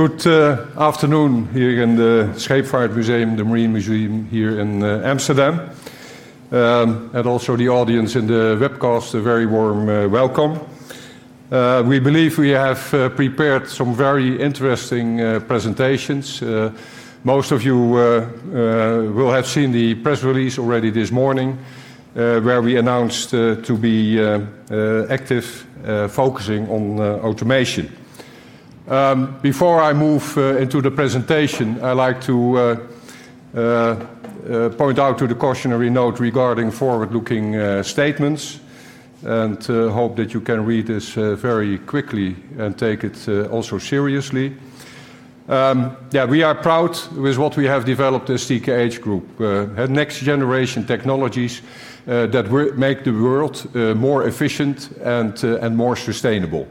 Good afternoon here in the Scheepvaartmuseum, the Marine Museum here in Amsterdam. Also the audience in the webcast, a very warm welcome. We believe we have prepared some very interesting presentations. Most of you will have seen the press release already this morning where we announced to be active, focusing on automation. Before I move into the presentation, I'd like to point out the cautionary note regarding forward-looking statements. Hope that you can read this very quickly and take it also seriously. We are proud with what we have developed as TKH Group. Next generation technologies that make the world more efficient and more sustainable.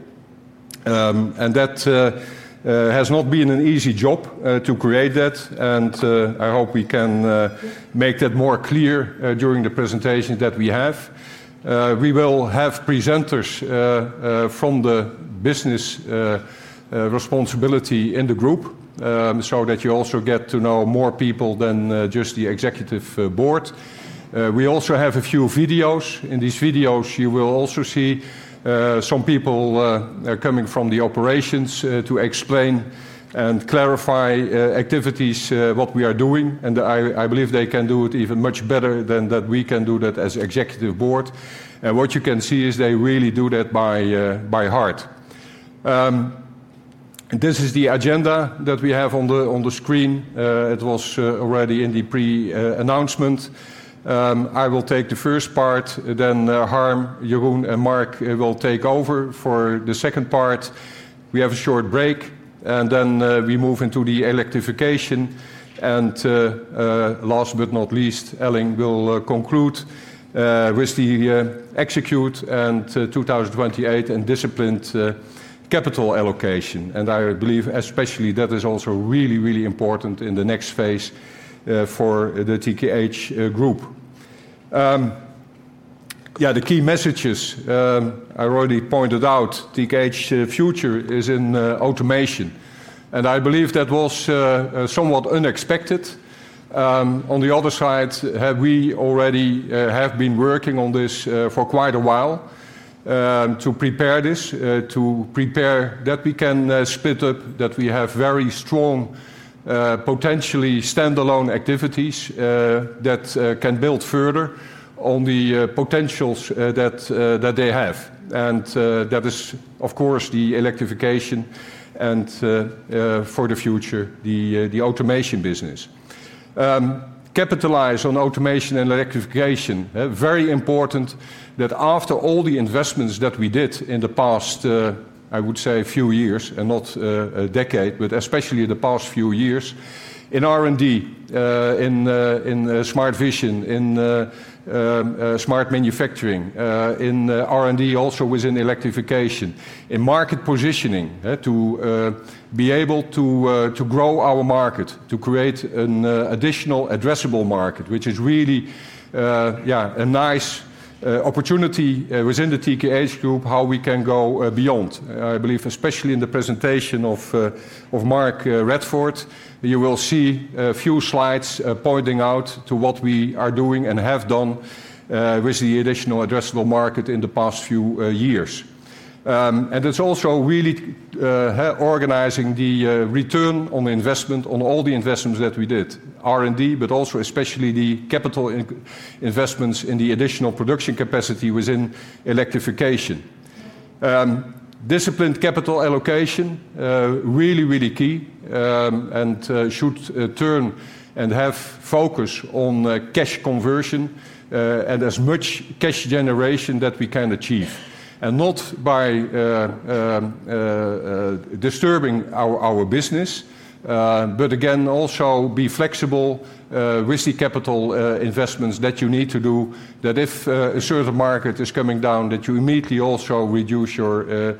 That has not been an easy job to create that. I hope we can make that more clear during the presentation that we have. We will have presenters from the business responsibility in the group so that you also get to know more people than just the Executive Board. We also have a few videos. In these videos, you will also see some people coming from the operations to explain and clarify activities, what we are doing. I believe they can do it even much better than that we can do that as the Executive Board. What you can see is they really do that by heart. This is the agenda that we have on the screen. It was already in the pre-announcement. I will take the first part. Then Harm, Jeroen, and Mark will take over for the second part. We have a short break. Then we move into the electrification. Last but not least, Elling will conclude with the execute and 2028 and disciplined capital allocation. I believe especially that is also really, really important in the next phase for the TKH Group. The key messages. I already pointed out TKH's future is in automation. I believe that was somewhat unexpected. On the other side, we already have been working on this for quite a while to prepare this, to prepare that we can split up, that we have very strong potentially standalone activities that can build further on the potentials that they have. That is, of course, the electrification and for the future, the automation business. Capitalize on automation and electrification. Very important that after all the investments that we did in the past, I would say a few years and not a decade, but especially the past few years in R&D, in Smart Vision, in Smart Manufacturing, in R&D also within electrification, in market positioning to be able to grow our market, to create an additional addressable market, which is really, yeah, a nice opportunity within the TKH Group how we can go beyond. I believe especially in the presentation of Mark Radford, you will see a few slides pointing out to what we are doing and have done with the additional addressable market in the past few years. It's also really organizing the return on investment on all the investments that we did, R&D, but also especially the capital investments in the additional production capacity within electrification. Disciplined capital allocation, really, really key. It should turn and have focus on cash conversion and as much cash generation that we can achieve. Not by disturbing our business, but again also be flexible with the capital investments that you need to do, that if a certain market is coming down, that you immediately also reduce your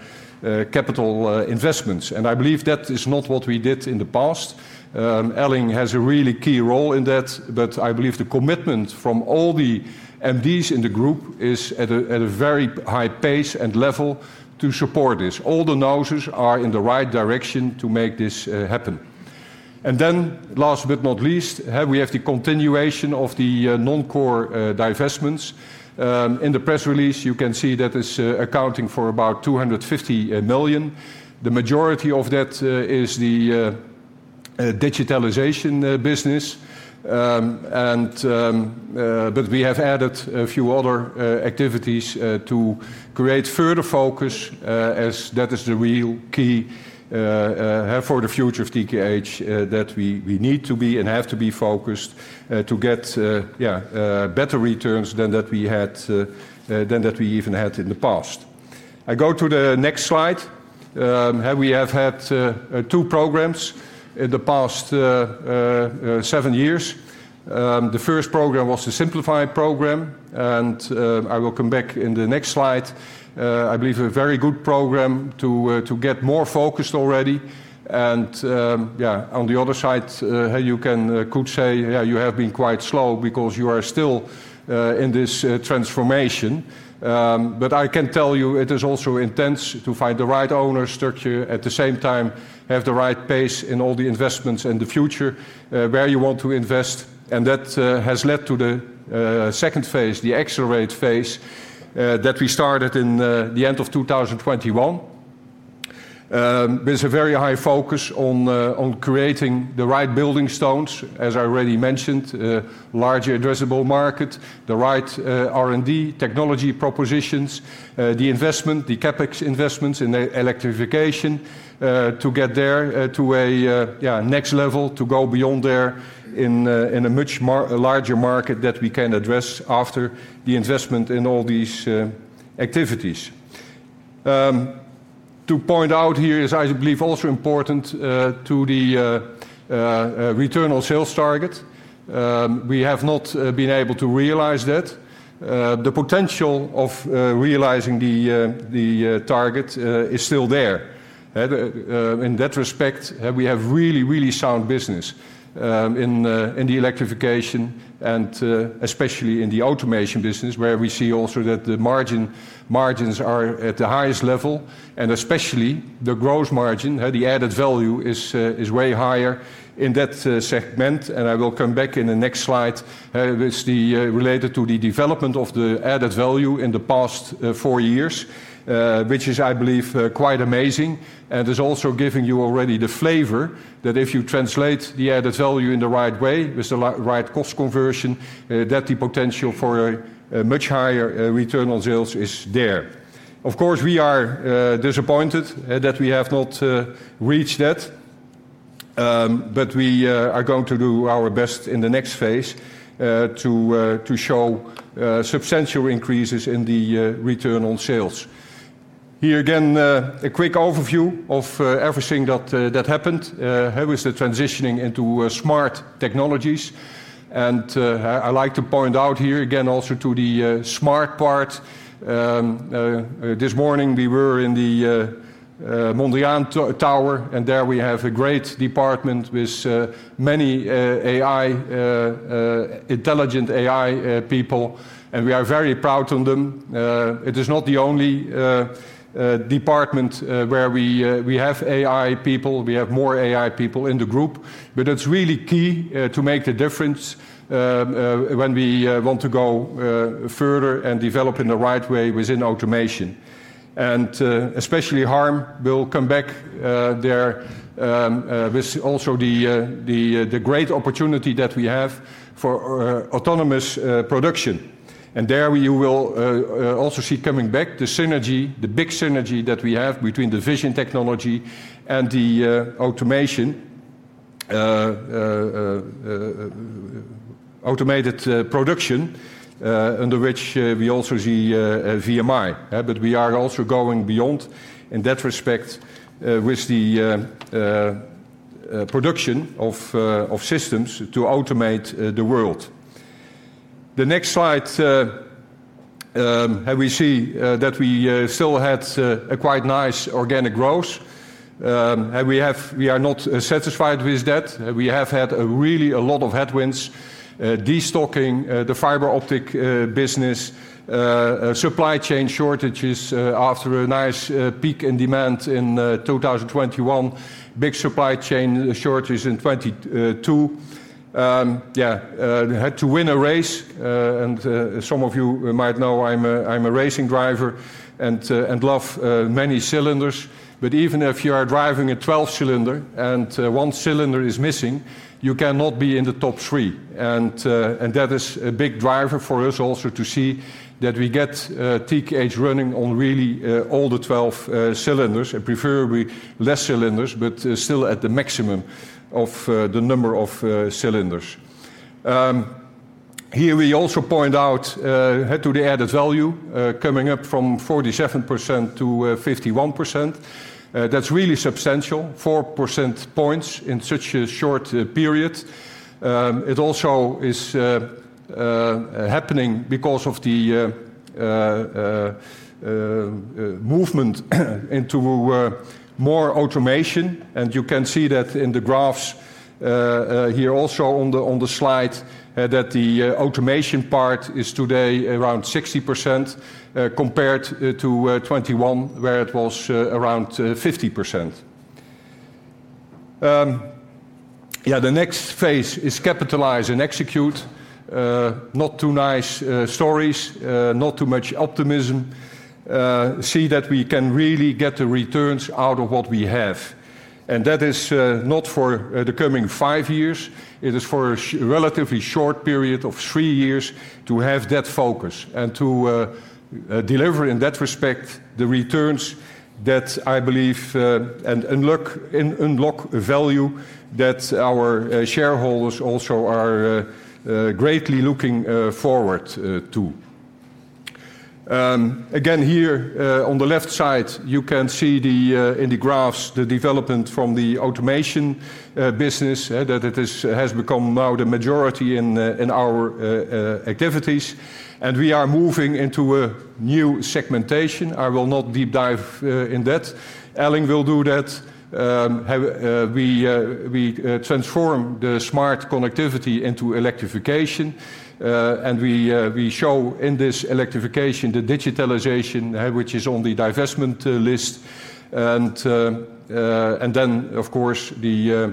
capital investments. I believe that is not what we did in the past. Elling has a really key role in that. I believe the commitment from all the MDs in the group is at a very high pace and level to support this. All the noses are in the right direction to make this happen. Last but not least, we have the continuation of the non-core divestments. In the press release, you can see that it's accounting for about 250 million. The majority of that is the digitalization business. We have added a few other activities to create further focus as that is the real key for the future of TKH that we need to be and have to be focused to get, yeah, better returns than that we had than that we even had in the past. I go to the next slide. We have had two programs in the past seven years. The first program was the simplified program. I will come back in the next slide. I believe a very good program to get more focused already. On the other side, you could say, yeah, you have been quite slow because you are still in this transformation. I can tell you it is also intense to find the right owners, structure, at the same time, have the right pace in all the investments and the future where you want to invest. That has led to the second phase, the accelerate phase that we started in the end of 2021. There's a very high focus on creating the right building stones, as I already mentioned, a larger addressable market, the right R&D technology propositions, the investment, the CapEx investments in electrification to get there to a next level, to go beyond there in a much larger market that we can address after the investment in all these activities. To point out here is, I believe, also important to the return on sales target. We have not been able to realize that. The potential of realizing the target is still there. In that respect, we have really, really sound business in the electrification and especially in the automation business where we see also that the margins are at the highest level. Especially the gross margin, the added value is way higher in that segment. I will come back in the next slide related to the development of the added value in the past four years, which is, I believe, quite amazing. It's also giving you already the flavor that if you translate the added value in the right way with the right cost conversion, the potential for a much higher return on sales is there. Of course, we are disappointed that we have not reached that. We are going to do our best in the next phase to show substantial increases in the return on sales. Here again, a quick overview of everything that happened with the transitioning into smart technologies. I like to point out here again also to the smart part. This morning, we were in the Mondrian Tower. There we have a great department with many intelligent AI people. We are very proud of them. It is not the only department where we have AI people. We have more AI people in the group. It's really key to make the difference when we want to go further and develop in the right way within automation. Especially Harm will come back there with also the great opportunity that we have for autonomous production. There you will also see coming back the synergy, the big synergy that we have between the vision technology and the automated production under which we also see VMI. We are also going beyond in that respect with the production of systems to automate the world. The next slide, we see that we still had a quite nice organic growth. We are not satisfied with that. We have had really a lot of headwinds, destocking the fiber optic business, supply chain shortages after a nice peak in demand in 2021, big supply chain shortage in 2022. Had to win a race. Some of you might know I'm a racing driver and love many cylinders. Even if you are driving a 12-cylinder and one cylinder is missing, you cannot be in the top three. That is a big driver for us also to see that we get TKH running on really all the 12 cylinders and preferably less cylinders, but still at the maximum of the number of cylinders. Here we also point out the added value coming up from 47% to 51%. That's really substantial, 4% points in such a short period. It also is happening because of the movement into more automation. You can see that in the graphs here also on the slide that the automation part is today around 60% compared to 2021, where it was around 50%. The next phase is capitalize and execute. Not too nice stories, not too much optimism. See that we can really get the returns out of what we have. That is not for the coming five years. It is for a relatively short period of three years to have that focus and to deliver in that respect the returns that I believe and unlock value that our shareholders also are greatly looking forward to. Again, here on the left side, you can see in the graphs the development from the automation business that it has become now the majority in our activities. We are moving into a new segmentation. I will not deep dive in that. Elling will do that. We transform the Smart Connectivity into Electrification. We show in this Electrification the digitalization, which is on the divestment list. Of course, the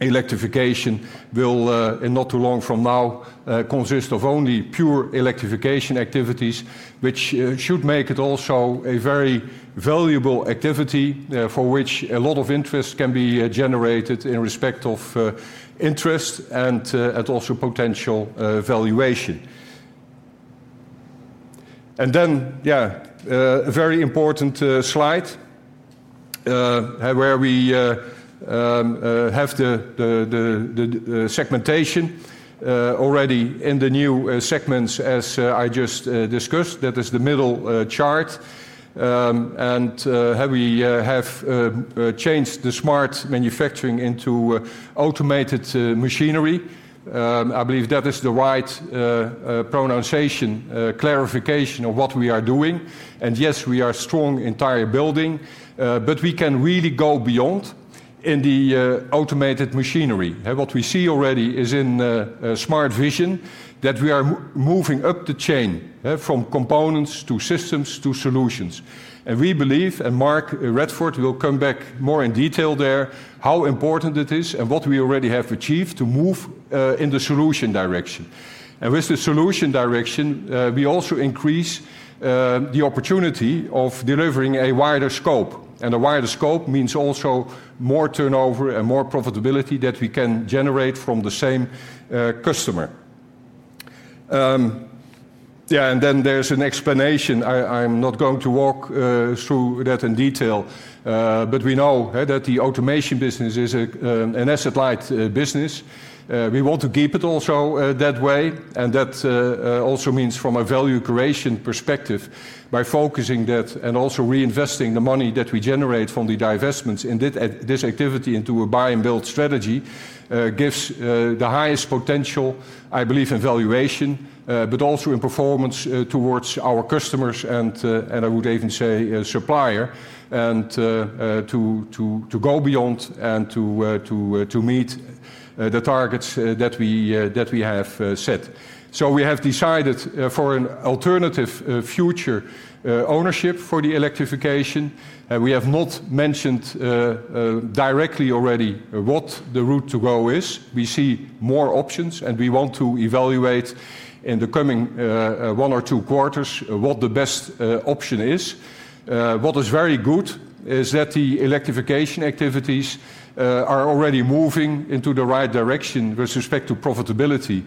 Electrification will, in not too long from now, consist of only pure Electrification activities, which should make it also a very valuable activity for which a lot of interest can be generated in respect of interest and also potential valuation. A very important slide where we have the segmentation already in the new segments, as I just discussed, is the middle chart. We have changed the Smart Manufacturing into Automated Machinery. I believe that is the right pronunciation, clarification of what we are doing. Yes, we are strong in tire building. We can really go beyond in the Automated Machinery. What we see already is in Smart Vision that we are moving up the chain from components to systems to solutions. We believe, and Mark Radford will come back more in detail there, how important it is and what we already have achieved to move in the solution direction. With the solution direction, we also increase the opportunity of delivering a wider scope. A wider scope means also more turnover and more profitability that we can generate from the same customer. There's an explanation. I'm not going to walk through that in detail. We know that the automation business is an asset-light business. We want to keep it also that way. That also means from a value creation perspective, by focusing that and also reinvesting the money that we generate from the divestments in this activity into a buy-and-build strategy gives the highest potential, I believe, in valuation, but also in performance towards our customers and I would even say supplier, and to go beyond and to meet the targets that we have set. We have decided for an alternative future ownership for the electrification. We have not mentioned directly already what the route to go is. We see more options. We want to evaluate in the coming one or two quarters what the best option is. What is very good is that the electrification activities are already moving into the right direction with respect to profitability,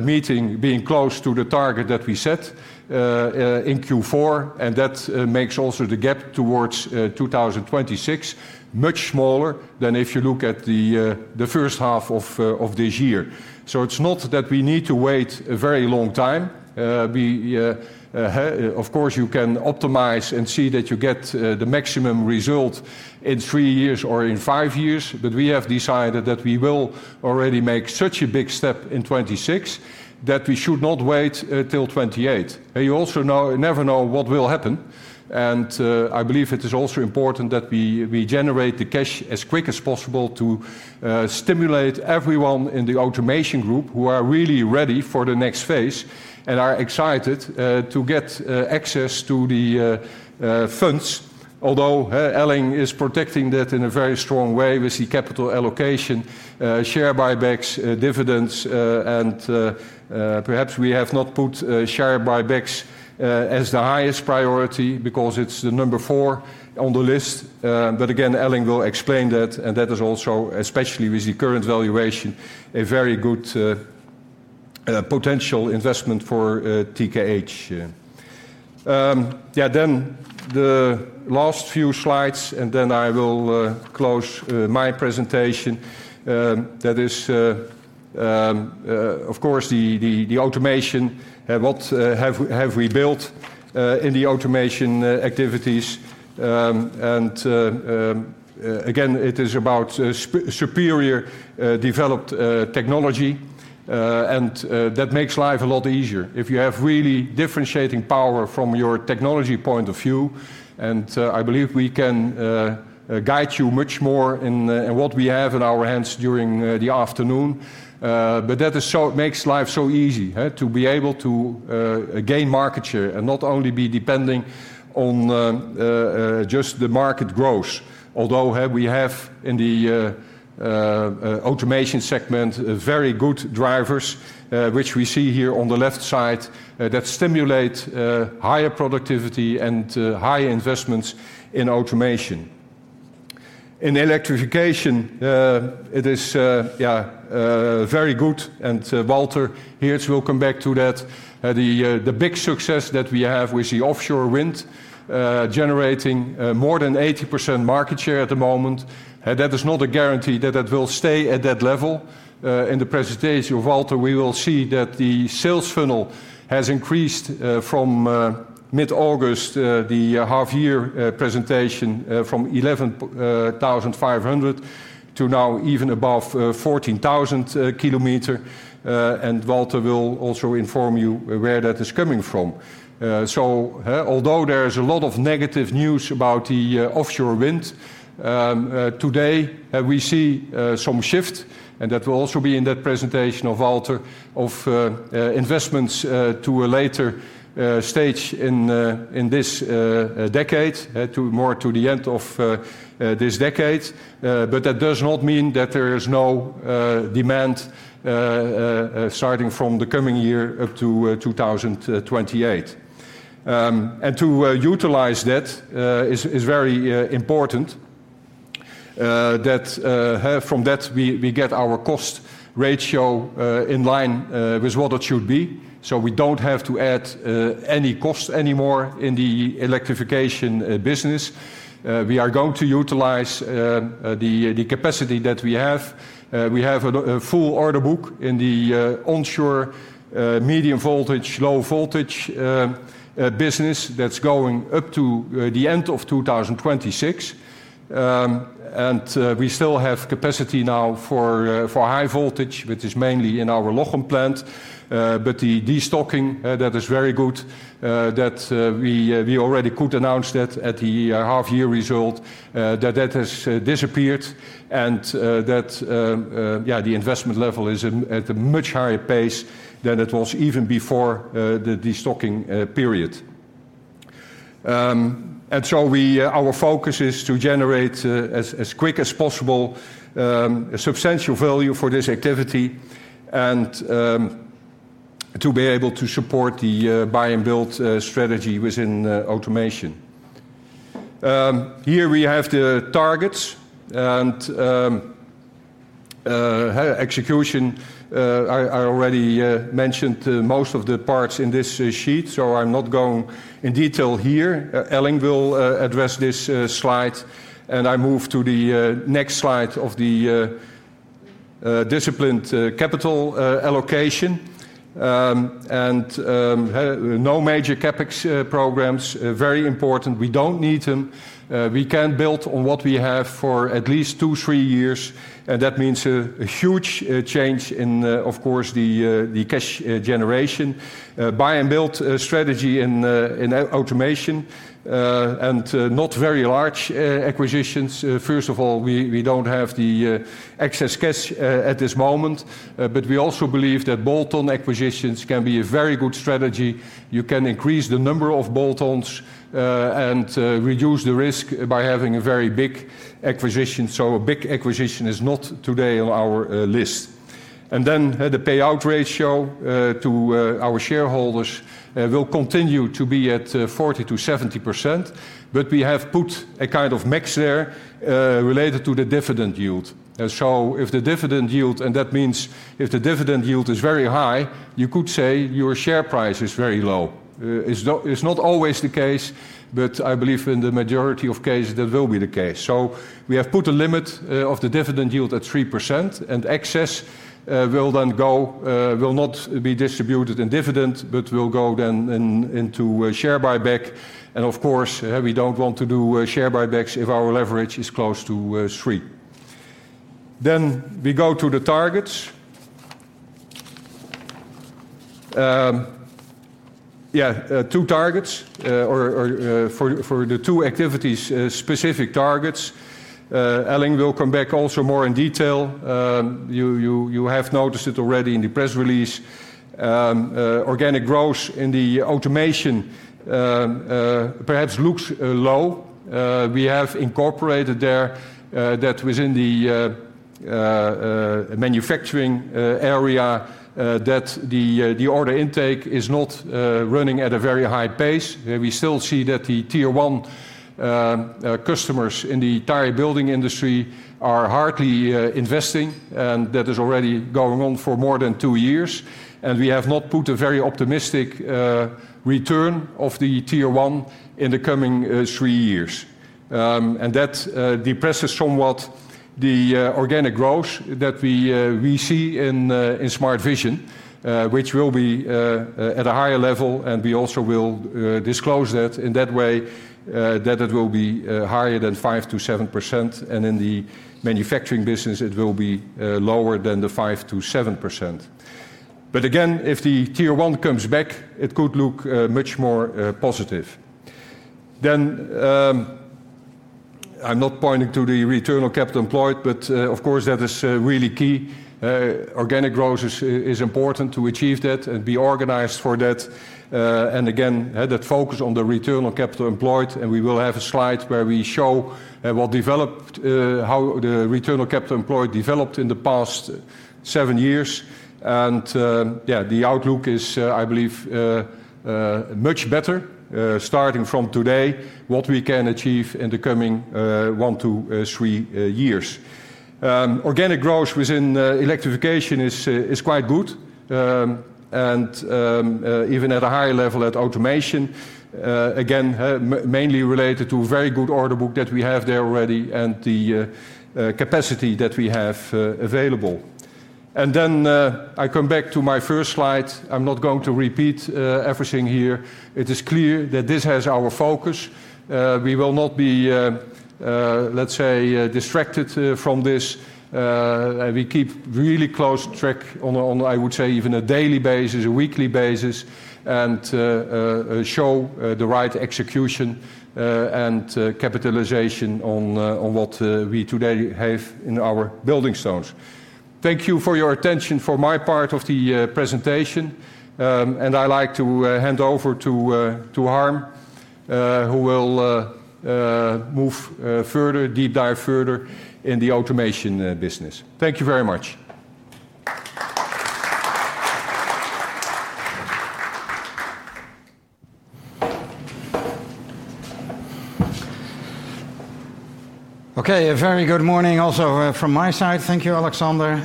meeting being close to the target that we set in Q4. That makes also the gap towards 2026 much smaller than if you look at the first half of this year. It's not that we need to wait a very long time. Of course, you can optimize and see that you get the maximum result in three years or in five years. We have decided that we will already make such a big step in 2026 that we should not wait till 2028. You also never know what will happen. I believe it is also important that we generate the cash as quick as possible to stimulate everyone in the automation group who are really ready for the next phase and are excited to get access to the funds. Although Elling is protecting that in a very strong way with the capital allocation, share buybacks, dividends, and perhaps we have not put share buybacks as the highest priority because it's the number four on the list. Again, Elling will explain that. That is also, especially with the current valuation, a very good potential investment for TKH. The last few slides, and then I will close my presentation. That is, of course, the automation, what have we built in the automation activities. Again, it is about superior developed technology. That makes life a lot easier if you have really differentiating power from your technology point of view. I believe we can guide you much more in what we have in our hands during the afternoon. That makes life so easy to be able to gain market share and not only be depending on just the market growth. Although we have in the Automation segment very good drivers, which we see here on the left side, that stimulate higher productivity and high investments in automation. In Electrification, it is very good. Walter here will come back to that. The big success that we have with the offshore wind generating more than 80% market share at the moment is not a guarantee that it will stay at that level. In the presentation of Walter, we will see that the sales funnel has increased from mid-August, the half-year presentation, from 11,500 km to now even above 14,000 km. Walter will also inform you where that is coming from. Although there is a lot of negative news about the offshore wind, today we see some shift. That will also be in that presentation of Walter, of investments to a later stage in this decade, more to the end of this decade. That does not mean that there is no demand starting from the coming year up to 2028. To utilize that, it is very important that from that we get our cost ratio in line with what it should be. We don't have to add any cost anymore in the Electrification business. We are going to utilize the capacity that we have. We have a full order book in the onshore medium voltage, low voltage business that's going up to the end of 2026. We still have capacity now for high voltage, which is mainly in our Lochem plant. The destocking is very good. We already could announce that at the half-year result, that that has disappeared. The investment level is at a much higher pace than it was even before the destocking period. Our focus is to generate as quick as possible a substantial value for this activity and to be able to support the buy-and-build strategy within Automation. Here we have the targets and execution. I already mentioned most of the parts in this sheet, so I'm not going in detail here. Elling will address this slide. I move to the next slide of the disciplined capital allocation. No major CapEx programs, very important. We don't need them. We can build on what we have for at least two, three years. That means a huge change in, of course, the cash generation. Buy-and-build strategy in Automation and not very large acquisitions. First of all, we don't have the excess cash at this moment. We also believe that bolt-on acquisitions can be a very good strategy. You can increase the number of bolt-ons and reduce the risk by having a very big acquisition. A big acquisition is not today on our list. The payout ratio to our shareholders will continue to be at 40%-70%. We have put a kind of mix there related to the dividend yield. If the dividend yield, and that means if the dividend yield is very high, you could say your share price is very low. It's not always the case, but I believe in the majority of cases that will be the case. We have put a limit of the dividend yield at 3%. Excess will then go, will not be distributed in dividend, but will go then into a share buyback. Of course, we don't want to do share buybacks if our leverage is close to 3x. We go to the targets. Two targets or for the two activities, specific targets. Elling will come back also more in detail. You have noticed it already in the press release. Organic growth in the automation perhaps looks low. We have incorporated there that within the manufacturing area the order intake is not running at a very high pace. We still see that the Tier 1 customers in the tire building industry are hardly investing. That is already going on for more than two years. We have not put a very optimistic return of the Tier 1 in the coming three years. That depresses somewhat the organic growth that we see in Smart Vision, which will be at a higher level. We also will disclose that in that way that it will be higher than 5%-7%. In the manufacturing business, it will be lower than the 5%-7%. Again, if the Tier 1 comes back, it could look much more positive. I'm not pointing to the return on capital employed, but of course, that is really key. Organic growth is important to achieve that and be organized for that. Again, that focus on the return on capital employed. We will have a slide where we show what developed, how the return on capital employed developed in the past seven years. The outlook is, I believe, much better starting from today what we can achieve in the coming one, two, three years. Organic growth within electrification is quite good. Even at a higher level at automation, again, mainly related to a very good order book that we have there already and the capacity that we have available. I come back to my first slide. I'm not going to repeat everything here. It is clear that this has our focus. We will not be, let's say, distracted from this. We keep really close track on, I would say, even a daily basis, a weekly basis, and show the right execution and capitalization on what we today have in our building stones. Thank you for your attention for my part of the presentation. I like to hand over to Harm, who will move further, deep dive further in the automation business. Thank you very much. Okay, a very good morning also from my side. Thank you, Alexander.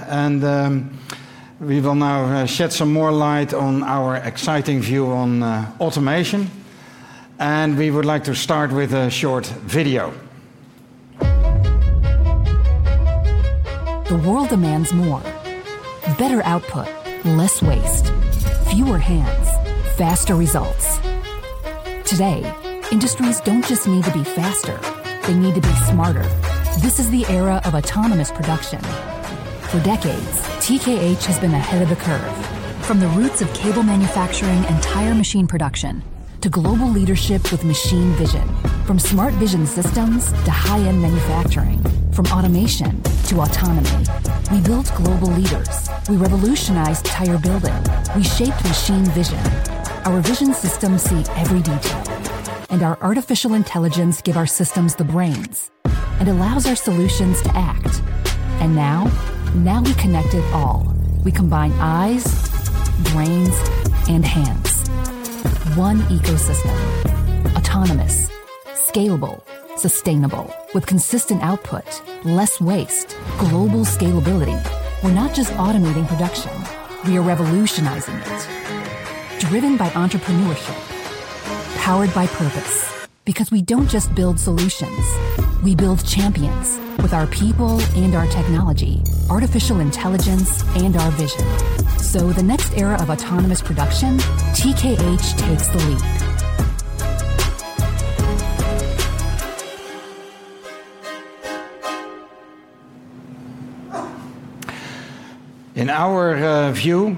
We will now shed some more light on our exciting view on automation. We would like to start with a short video. The world demands more. Better output, less waste. Fewer hands, faster results. Today, industries don't just need to be faster. They need to be smarter. This is the era of autonomous production. For decades, TKH has been ahead of the curve. From the roots of cable manufacturing and tire machine production to global leadership with machine vision. From Smart Vision Systems to high-end manufacturing. From automation to autonomy. We built global leaders. We revolutionized tire building. We shaped machine vision. Our vision systems see every detail. Our artificial intelligence gives our systems the brains and allows our solutions to act. Now we connect it all. We combine eyes, brains, and hands. One ecosystem. Autonomous, scalable, sustainable, with consistent output, less waste, global scalability. We're not just automating production. We are revolutionizing it. Driven by entrepreneurship, powered by purpose. We don't just build solutions. We build champions with our people and our technology, artificial intelligence, and our vision. The next era of autonomous production, TKH takes the lead. In our view,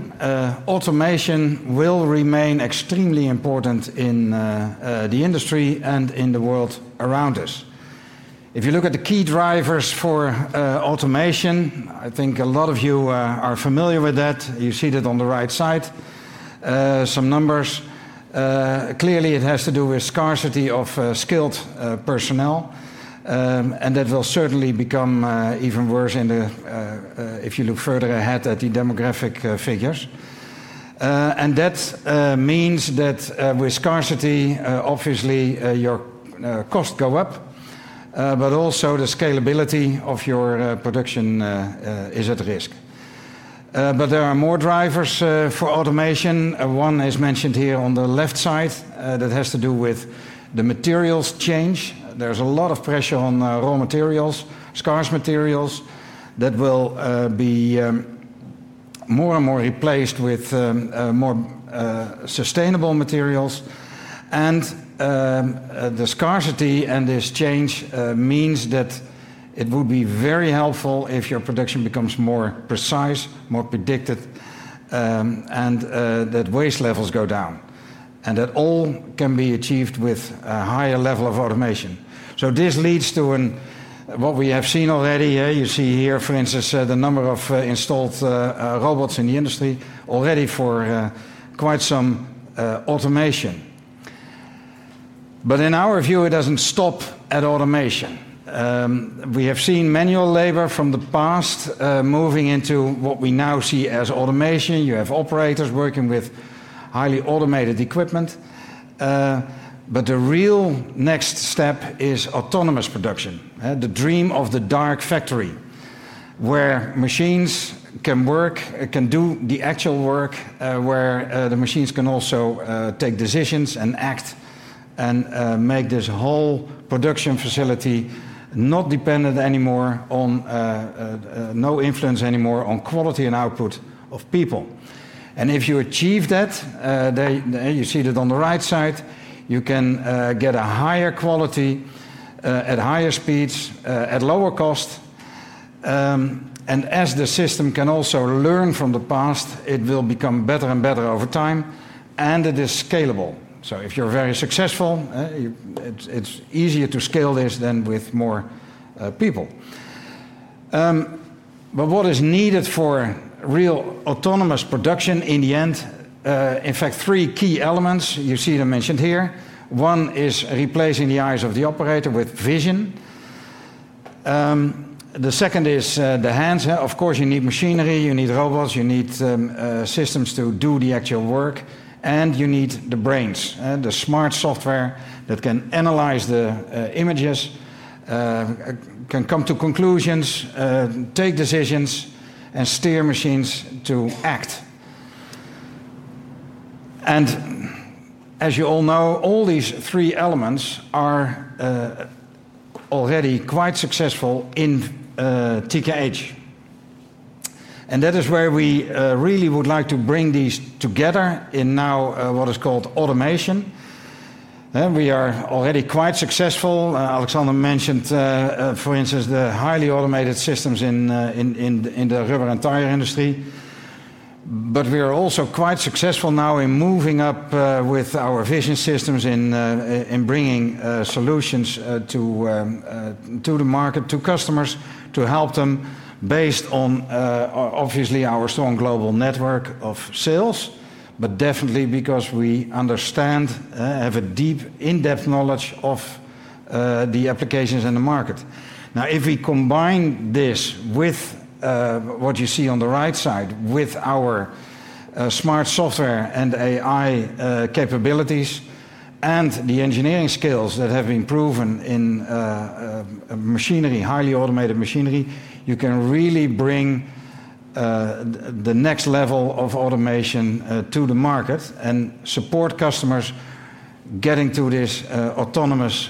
automation will remain extremely important in the industry and in the world around us. If you look at the key drivers for automation, I think a lot of you are familiar with that. You see that on the right side, some numbers. Clearly, it has to do with scarcity of skilled personnel. That will certainly become even worse if you look further ahead at the demographic figures. That means that with scarcity, obviously, your costs go up. Also, the scalability of your production is at risk. There are more drivers for automation. One is mentioned here on the left side that has to do with the materials change. There's a lot of pressure on raw materials, scarce materials that will be more and more replaced with more sustainable materials. The scarcity and this change means that it would be very helpful if your production becomes more precise, more predicted, and that waste levels go down. That all can be achieved with a higher level of automation. This leads to what we have seen already. You see here, for instance, the number of installed robots in the industry already for quite some automation. In our view, it doesn't stop at automation. We have seen manual labor from the past moving into what we now see as automation. You have operators working with highly automated equipment. The real next step is autonomous production, the dream of the dark factory, where machines can work, can do the actual work, where the machines can also take decisions and act and make this whole production facility not dependent anymore on no influence anymore on quality and output of people. If you achieve that, you see that on the right side, you can get a higher quality at higher speeds at lower cost. As the system can also learn from the past, it will become better and better over time. It is scalable. If you're very successful, it's easier to scale this than with more people. What is needed for real autonomous production in the end? In fact, three key elements, you see them mentioned here. One is replacing the eyes of the operator with vision. The second is the hands. Of course, you need machinery, you need robots, you need systems to do the actual work. You need the brains, the smart software that can analyze the images, can come to conclusions, take decisions, and steer machines to act. As you all know, all these three elements are already quite successful in TKH. That is where we really would like to bring these together in now what is called automation. We are already quite successful. Alexander mentioned, for instance, the highly automated systems in the rubber and tire industry. We are also quite successful now in moving up with our vision systems in bringing solutions to the market, to customers, to help them based on, obviously, our strong global network of sales, but definitely because we understand, have a deep, in-depth knowledge of the applications in the market. If we combine this with what you see on the right side with our smart software and AI capabilities and the engineering skills that have been proven in machinery, highly automated machinery, you can really bring the next level of automation to the market and support customers getting to this autonomous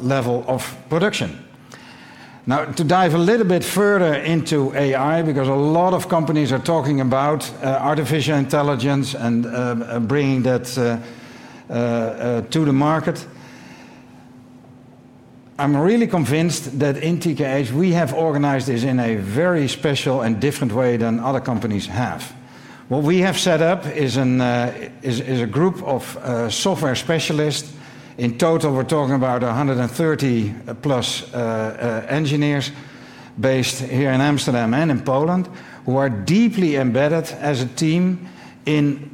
level of production. To dive a little bit further into AI, because a lot of companies are talking about artificial intelligence and bringing that to the market, I'm really convinced that in TKH. we have organized this in a very special and different way than other companies have. What we have set up is a group of software specialists. In total, we're talking about 130+ engineers based here in Amsterdam and in Poland who are deeply embedded as a team in,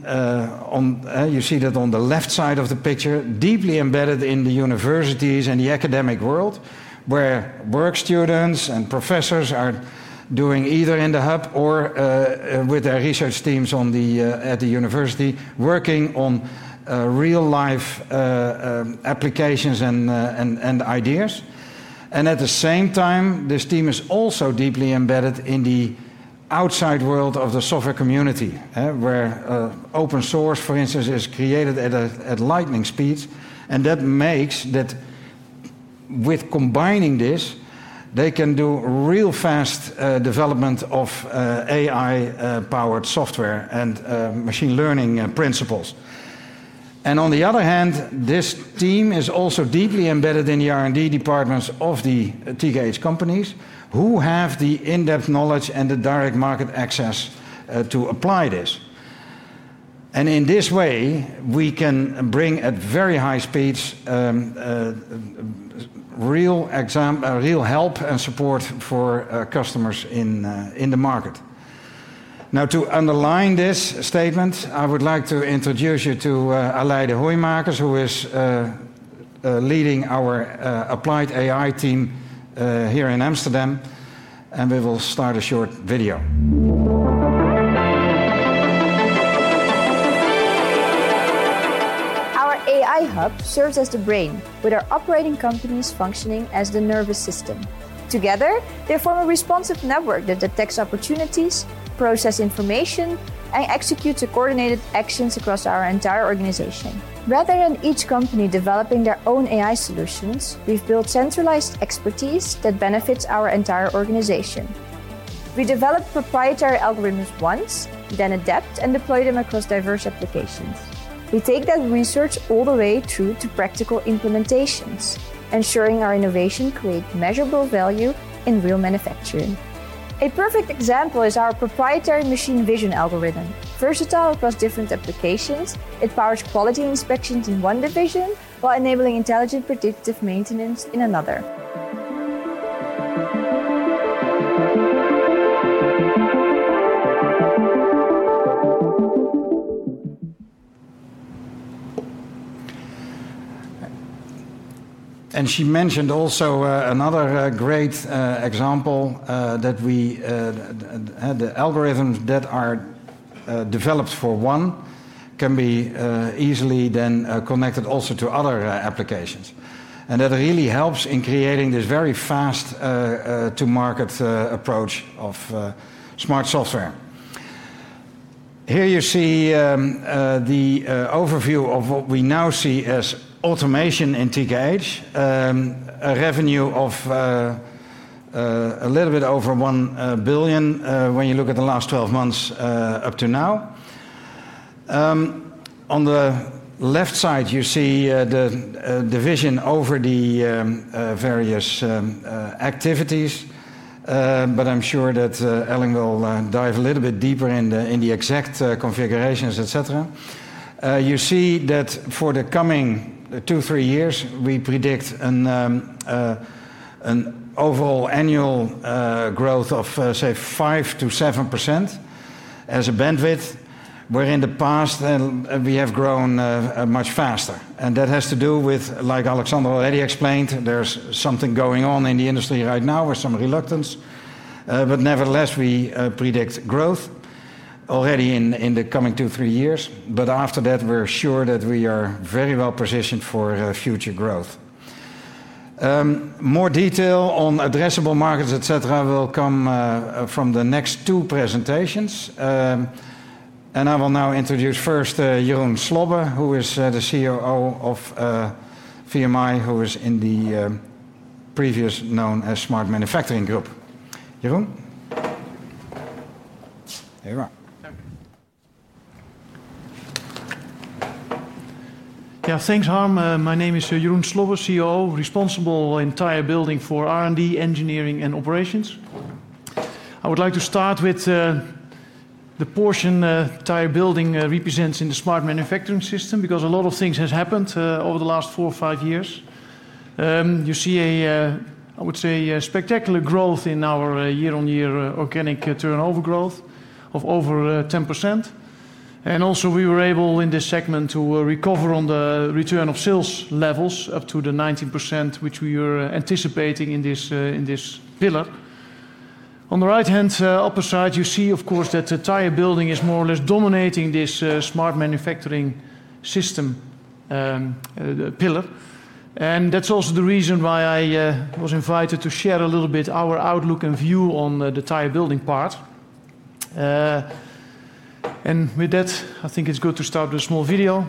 you see that on the left side of the picture, deeply embedded in the universities and the academic world where work students and professors are doing either in the hub or with their research teams at the university working on real-life applications and ideas. At the same time, this team is also deeply embedded in the outside world of the software community where open source, for instance, is created at lightning speeds. That makes that with combining this, they can do real fast development of AI-powered software and machine learning principles. On the other hand, this team is also deeply embedded in the R&D departments of the TKH companies who have the in-depth knowledge and the direct market access to apply this. In this way, we can bring at very high speeds real help and support for customers in the market. To underline this statement, I would like to introduce you to Aleide Hoeijmakers, who is leading our applied AI team here in Amsterdam. We will start a short video. Our AI hub serves as the brain, with our operating companies functioning as the nervous system. Together, they form a responsive network that detects opportunities, processes information, and executes coordinated actions across our entire organization. Rather than each company developing their own AI solutions, we've built centralized expertise that benefits our entire organization. We develop proprietary algorithms once, then adapt and deploy them across diverse applications. We take that research all the way through to practical implementations, ensuring our innovation creates measurable value in real manufacturing. A perfect example is our proprietary machine vision algorithm, versatile across different applications. It powers quality inspections in one division while enabling intelligent predictive maintenance in another. She mentioned also another great example that we had the algorithms that are developed for one can be easily then connected also to other applications. That really helps in creating this very fast-to-market approach of smart software. Here you see the overview of what we now see as Automation in TKH, a revenue of a little bit over 1 billion when you look at the last 12 months up to now. On the left side, you see the division over the various activities. I'm sure that Elling will dive a little bit deeper in the exact configurations, et cetera. You see that for the coming two, three years, we predict an overall annual growth of, say, 5%-7% as a bandwidth, where in the past, we have grown much faster. That has to do with, like Alexander already explained, there's something going on in the industry right now with some reluctance. Nevertheless, we predict growth already in the coming two, three years. After that, we're sure that we are very well positioned for future growth. More detail on addressable markets, et cetera, will come from the next two presentations. I will now introduce first Jeroen Slobbe, who is the COO of VMI, who is in the previous known as Smart Manufacturing Group. Jeroen? Yeah, thanks, Harm. My name is Jeroen Slobbe, COO, responsible in tire building for R&D, engineering, and operations. I would like to start with the portion tire building represents in the Smart Manufacturing Systems because a lot of things have happened over the last four or five years. You see, I would say, spectacular growth in our year-on-year organic turnover growth of over 10%. Also, we were able in this segment to recover on the return of sales levels up to the 19%, which we were anticipating in this pillar. On the right-hand upper side, you see, of course, that the tire building is more or less dominating this Smart Manufacturing Systems pillar. That's also the reason why I was invited to share a little bit our outlook and view on the tire building part. I think it's good to start with a small video.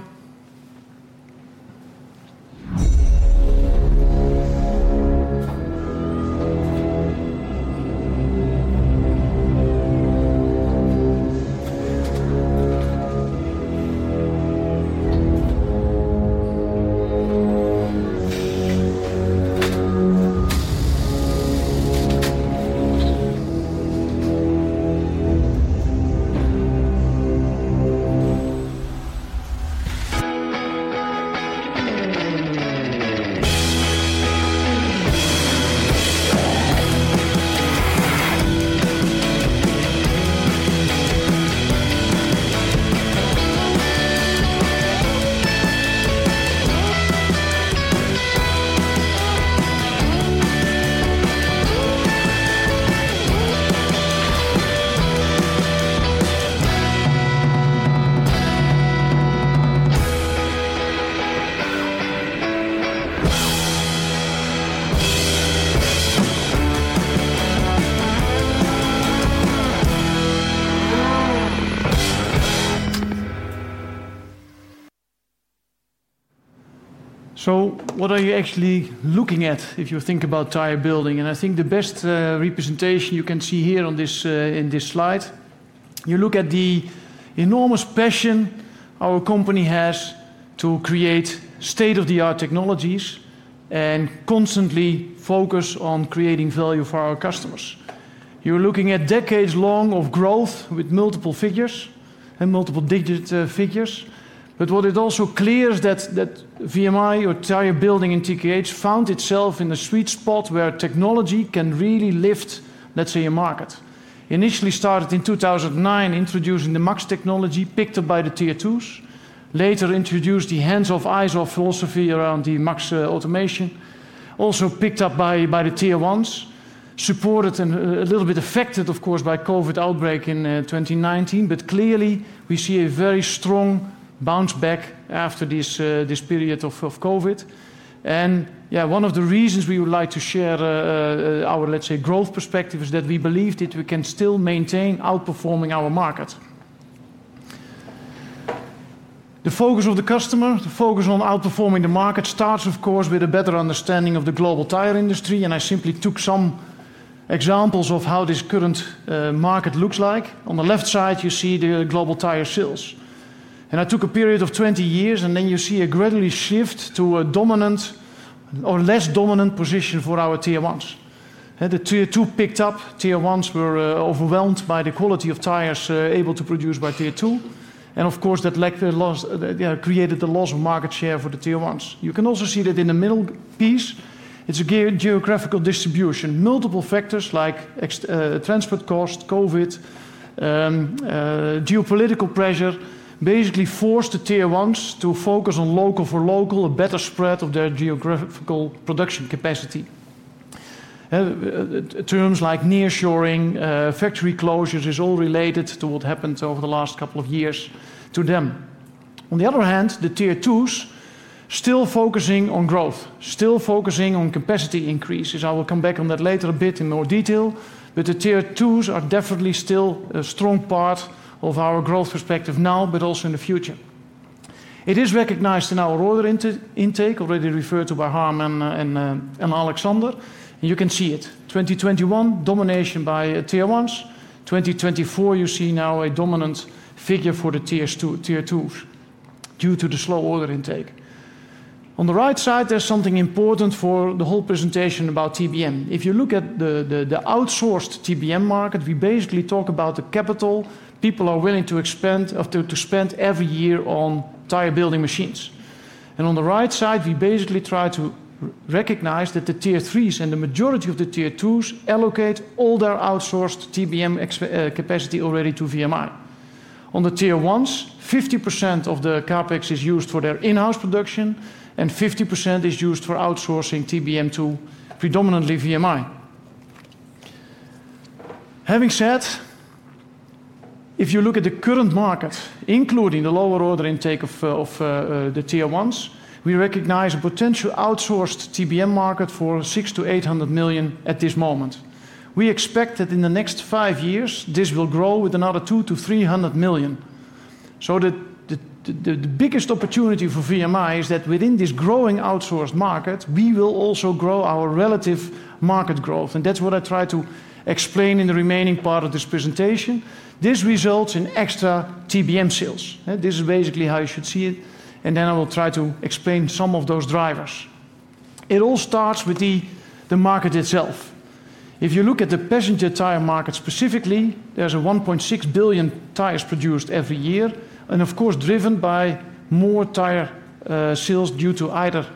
What are you actually looking at if you think about tire building? I think the best representation you can see here on this slide, you look at the enormous passion our company has to create state-of-the-art technologies and constantly focus on creating value for our customers. You're looking at decades-long growth with multiple figures and multiple-digit figures. What is also clear is that VMI or tire building in TKH found itself in a sweet spot where technology can really lift, let's say, a market. Initially started in 2009, introducing the MAXX technology, picked up by the Tier 2s. Later introduced the Hands-off, Eyes-off philosophy around the MAXX automation, also picked up by the Tier 1s, supported and a little bit affected, of course, by COVID outbreak in 2019. Clearly, we see a very strong bounce back after this period of COVID. One of the reasons we would like to share our, let's say, growth perspective is that we believe that we can still maintain outperforming our market. The focus of the customer, the focus on outperforming the market starts, of course, with a better understanding of the global tire industry. I simply took some examples of how this current market looks like. On the left side, you see the global tire sales. I took a period of 20 years, and then you see a gradual shift to a dominant or less dominant position for our Tier 1s. The Tier 2 picked up. Tier 1s were overwhelmed by the quality of tires able to produce by Tier 2. Of course, that created the loss of market share for the Tier 1s. You can also see that in the middle piece, it's a geographical distribution. Multiple factors like transport cost, COVID, geopolitical pressure basically forced the Tier 1s to focus on local for local, a better spread of their geographical production capacity. Terms like nearshoring, factory closures are all related to what happened over the last couple of years to them. On the other hand, the Tier 2s are still focusing on growth, still focusing on capacity increases. I will come back on that later a bit in more detail. The Tier 2s are definitely still a strong part of our growth perspective now, but also in the future. It is recognized in our order intake, already referred to by Harm and Alexander. You can see it. 2021 domination by Tier 1s. 2024, you see now a dominant figure for the Tier 2s due to the slow order intake. On the right side, there's something important for the whole presentation about TBM. If you look at the outsourced TBM market, we basically talk about the capital people are willing to spend every year on tire building machines. On the right side, we basically try to recognize that the Tier 3s and the majority of the Tier 2s allocate all their outsourced TBM capacity already to VMI. On the Tier1s, 50% of the CapEx is used for their in-house production and 50% is used for outsourcing TBM to predominantly VMI. Having said, if you look at the current market, including the lower order intake of the Tier 1s, we recognize a potential outsourced TBM market for 600 million-800 million at this moment. We expect that in the next five years, this will grow with another 200 million-300 million. The biggest opportunity for VMI is that within this growing outsourced market, we will also grow our relative market growth. That's what I try to explain in the remaining part of this presentation. This results in extra TBM sales. This is basically how you should see it. I will try to explain some of those drivers. It all starts with the market itself. If you look at the passenger tire market specifically, there's 1.6 billion tires produced every year. Of course, driven by more tire sales due to either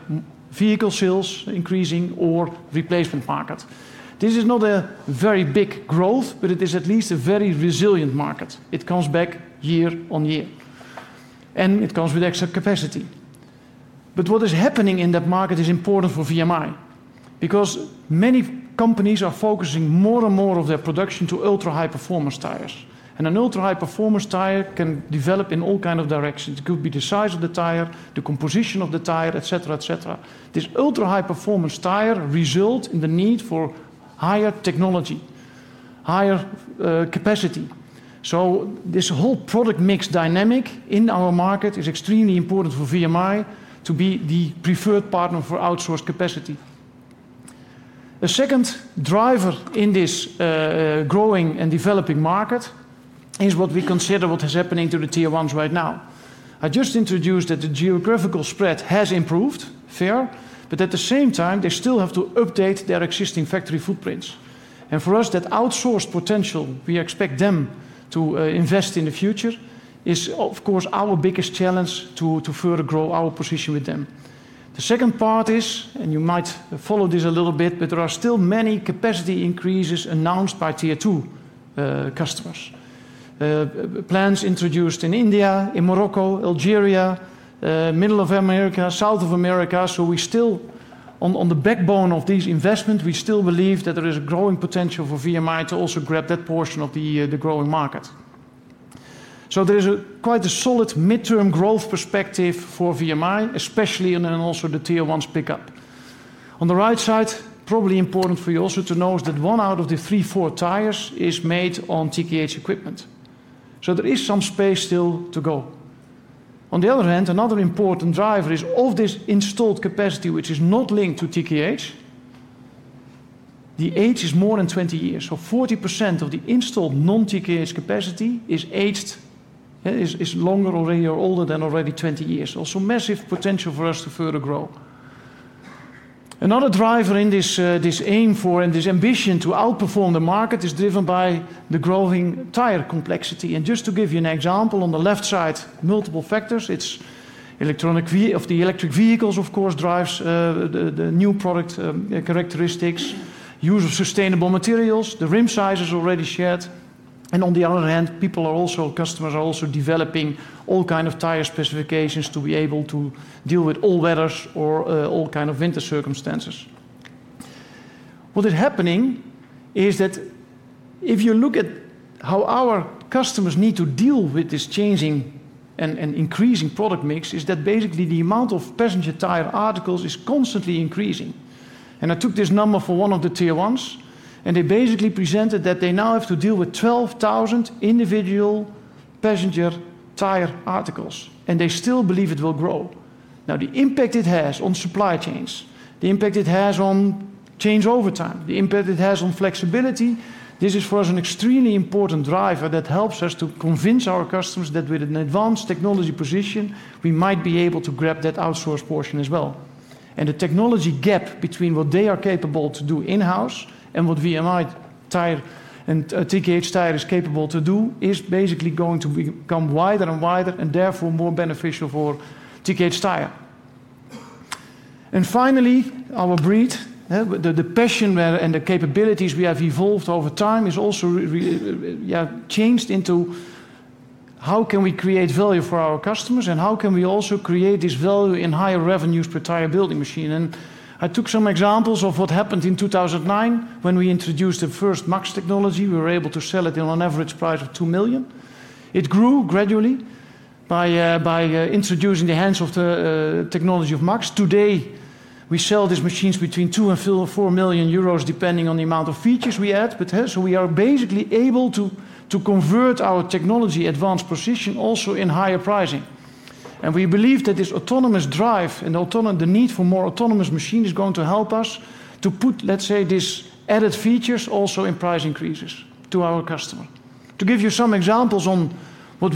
vehicle sales increasing or replacement market. This is not a very big growth, but it is at least a very resilient market. It comes back year on year. It comes with extra capacity. What is happening in that market is important for VMI because many companies are focusing more and more of their production to ultra-high-performance tires. An ultra-high-performance tire can develop in all kinds of directions. It could be the size of the tire, the composition of the tire, et cetera, et cetera. This ultra-high-performance tire results in the need for higher technology, higher capacity. This whole product mix dynamic in our market is extremely important for VMI to be the preferred partner for outsourced capacity. A second driver in this growing and developing market is what we consider what is happening to the Tier 1s right now. I just introduced that the geographical spread has improved, fair, but at the same time, they still have to update their existing factory footprints. For us, that outsourced potential we expect them to invest in the future is, of course, our biggest challenge to further grow our position with them. The second part is, and you might follow this a little bit, there are still many capacity increases announced by Tier 2 customers. Plans introduced in India, in Morocco, Algeria, Middle of America, South of America. On the backbone of these investments, we still believe that there is a growing potential for VMI to also grab that portion of the growing market. There is quite a solid midterm growth perspective for VMI, especially in and also the Tier 1s pickup. On the right side, probably important for you also to know is that one out of the three, four tires is made on TKH equipment. There is some space still to go. On the other hand, another important driver is of this installed capacity, which is not linked to TKH, the age is more than 20 years. 40% of the installed non-TKH capacity is aged, is longer already or older than already 20 years. Also, massive potential for us to further grow. Another driver in this aim for and this ambition to outperform the market is driven by the growing tire complexity. Just to give you an example, on the left side, multiple factors. It's electronic of the electric vehicles, of course, drives the new product characteristics, use of sustainable materials, the rim sizes already shared. On the other hand, customers are also developing all kinds of tire specifications to be able to deal with all weathers or all kinds of winter circumstances. What is happening is that if you look at how our customers need to deal with this changing and increasing product mix, is that basically the amount of passenger tire articles is constantly increasing. I took this number for one of the Tier 1s. They basically presented that they now have to deal with 12,000 individual passenger tire articles, and they still believe it will grow. The impact it has on supply chains, the impact it has on changeover time, the impact it has on flexibility, this is for us an extremely important driver that helps us to convince our customers that with an advanced technology position, we might be able to grab that outsource portion as well. The technology gap between what they are capable to do in-house and what VMI TKH Tire is capable to do is basically going to become wider and wider and therefore more beneficial for TKH Tire. Finally, our breed, the passion and the capabilities we have evolved over time is also changed into how can we create value for our customers and how can we also create this value in higher revenues per tire building machine. I took some examples of what happened in 2009 when we introduced the first MAXX technology. We were able to sell it at an average price of 2 million. It grew gradually by introducing the hands of the technology of MAXX. Today, we sell these machines between 2 million-4 million euros, depending on the amount of features we add. We are basically able to convert our technology advanced position also in higher pricing. We believe that this autonomous drive and the need for more autonomous machines is going to help us to put, let's say, these added features also in price increases to our customer. To give you some examples on what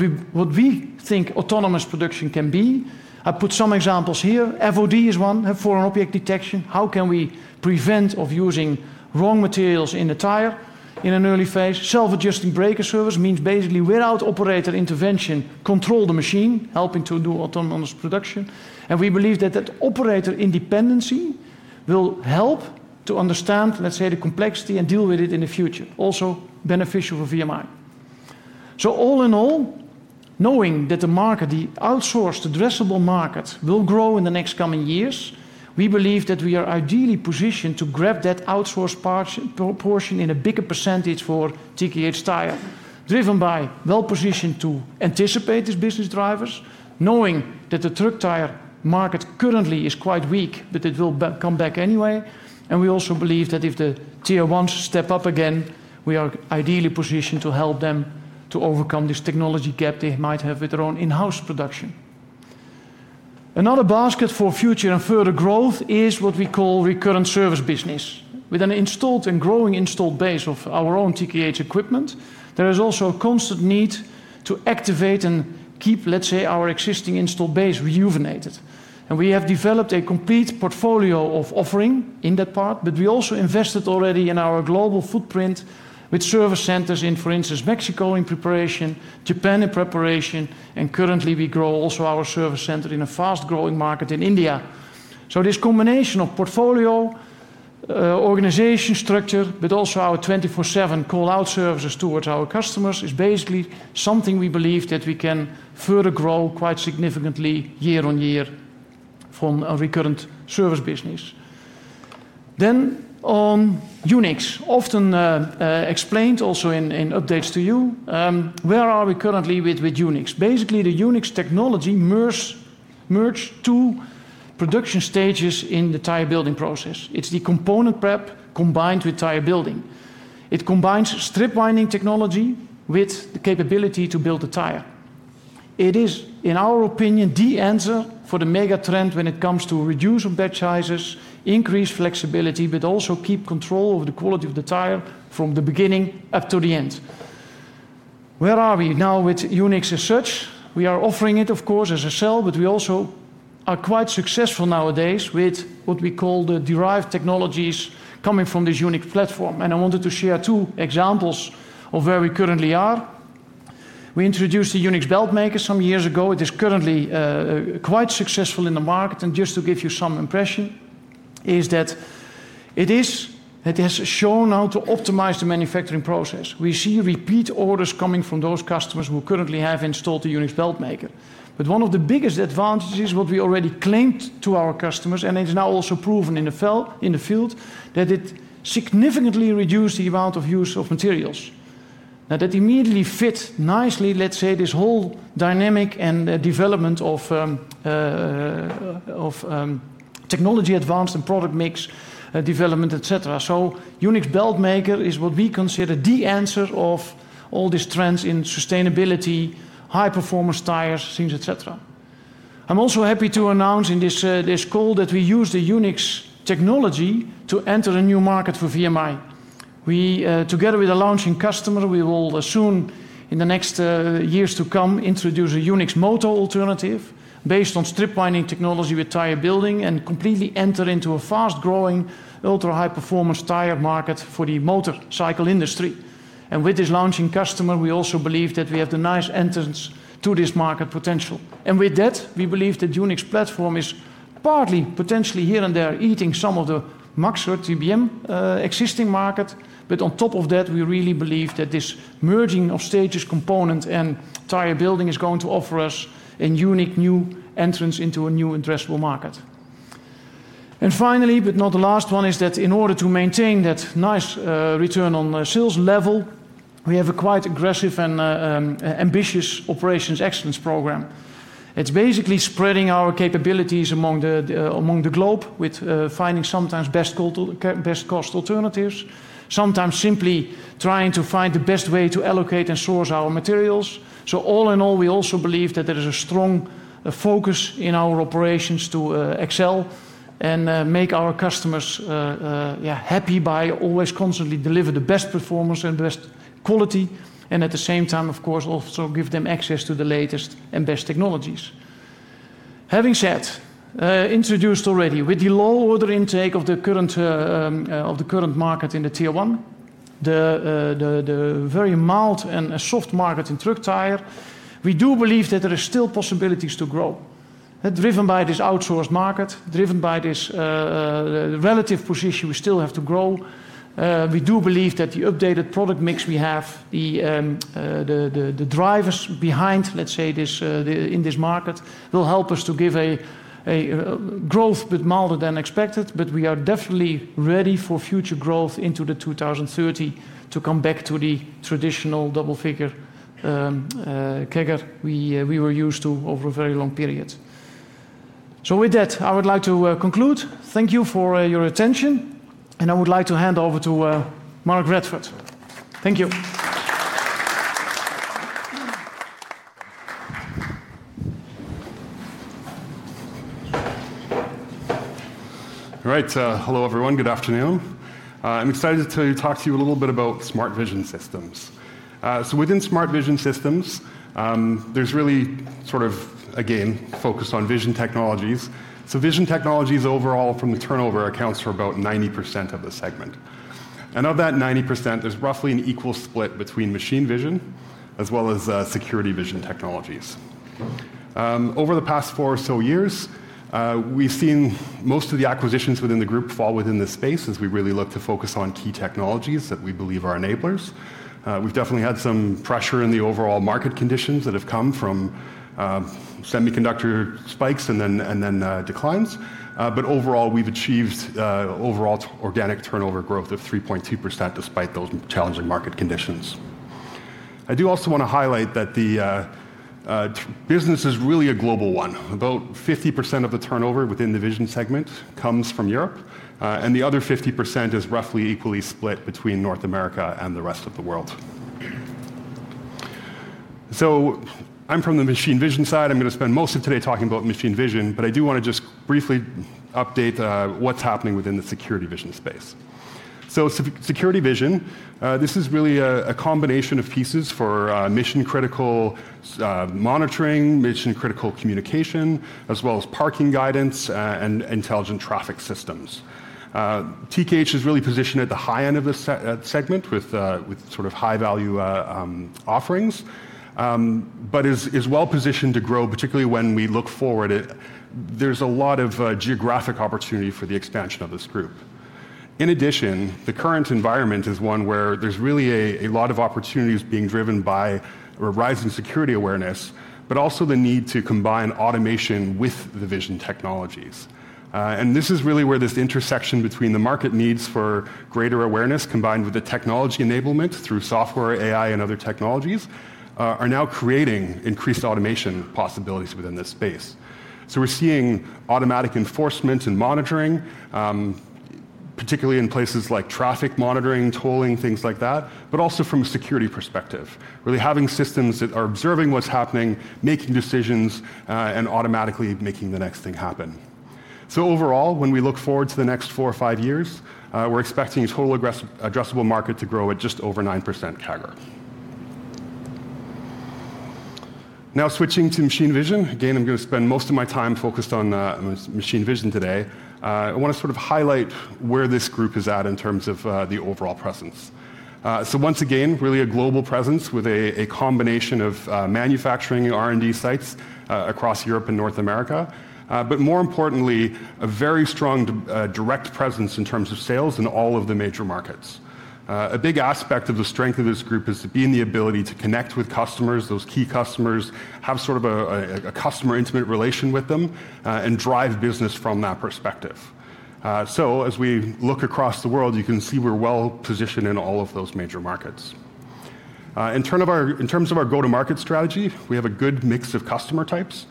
we think autonomous production can be, I put some examples here. FOD is one for an object detection. How can we prevent using wrong materials in the tire in an early phase? Self-adjusting breaker service means basically without operator intervention, control the machine, helping to do autonomous production. We believe that that operator independency will help to understand, let's say, the complexity and deal with it in the future. Also beneficial for VMI. All in all, knowing that the market, the outsourced addressable market, will grow in the next coming years, we believe that we are ideally positioned to grab that outsourced portion in a bigger percentage for TKH Tire, driven by well positioned to anticipate these business drivers, knowing that the truck tire market currently is quite weak, but it will come back anyway. We also believe that if the Tier 1s step up again, we are ideally positioned to help them to overcome this technology gap they might have with their own in-house production. Another basket for future and further growth is what we call recurrent service business. With an installed and growing installed base of our own TKH equipment, there is also a constant need to activate and keep, let's say, our existing installed base rejuvenated. We have developed a complete portfolio of offering in that part, but we also invested already in our global footprint with service centers in, for instance, Mexico in preparation, Japan in preparation, and currently we grow also our service center in a fast-growing market in India. This combination of portfolio, organization structure, but also our 24/7 call-out services towards our customers is basically something we believe that we can further grow quite significantly year on year from a recurrent service business. On UNIXX, often explained also in updates to you, where are we currently with UNIXX? Basically, the UNIXX technology merged two production stages in the tire building process. It's the component prep combined with tire building. It combines strip winding technology with the capability to build a tire. It is, in our opinion, the answer for the mega trend when it comes to reduce batch sizes, increase flexibility, but also keep control over the quality of the tire from the beginning up to the end. Where are we now with UNIXX as such? We are offering it, of course, as a cell, but we also are quite successful nowadays with what we call the derived technologies coming from this UNIXX platform. I wanted to share two examples of where we currently are. We introduced the UNIXX Belt Maker some years ago. It is currently quite successful in the market. Just to give you some impression is that it has shown how to optimize the manufacturing process. We see repeat orders coming from those customers who currently have installed the UNIXX Belt Maker. One of the biggest advantages is what we already claimed to our customers, and it is now also proven in the field that it significantly reduced the amount of use of materials. That immediately fits nicely, let's say, this whole dynamic and development of technology advanced and product mix development, et cetera. UNIXX Belt Maker is what we consider the answer of all these trends in sustainability, high-performance tires, things, et cetera. I'm also happy to announce in this call that we use the UNIXX technology to enter a new market for VMI. We, together with a launching customer, will soon, in the next years to come, introduce a UNIXX motor alternative based on strip winding technology with tire building and completely enter into a fast-growing, ultra-high-performance tire market for the motorcycle industry. With this launching customer, we also believe that we have a nice entrance to this market potential. With that, we believe that UNIXX platform is partly potentially here and there eating some of the MAXX TBM existing market. On top of that, we really believe that this merging of stages component and tire building is going to offer us a unique new entrance into a new addressable market. Finally, in order to maintain that nice return on sales level, we have a quite aggressive and ambitious operations excellence program. It's basically spreading our capabilities among the globe with finding sometimes best cost alternatives, sometimes simply trying to find the best way to allocate and source our materials. All in all, we also believe that there is a strong focus in our operations to excel and make our customers, yeah, happy by always constantly delivering the best performance and best quality. At the same time, of course, also give them access to the latest and best technologies. Having said, introduced already with the low order intake of the current market in the Tier 1, the very mild and soft market in truck tire, we do believe that there are still possibilities to grow. Driven by this outsourced market, driven by this relative position, we still have to grow. We do believe that the updated product mix we have, the drivers behind, let's say, in this market will help us to give a growth a bit milder than expected. We are definitely ready for future growth into the 2030 to come back to the traditional double figure CAGR we were used to over a very long period. With that, I would like to conclude. Thank you for your attention. I would like to hand over to Mark Radford. Thank you. All right. Hello, everyone. Good afternoon. I'm excited to talk to you a little bit about Smart Vision Systems. Within Smart Vision Systems, there's really sort of, again, focus on vision technologies. Vision technologies overall from the turnover accounts for about 90% of the segment. Of that 90%, there's roughly an equal split between machine vision as well as security vision technologies. Over the past four or so years, we've seen most of the acquisitions within the group fall within this space as we really look to focus on key technologies that we believe are enablers. We've definitely had some pressure in the overall market conditions that have come from semiconductor spikes and then declines. Overall, we've achieved overall organic turnover growth of 3.2% despite those challenging market conditions. I do also want to highlight that the business is really a global one. About 50% of the turnover within the vision segment comes from Europe, and the other 50% is roughly equally split between North America and the rest of the world. I'm from the machine vision side. I'm going to spend most of today talking about machine vision, but I do want to just briefly update what's happening within the security vision space. Security vision is really a combination of pieces for mission-critical monitoring, mission-critical communication, as well as parking guidance and intelligent traffic systems. TKH is really positioned at the high end of the segment with sort of high-value offerings, but is well positioned to grow, particularly when we look forward. There's a lot of geographic opportunity for the expansion of this group. In addition, the current environment is one where there's really a lot of opportunities being driven by a rising security awareness, but also the need to combine automation with the vision technologies. This is really where this intersection between the market needs for greater awareness combined with the technology enablement through software, AI, and other technologies are now creating increased automation possibilities within this space. We're seeing automatic enforcement and monitoring, particularly in places like traffic monitoring, tolling, things like that, but also from a security perspective, really having systems that are observing what's happening, making decisions, and automatically making the next thing happen. Overall, when we look forward to the next four or five years, we're expecting a total addressable market to grow at just over 9% CAGR. Now switching to machine vision, again, I'm going to spend most of my time focused on machine vision today. I want to highlight where this group is at in terms of the overall presence. Once again, really a global presence with a combination of manufacturing and R&D sites across Europe and North America, but more importantly, a very strong direct presence in terms of sales in all of the major markets. A big aspect of the strength of this group is the ability to connect with customers, those key customers, have a customer intimate relation with them, and drive business from that perspective. As we look across the world, you can see we're well positioned in all of those major markets. In terms of our go-to-market strategy, we have a good mix of customer types.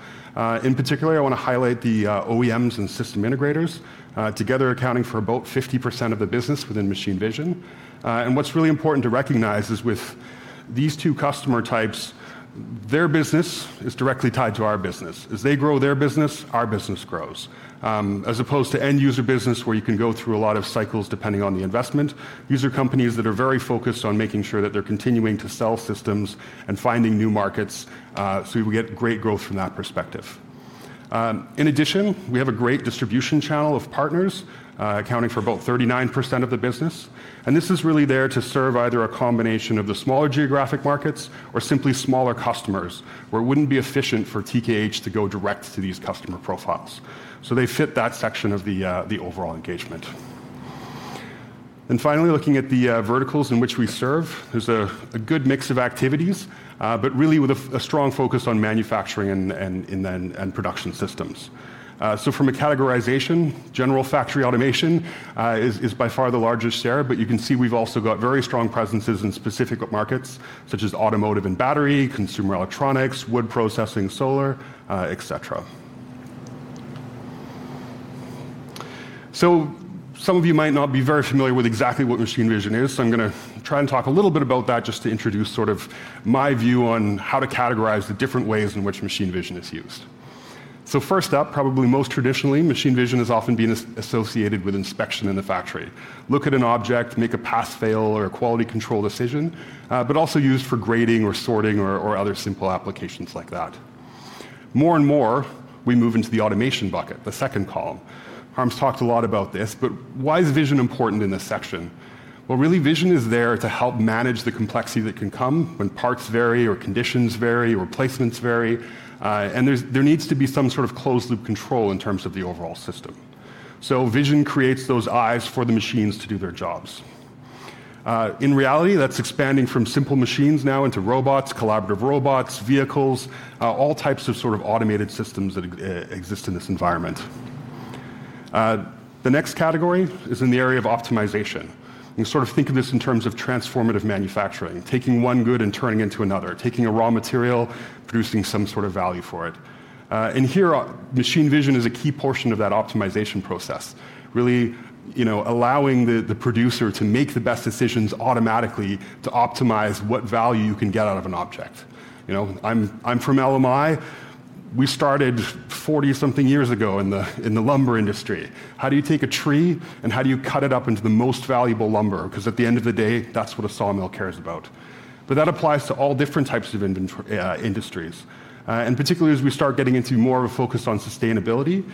In particular, I want to highlight the OEMs and system integrators together accounting for about 50% of the business within machine vision. What's really important to recognize is with these two customer types, their business is directly tied to our business. As they grow their business, our business grows. As opposed to end-user business where you can go through a lot of cycles depending on the investment, user companies that are very focused on making sure that they're continuing to sell systems and finding new markets. We get great growth from that perspective. In addition, we have a great distribution channel of partners accounting for about 39% of the business. This is really there to serve either a combination of the smaller geographic markets or simply smaller customers where it wouldn't be efficient for TKH to go direct to these customer profiles. They fit that section of the overall engagement. Finally, looking at the verticals in which we serve, there's a good mix of activities, but really with a strong focus on manufacturing and production systems. From a categorization, general factory automation is by far the largest share. You can see we've also got very strong presences in specific markets such as automotive and battery, consumer electronics, wood processing, solar, et cetera. Some of you might not be very familiar with exactly what machine vision is. I'm going to try and talk a little bit about that just to introduce sort of my view on how to categorize the different ways in which machine vision is used. First up, probably most traditionally, machine vision has often been associated with inspection in the factory. Look at an object, make a pass-fail or a quality control decision, but also used for grading or sorting or other simple applications like that. More and more, we move into the automation bucket, the second column. Harm's talked a lot about this. Why is vision important in this section? Vision is there to help manage the complexity that can come when parts vary or conditions vary or placements vary. There needs to be some sort of closed-loop control in terms of the overall system. Vision creates those eyes for the machines to do their jobs. In reality, that's expanding from simple machines now into robots, collaborative robots, vehicles, all types of automated systems that exist in this environment. The next category is in the area of optimization. You sort of think of this in terms of transformative manufacturing, taking one good and turning it into another, taking a raw material, producing some sort of value for it. Here, machine vision is a key portion of that optimization process, really allowing the producer to make the best decisions automatically to optimize what value you can get out of an object. I'm from LMI. We started 40-something years ago in the lumber industry. How do you take a tree and how do you cut it up into the most valuable lumber? At the end of the day, that's what a sawmill cares about. That applies to all different types of industries. Particularly as we start getting into more of a focus on sustainability,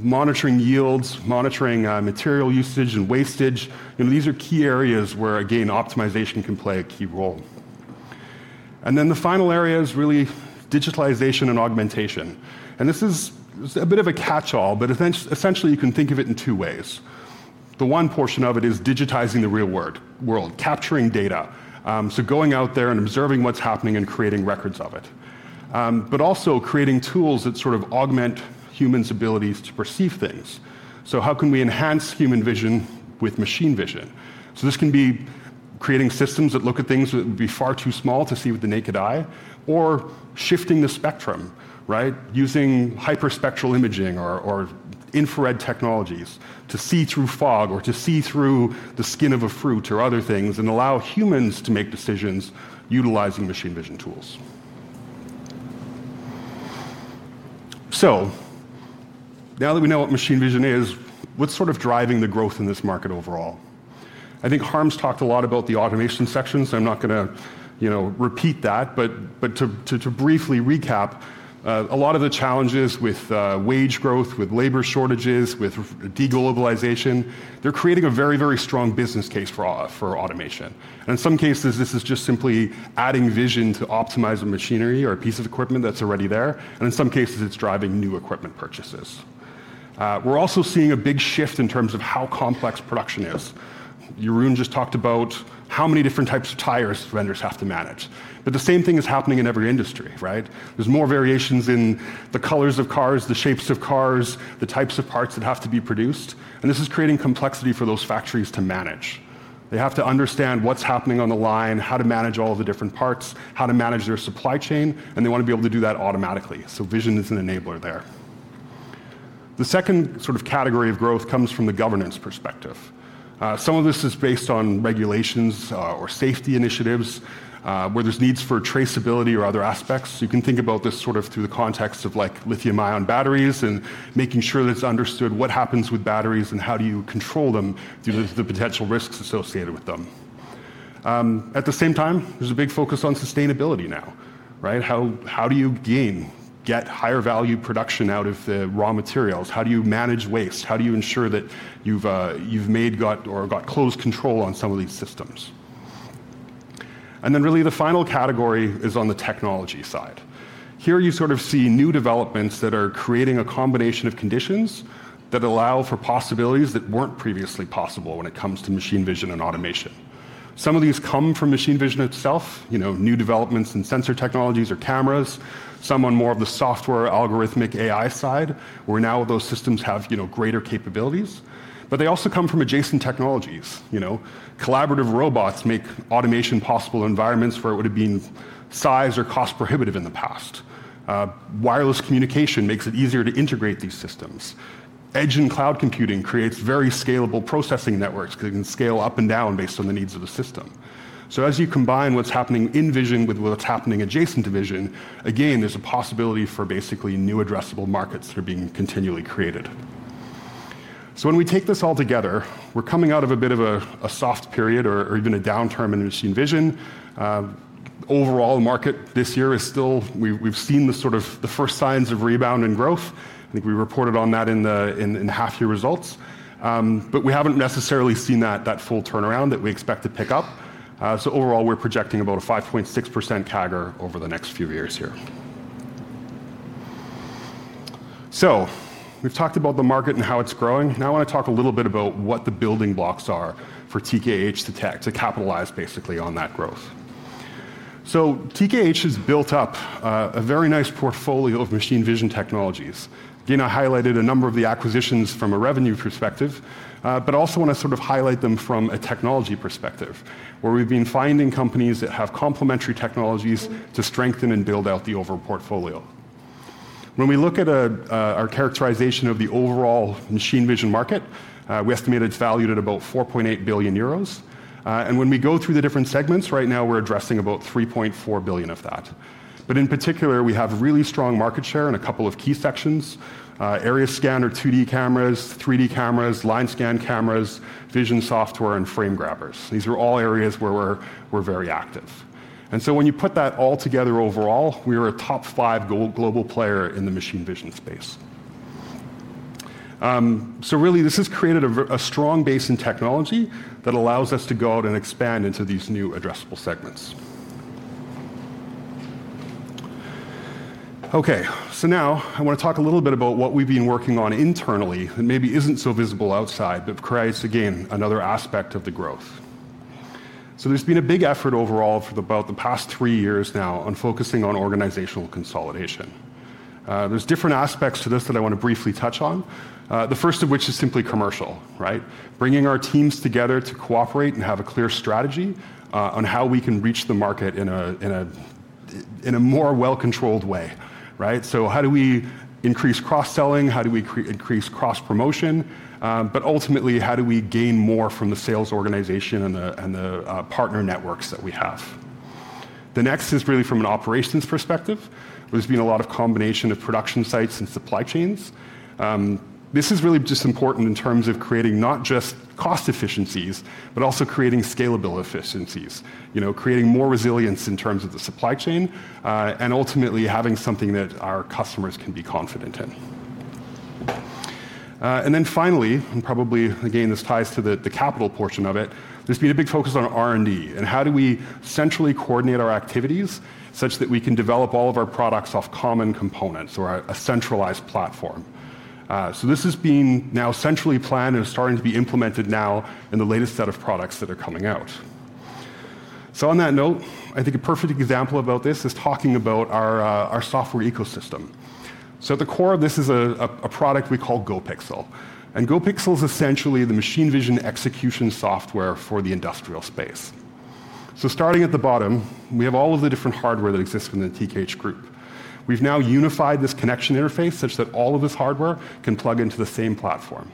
monitoring yields, monitoring material usage and wastage, these are key areas where, again, optimization can play a key role. The final area is really digitalization and augmentation. This is a bit of a catch-all, but essentially, you can think of it in two ways. One portion of it is digitizing the real world, capturing data, going out there and observing what's happening and creating records of it. Also, creating tools that augment humans' abilities to perceive things. How can we enhance human vision with machine vision? This can be creating systems that look at things that would be far too small to see with the naked eye or shifting the spectrum, right, using hyperspectral imaging or infrared technologies to see through fog or to see through the skin of a fruit or other things and allow humans to make decisions utilizing machine vision tools. Now that we know what machine vision is, what's sort of driving the growth in this market overall? I think Harm has talked a lot about the automation sections. I'm not going to repeat that. To briefly recap, a lot of the challenges with wage growth, with labor shortages, with de-globalization, are creating a very, very strong business case for automation. In some cases, this is just simply adding vision to optimize machinery or a piece of equipment that's already there. In some cases, it's driving new equipment purchases. We're also seeing a big shift in terms of how complex production is. Jeroen just talked about how many different types of tires vendors have to manage. The same thing is happening in every industry, right? There are more variations in the colors of cars, the shapes of cars, the types of parts that have to be produced. This is creating complexity for those factories to manage. They have to understand what's happening on the line, how to manage all the different parts, how to manage their supply chain. They want to be able to do that automatically. Vision is an enabler there. The second sort of category of growth comes from the governance perspective. Some of this is based on regulations or safety initiatives where there's needs for traceability or other aspects. You can think about this through the context of lithium-ion batteries and making sure that it's understood what happens with batteries and how you control them due to the potential risks associated with them. At the same time, there's a big focus on sustainability now, right? How do you get higher value production out of the raw materials? How do you manage waste? How do you ensure that you've made or got close control on some of these systems? The final category is on the technology side. Here, you see new developments that are creating a combination of conditions that allow for possibilities that weren't previously possible when it comes to machine vision and automation. Some of these come from machine vision itself, you know, new developments in sensor technologies or cameras. Some on more of the software algorithmic AI side, where now those systems have greater capabilities. They also come from adjacent technologies. Collaborative robots make automation possible in environments where it would have been size or cost prohibitive in the past. Wireless communication makes it easier to integrate these systems. Edge and cloud computing creates very scalable processing networks that can scale up and down based on the needs of the system. As you combine what's happening in vision with what's happening Adjacent to vision, there's a possibility for basically new addressable markets that are being continually created. When we take this all together, we're coming out of a bit of a soft period or even a downturn in machine vision. Overall, the market this year is still, we've seen the first signs of rebound and growth. I think we reported on that in the half-year results, but we haven't necessarily seen that full turnaround that we expect to pick up. Overall, we're projecting about a 5.6% CAGR over the next few years here. We've talked about the market and how it's growing. Now I want to talk a little bit about what the building blocks are for TKH to capitalize basically on that growth. TKH has built up a very nice portfolio of machine vision technologies. I highlighted a number of the acquisitions from a revenue perspective, but I also want to highlight them from a technology perspective where we've been finding companies that have complementary technologies to strengthen and build out the overall portfolio. When we look at our characterization of the overall machine vision market, we estimate it's valued at about 4.8 billion euros, and when we go through the different segments right now, we're addressing about 3.4 billion of that. In particular, we have really strong market share in a couple of key sections: area scanner 2D cameras, 3D cameras, line scan cameras, vision software, and frame grabbers. These are all areas where we're very active. When you put that all together overall, we are a top five global player in the machine vision space. This has created a strong base in technology that allows us to go out and expand into these new addressable segments. Now I want to talk a little bit about what we've been working on internally that maybe isn't so visible outside, but creates another aspect of the growth. There's been a big effort overall for about the past three years now on focusing on organizational consolidation. There are different aspects to this that I want to briefly touch on, the first of which is simply commercial, right? Bringing our teams together to cooperate and have a clear strategy on how we can reach the market in a more well-controlled way, right? How do we increase cross-selling? How do we increase cross-promotion? Ultimately, how do we gain more from the sales organization and the partner networks that we have? The next is really from an operations perspective. There's been a lot of combination of production sites and supply chains. This is really just important in terms of creating not just cost efficiencies, but also creating scalable efficiencies, creating more resilience in terms of the supply chain, and ultimately having something that our customers can be confident in. Finally, and probably again, this ties to the capital portion of it, there's been a big focus on R&D and how do we centrally coordinate our activities such that we can develop all of our products off common components or a centralized platform. This has been now centrally planned and starting to be implemented now in the latest set of products that are coming out. On that note, I think a perfect example about this is talking about our software ecosystem. At the core of this is a product we call GoPxL. GoPxL is essentially the machine vision execution software for the industrial space. Starting at the bottom, we have all of the different hardware that exists within the TKH Group. We've now unified this connection interface such that all of this hardware can plug into the same platform.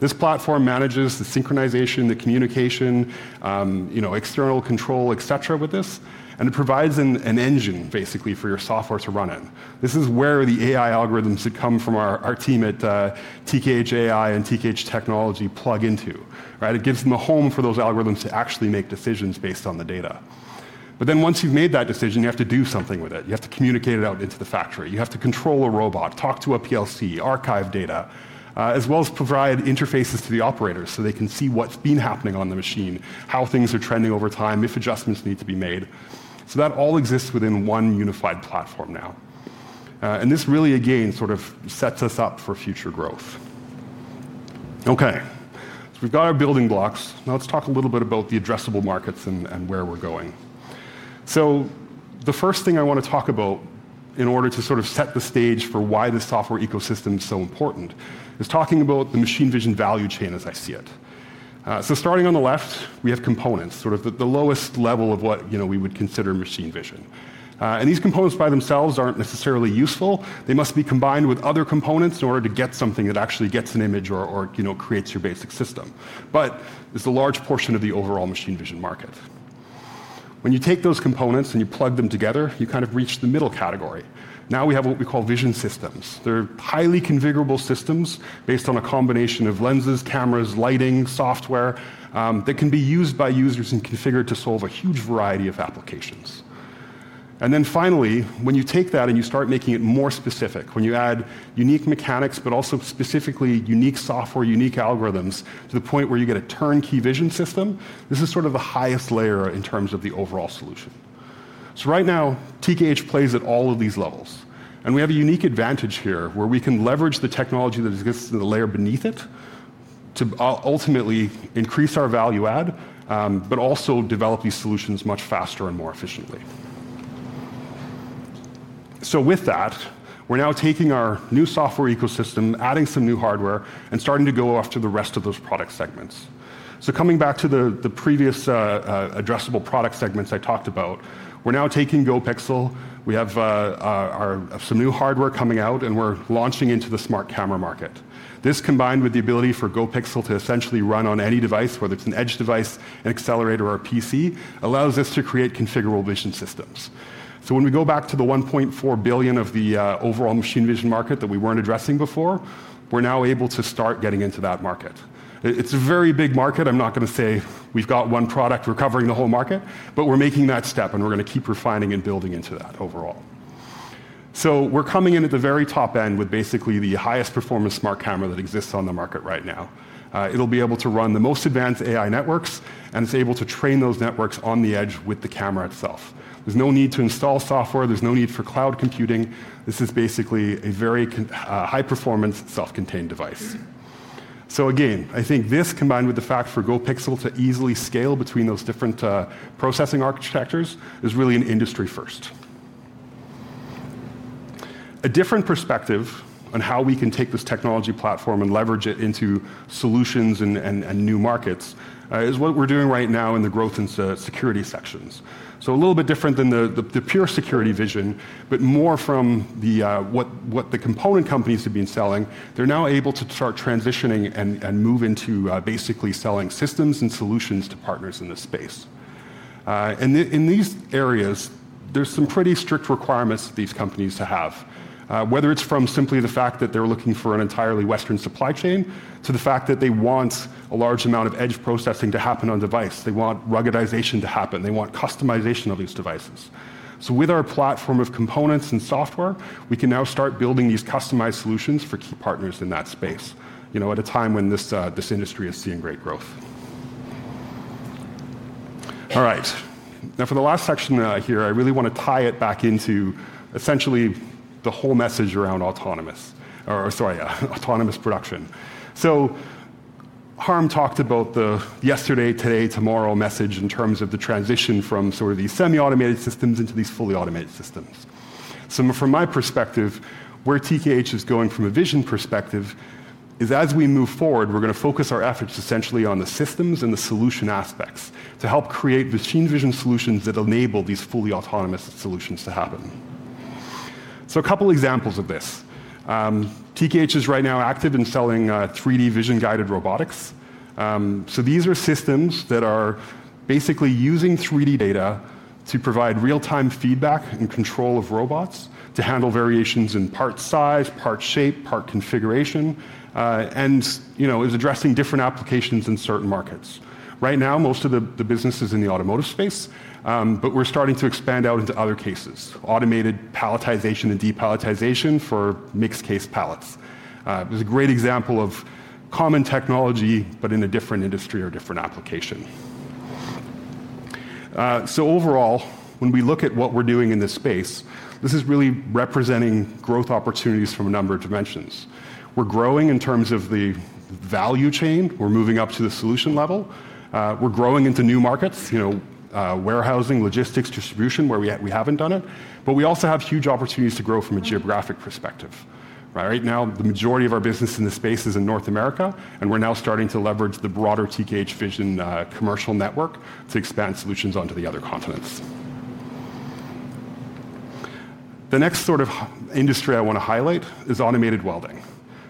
This platform manages the synchronization, the communication, external control, etcetera, with this, and it provides an engine basically for your software to run in. This is where the AI algorithms that come from our team at TKH AI and TKH Technology plug into, right? It gives them a home for those algorithms to actually make decisions based on the data. Once you've made that decision, you have to do something with it. You have to communicate it out into the factory. You have to control a robot, talk to a PLC, archive data, as well as provide interfaces to the operators so they can see what's been happening on the machine, how things are trending over time, if adjustments need to be made. That all exists within one unified platform now, and this really, again, sort of sets us up for future growth. We've got our building blocks. Now let's talk a little bit about the addressable markets and where we're going. The first thing I want to talk about in order to sort of set the stage for why this software ecosystem is so important is talking about the machine vision value chain as I see it. Starting on the left, we have components, sort of the lowest level of what, you know, we would consider machine vision. These components by themselves aren't necessarily useful. They must be combined with other components in order to get something that actually gets an image or, you know, creates your basic system. There's a large portion of the overall machine vision market. When you take those components and you plug them together, you kind of reach the middle category. Now we have what we call Vision systems. They're highly configurable systems based on a combination of lenses, cameras, lighting, software, that can be used by users and configured to solve a huge variety of applications. Finally, when you take that and you start making it more specific, when you add unique mechanics, but also specifically unique software, unique algorithms to the point where you get a turnkey vision system, this is sort of the highest layer in terms of the overall solution. Right now, TKH plays at all of these levels. We have a unique advantage here where we can leverage the technology that exists in the layer beneath it to ultimately increase our value add, but also develop these solutions much faster and more efficiently. With that, we're now taking our new software ecosystem, adding some new hardware, and starting to go off to the rest of those product segments. Coming back to the previous addressable product segments I talked about, we're now taking GoPxL. We have some new hardware coming out, and we're launching into the smart camera market. This, combined with the ability for GoPxL to essentially run on any device, whether it's an edge device, an accelerator, or a PC, allows us to create configurable vision systems. When we go back to the 1.4 billion of the overall machine vision market that we weren't addressing before, we're now able to start getting into that market. It's a very big market. I'm not going to say we've got one product covering the whole market, but we're making that step, and we're going to keep refining and building into that overall. We're coming in at the very top end with basically the highest performance smart camera that exists on the market right now. It'll be able to run the most advanced AI networks, and it's able to train those networks on the edge with the camera itself. There's no need to install software. There's no need for cloud computing. This is basically a very high-performance self-contained device. I think this, combined with the fact for GoPxL to easily scale between those different processing architectures, is really an industry first. A different perspective on how we can take this technology platform and leverage it into solutions and new markets is what we're doing right now in the growth and security sections. A little bit different than the pure security vision, but more from what the component companies have been selling. They're now able to start transitioning and move into basically selling systems and solutions to partners in this space. In these areas, there's some pretty strict requirements for these companies to have, whether it's from simply the fact that they're looking for an entirely Western supply chain to the fact that they want a large amount of edge processing to happen on device. They want ruggedization to happen. They want customization of these devices. With our platform of components and software, we can now start building these customized solutions for key partners in that space, at a time when this industry is seeing great growth. Now for the last section, I really want to tie it back into essentially the whole message around autonomous production. Harm talked about the yesterday, today, tomorrow message in terms of the transition from sort of these semi-automated systems into these fully automated systems. From my perspective, where TKH is going from a vision perspective is as we move forward, we're going to focus our efforts essentially on the systems and the solution aspects to help create machine vision solutions that enable these fully autonomous solutions to happen. A couple examples of this: TKH is right now active in selling 3D vision-guided robotics. These are systems that are basically using 3D data to provide real-time feedback and control of robots to handle variations in part size, part shape, part configuration, and is addressing different applications in certain markets. Right now, most of the business is in the automotive space, but we're starting to expand out into other cases, automated palletization and depalletization for mixed case pallets. It was a great example of common technology, but in a different industry or different application. Overall, when we look at what we're doing in this space, this is really representing growth opportunities from a number of dimensions. We're growing in terms of the value chain. We're moving up to the solution level. We're growing into new markets, you know, warehousing, logistics, distribution where we haven't done it. We also have huge opportunities to grow from a geographic perspective. Right now, the majority of our business in this space is in North America, and we're now starting to leverage the broader TKH vision, commercial network to expand solutions onto the other continents. The next sort of industry I want to highlight is automated welding.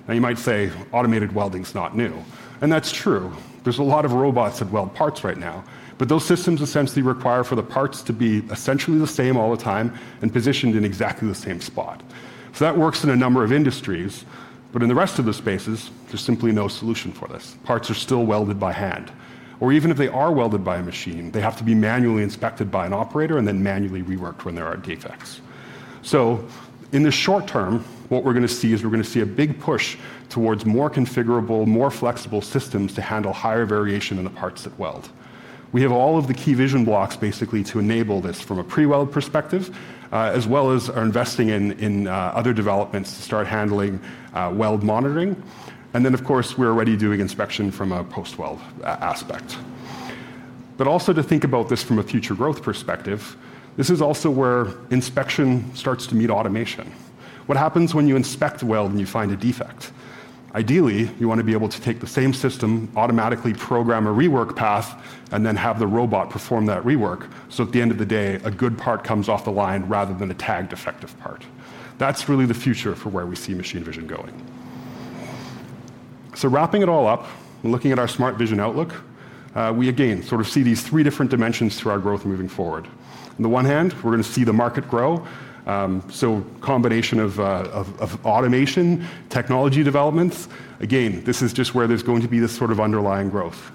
Now you might say automated welding's not new, and that's true. There's a lot of robots that weld parts right now, but those systems essentially require for the parts to be essentially the same all the time and positioned in exactly the same spot. That works in a number of industries, but in the rest of the spaces, there's simply no solution for this. Parts are still welded by hand, or even if they are welded by a machine, they have to be manually inspected by an operator and then manually reworked when there are defects. In the short term, what we're going to see is a big push towards more configurable, more flexible systems to handle higher variation in the parts that weld. We have all of the key vision blocks basically to enable this from a pre-weld perspective, as well as are investing in other developments to start handling weld monitoring. Of course, we're already doing inspection from a post-weld aspect. Also, to think about this from a future growth perspective, this is also where inspection starts to meet automation. What happens when you inspect weld and you find a defect? Ideally, you want to be able to take the same system, automatically program a rework path, and then have the robot perform that rework so at the end of the day, a good part comes off the line rather than a tag defective part. That's really the future for where we see machine vision going. Wrapping it all up, looking at our Smart Vision outlook, we again sort of see these three different dimensions to our growth moving forward. On the one hand, we're going to see the market grow, so a combination of automation, technology developments. This is just where there's going to be this sort of underlying growth.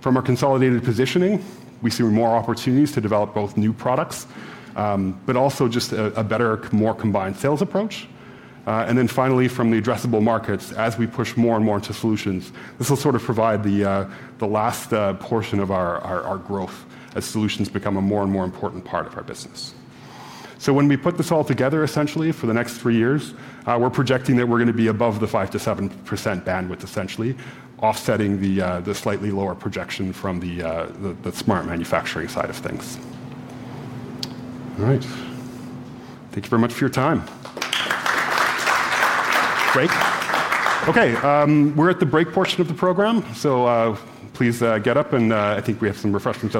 From our consolidated positioning, we see more opportunities to develop both new products, but also just a better, more combined sales approach. Then finally, from the addressable markets, as we push more and more into solutions, this will provide the last portion of our growth as solutions become a more and more important part of our business. When we put this all together, essentially, for the next three years, we're projecting that we're going to be above the 5%-7% bandwidth, essentially offsetting the slightly lower projection from the Smart Manufacturing side of things. All right. Thank you very much for your time. Break. Okay, we're at the break portion of the program. Please, get up and, I think we have some refreshments.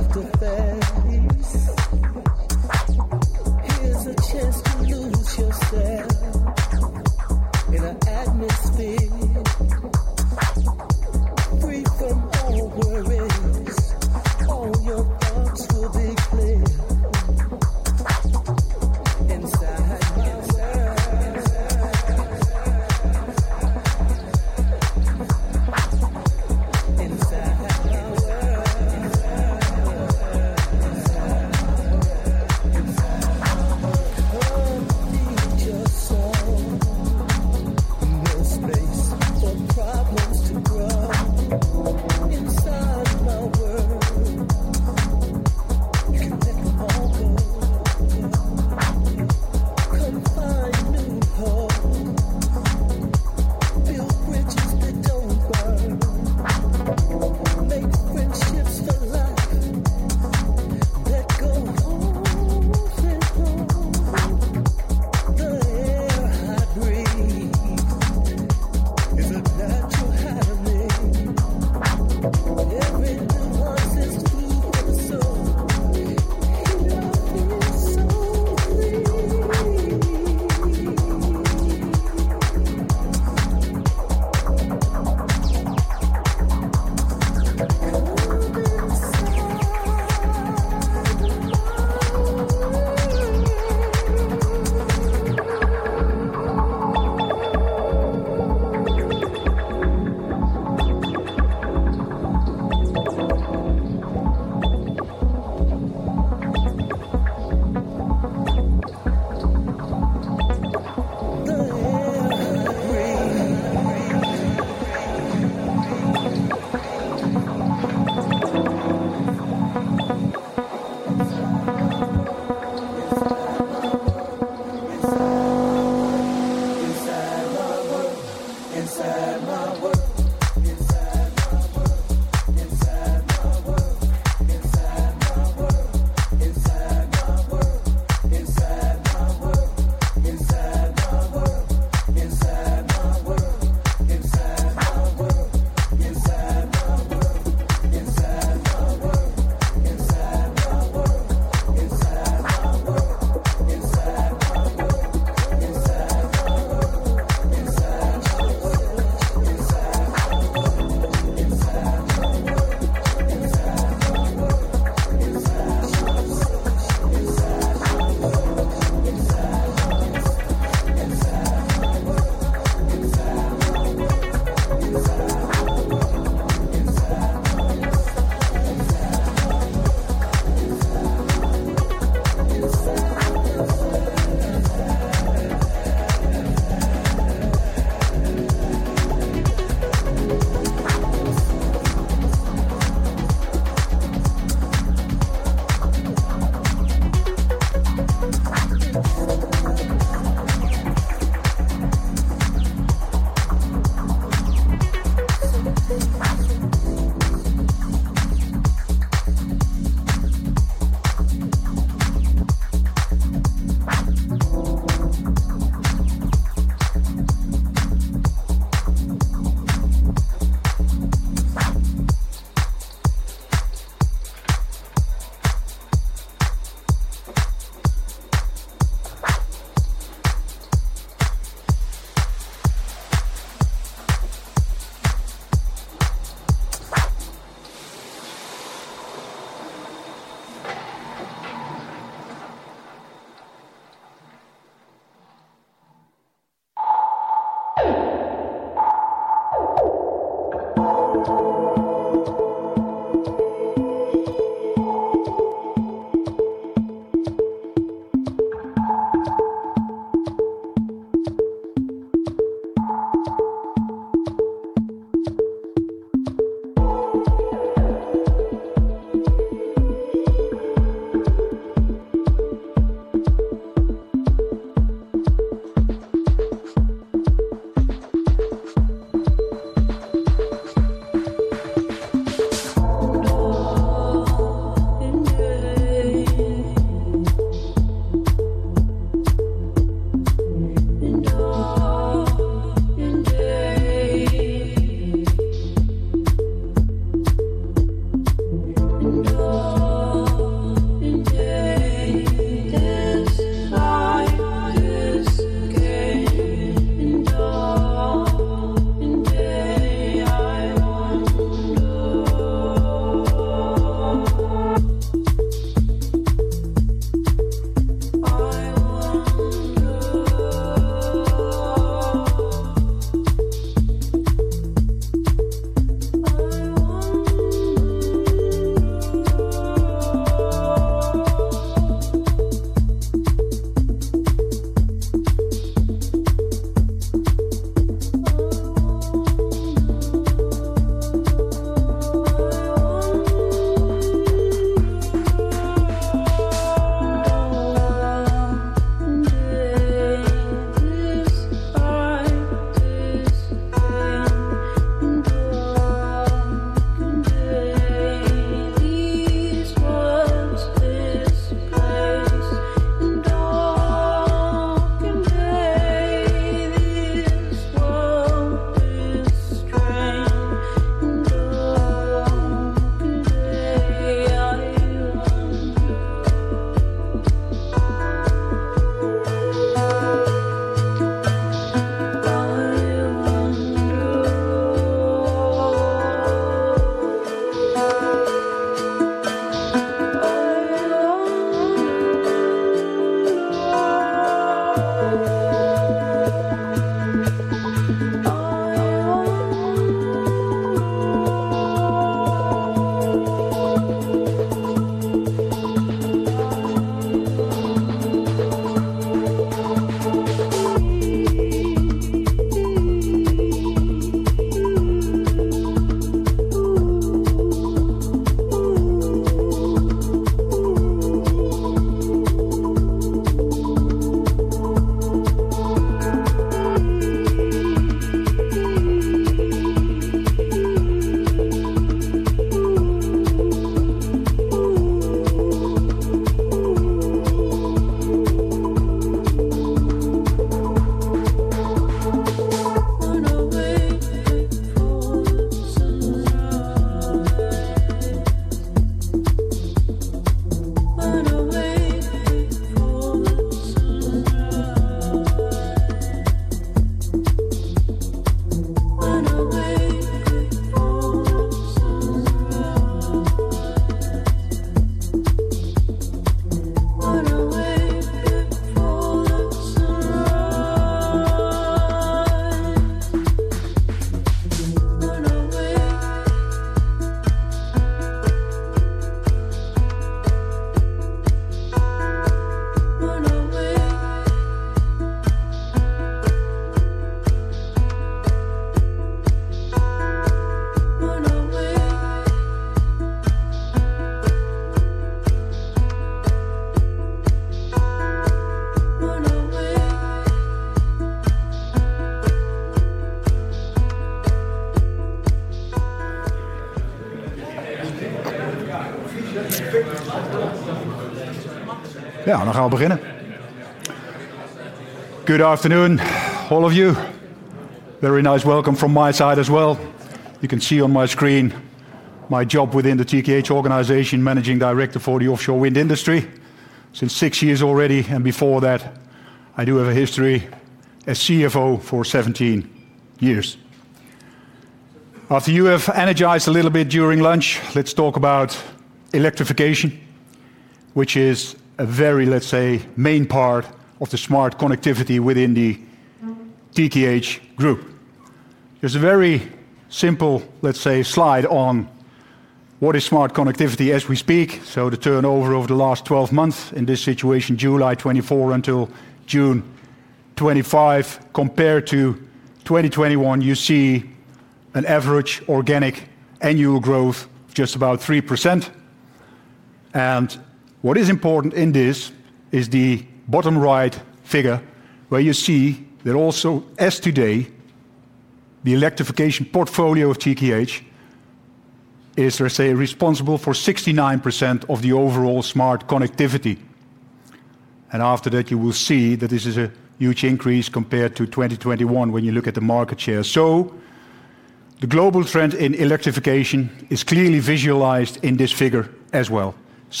The Netherlands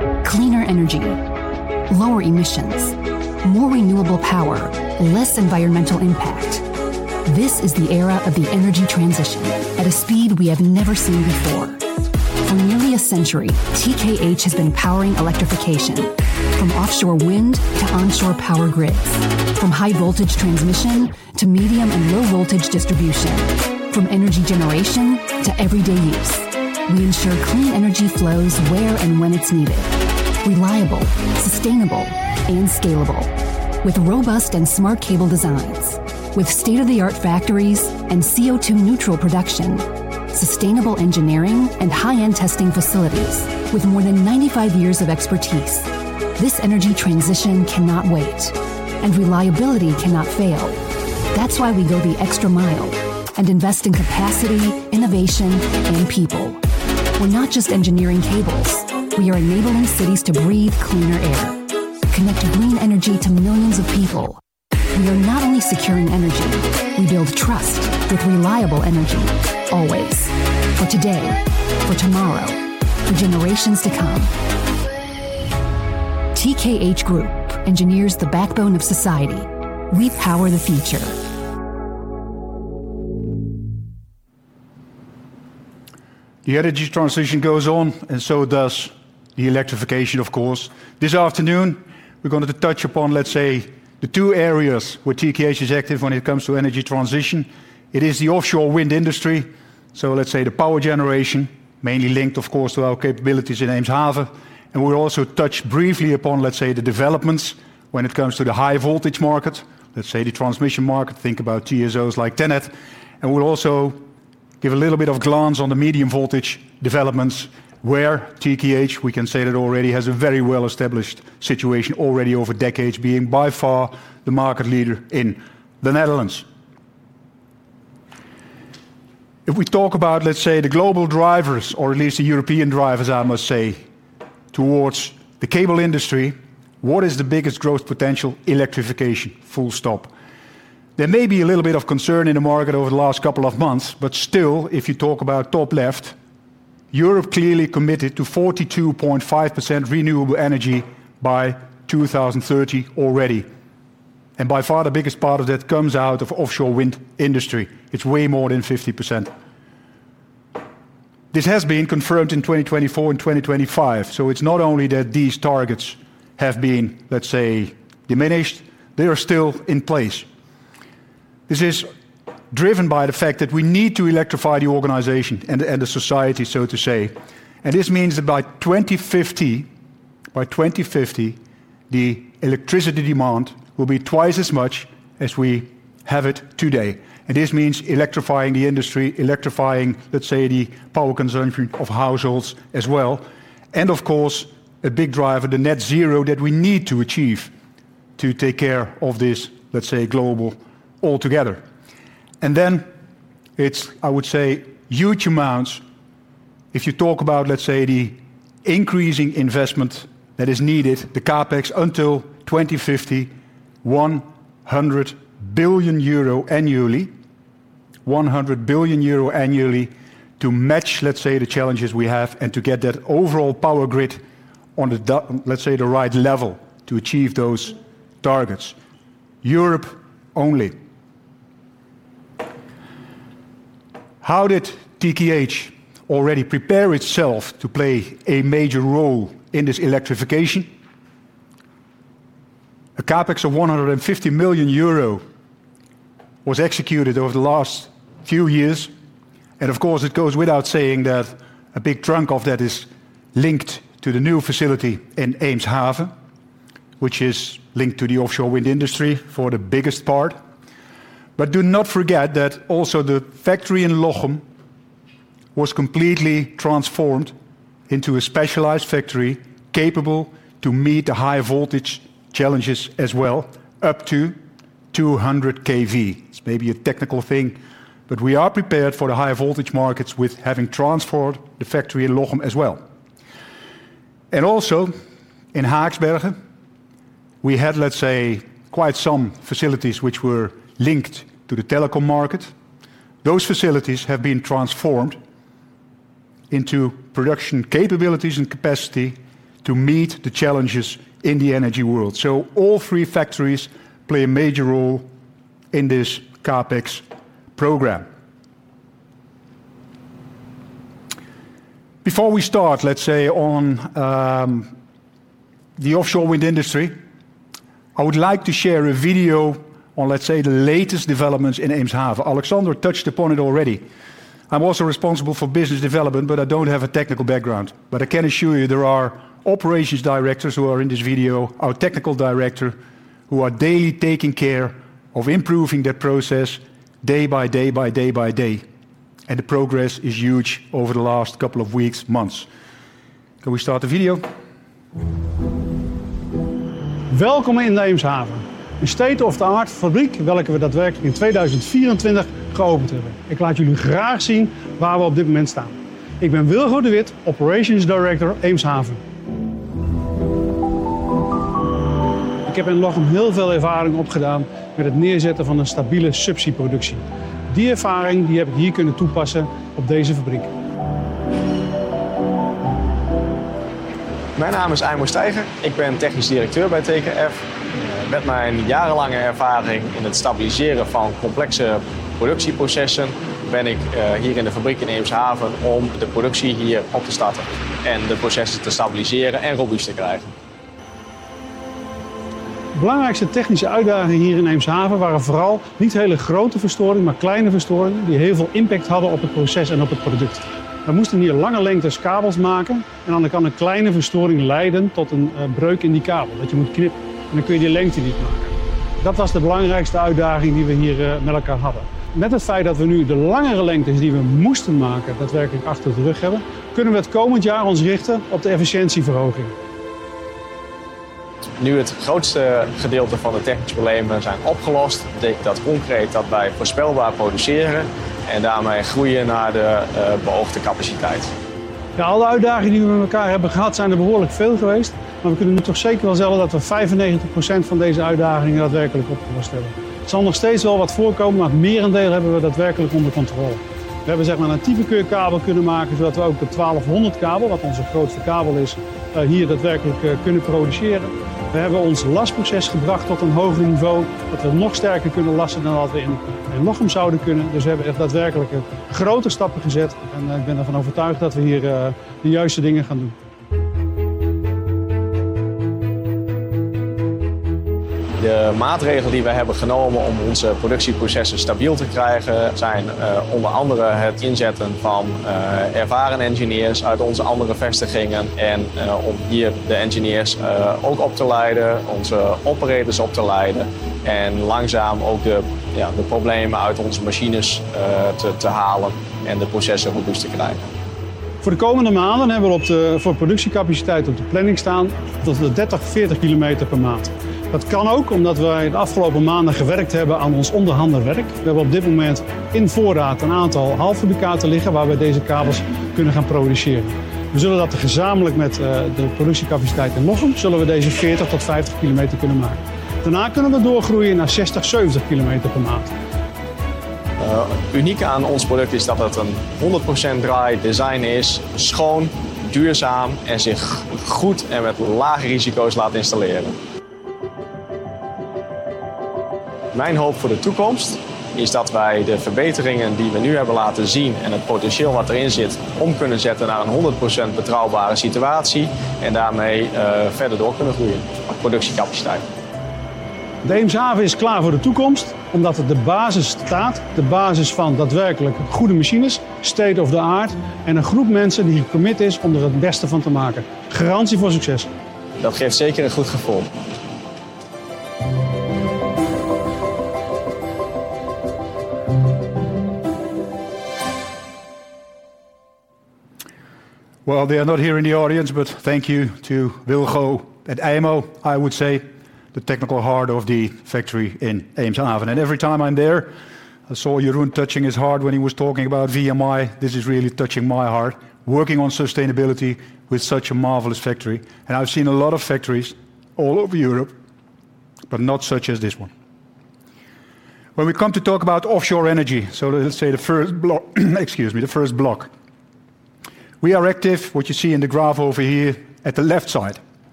is,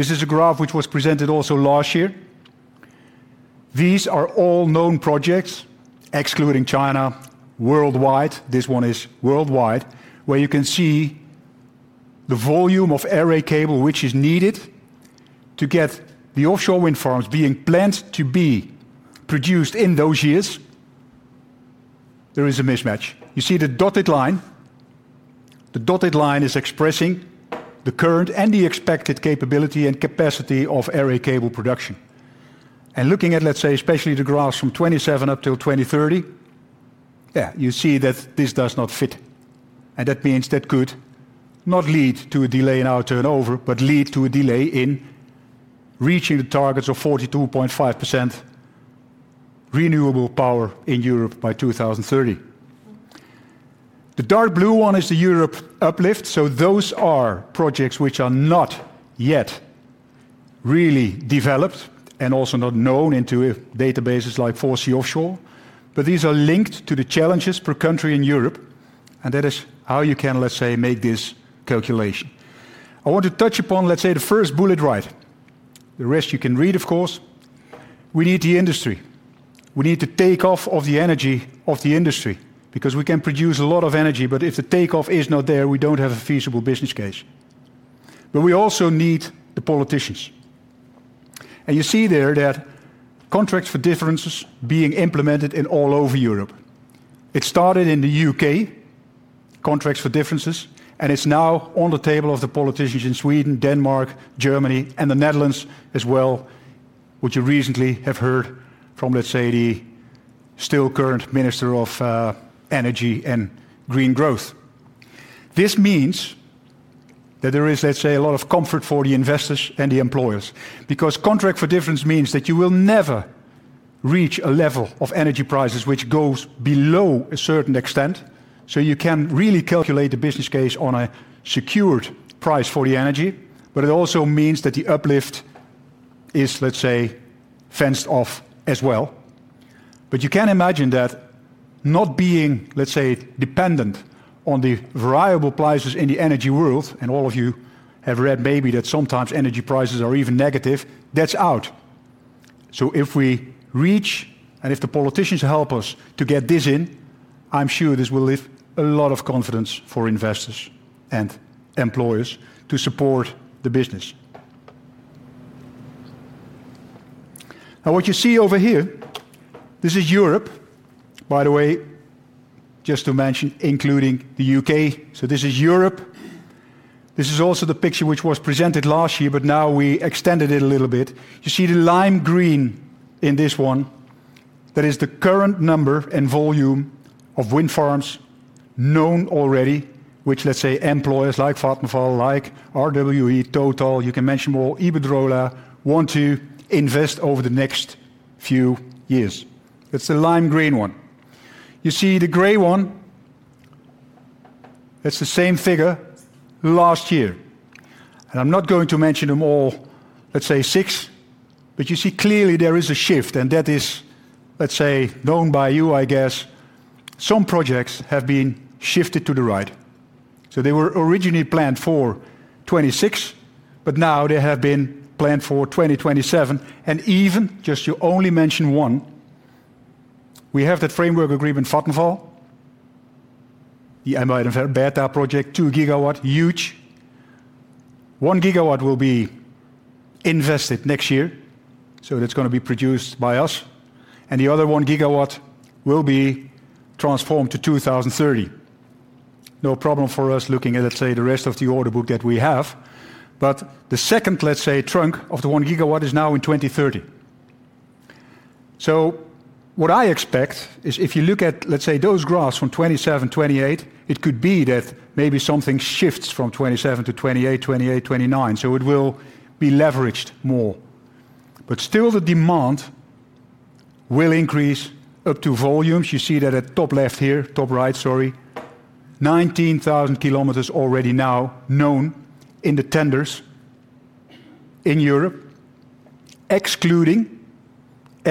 you can say, almost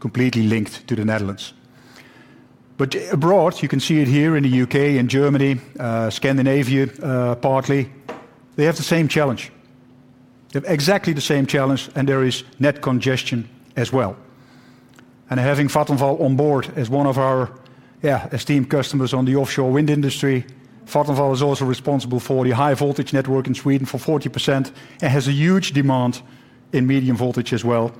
completely linked to the Netherlands. Abroad, you can see it here in the U.K. and Germany, Scandinavia, partly. They have the same challenge. They have exactly the same challenge, and there is net congestion as well. Having Vattenfall on board as one of our esteemed customers in the offshore wind industry, Vattenfall is also responsible for the high voltage network in Sweden for 40% and has a huge demand in medium voltage as well.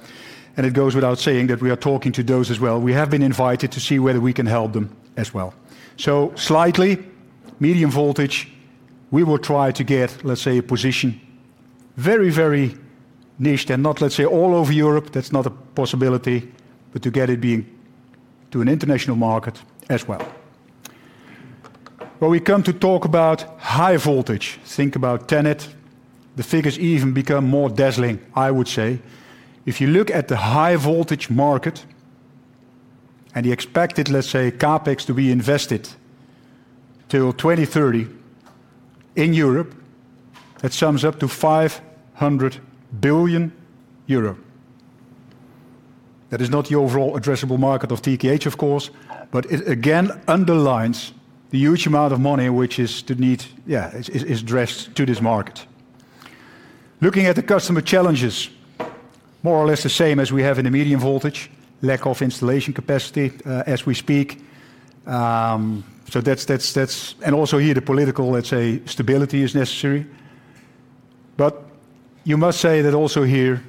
It goes without saying that we are talking to those as well. We have been invited to see whether we can help them as well. Slightly medium voltage, we will try to get, let's say, a position very, very niche and not all over Europe. That's not a possibility, but to get it being to an international market as well. When we come to talk about high voltage, think about TenneT. The figures even become more dazzling, I would say. If you look at the high voltage market and the expected CapEx to be invested till 2030 in Europe, that sums up to 500 billion euro. That is not the overall addressable market of TKH, of course, but it again underlines the huge amount of money which is addressed to this market. Looking at the customer challenges, more or less the same as we have in the medium voltage, lack of installation capacity as we speak. Also, here the political stability is necessary. You must say that also here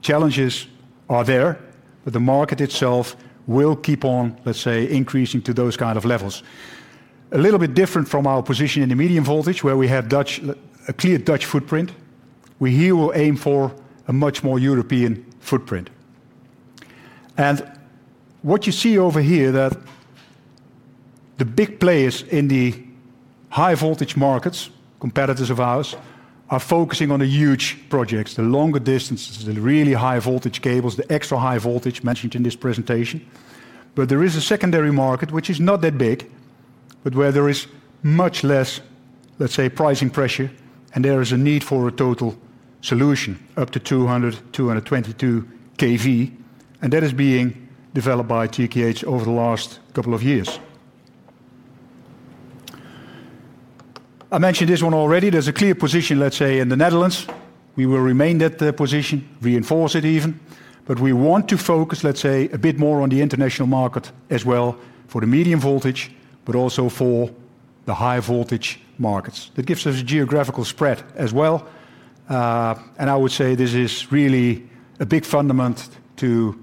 challenges are there, but the market itself will keep on increasing to those kind of levels. A little bit different from our position in the medium voltage where we have a clear Dutch footprint. We here will aim for a much more European footprint. What you see over here is that the big players in the high voltage markets, competitors of ours, are focusing on the huge projects, the longer distances, the really high voltage cables, the extra high voltage mentioned in this presentation. There is a secondary market which is not that big, but where there is much less, let's say, pricing pressure and there is a need for a total solution up to 200 kV-222 kV. That is being developed by TKH over the last couple of years. I mentioned this one already. There's a clear position, let's say, in the Netherlands. We will remain at the position, reinforce it even, but we want to focus, let's say, a bit more on the international market as well for the medium voltage, but also for the high voltage markets. That gives us a geographical spread as well. I would say this is really a big fundament to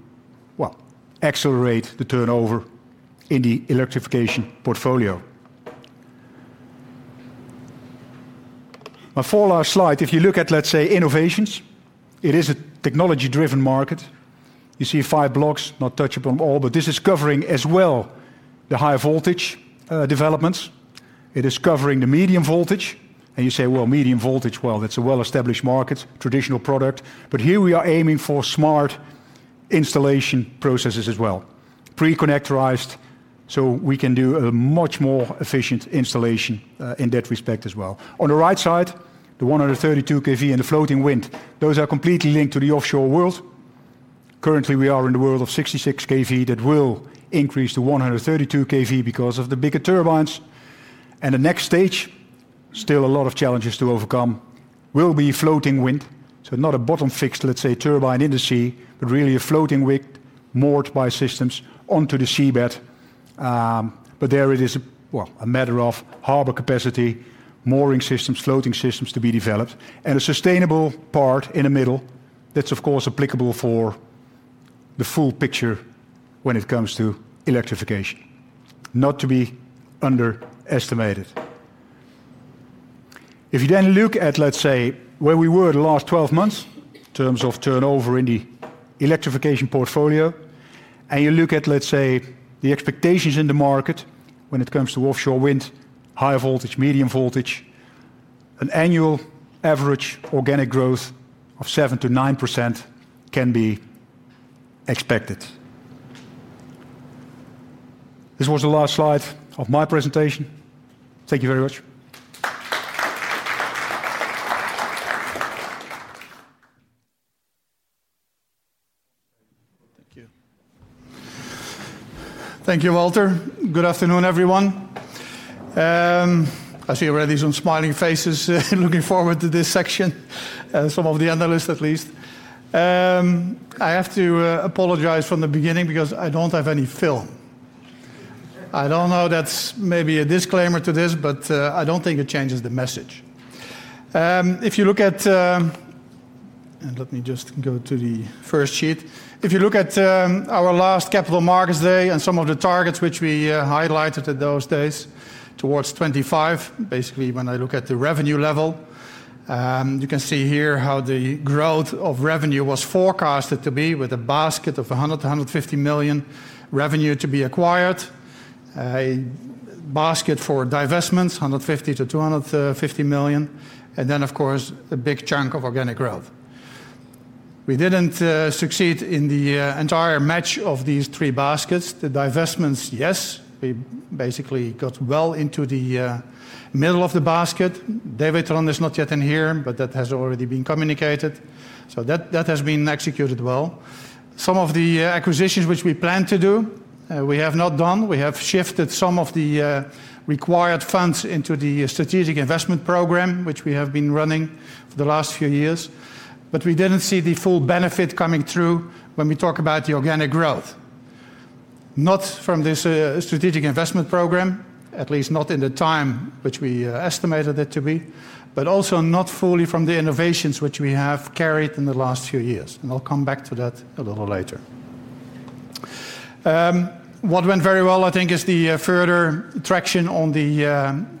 accelerate the turnover in the electrification portfolio. My four last slide, if you look at, let's say, innovations, it is a technology-driven market. You see five blocks, not touchable on all, but this is covering as well the high voltage developments. It is covering the medium voltage. You say, well, medium voltage, that's a well-established market, traditional product. Here we are aiming for smart installation processes as well, pre-connectorized, so we can do a much more efficient installation in that respect as well. On the right side, the 132 kV and the floating wind, those are completely linked to the offshore world. Currently, we are in the world of 66 kV that will increase to 132 kV because of the bigger turbines. The next stage, still a lot of challenges to overcome, will be floating wind. Not a bottom-fixed, let's say, turbine in the sea, but really a floating wind moored by systems onto the seabed. There it is a matter of harbor capacity, mooring systems, floating systems to be developed, and a sustainable part in the middle that's, of course, applicable for the full picture when it comes to electrification. Not to be underestimated. If you then look at, let's say, where we were the last 12 months in terms of turnover in the electrification portfolio, and you look at, let's say, the expectations in the market when it comes to offshore wind, high voltage, medium voltage, an annual average organic growth of 7%-9% can be expected. This was the last slide of my presentation. Thank you very much. Thank you. Thank you, Walter. Good afternoon, everyone. I see already some smiling faces looking forward to this section, some of the analysts at least. I have to apologize from the beginning because I don't have any film. I don't know if that's maybe a disclaimer to this, but I don't think it changes the message. If you look at, and let me just go to the first sheet, if you look at our last Capital Markets Day and some of the targets which we highlighted at those days towards 2025, basically when I look at the revenue level, you can see here how the growth of revenue was forecasted to be with a basket of 100 million-150 million revenue to be acquired, a basket for divestments, 150 million-250 million, and then, of course, a big chunk of organic growth. We didn't succeed in the entire match of these three baskets. The divestments, yes, we basically got well into the middle of the basket. David is not yet in here, but that has already been communicated. That has been executed well. Some of the acquisitions which we planned to do, we have not done. We have shifted some of the required funds into the strategic investment program, which we have been running for the last few years. We didn't see the full benefit coming through when we talk about the organic growth. Not from this strategic investment program, at least not in the time which we estimated it to be, but also not fully from the innovations which we have carried in the last few years. I'll come back to that a little later. What went very well, I think, is the further traction on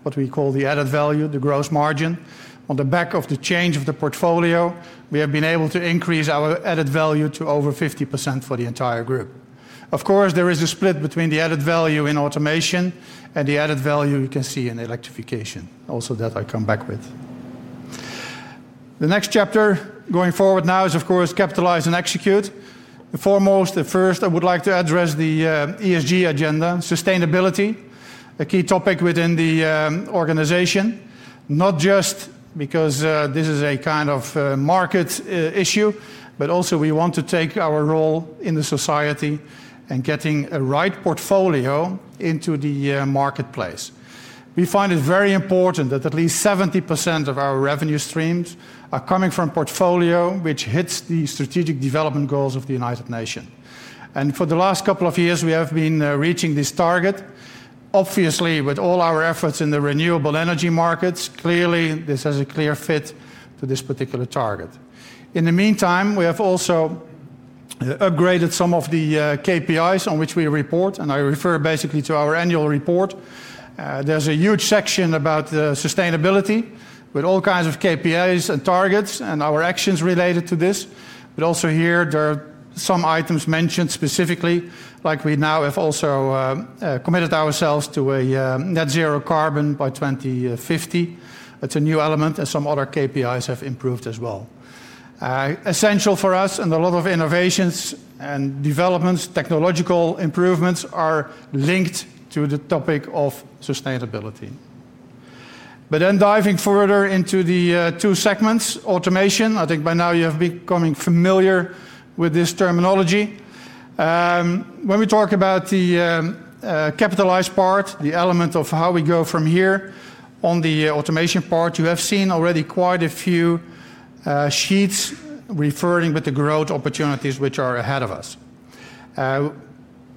what we call the added value, the gross margin. On the back of the change of the portfolio, we have been able to increase our added value to over 50% for the entire group. Of course, there is a split between the added value in Automation and the added value you can see in Electrification. Also, that I come back with. The next chapter going forward now is, of course, capitalize and execute. The foremost, the first, I would like to address the ESG agenda, sustainability, a key topic within the organization, not just because this is a kind of market issue, but also we want to take our role in the society and getting a right portfolio into the marketplace. We find it very important that at least 70% of our revenue streams are coming from a portfolio which hits the strategic development goals of the United Nations. For the last couple of years, we have been reaching this target. Obviously, with all our efforts in the renewable energy markets, clearly, this has a clear fit to this particular target. In the meantime, we have also upgraded some of the KPIs on which we report, and I refer basically to our annual report. There's a huge section about sustainability with all kinds of KPIs and targets and our actions related to this. Also here, there are some items mentioned specifically, like we now have also committed ourselves to a net zero carbon by 2050. That's a new element, and some other KPIs have improved as well. Essential for us, and a lot of innovations and developments, technological improvements are linked to the topic of sustainability. Diving further into the two segments, automation, I think by now you have become familiar with this terminology. When we talk about the capitalized part, the element of how we go from here on the automation part, you have seen already quite a few sheets referring to the growth opportunities which are ahead of us.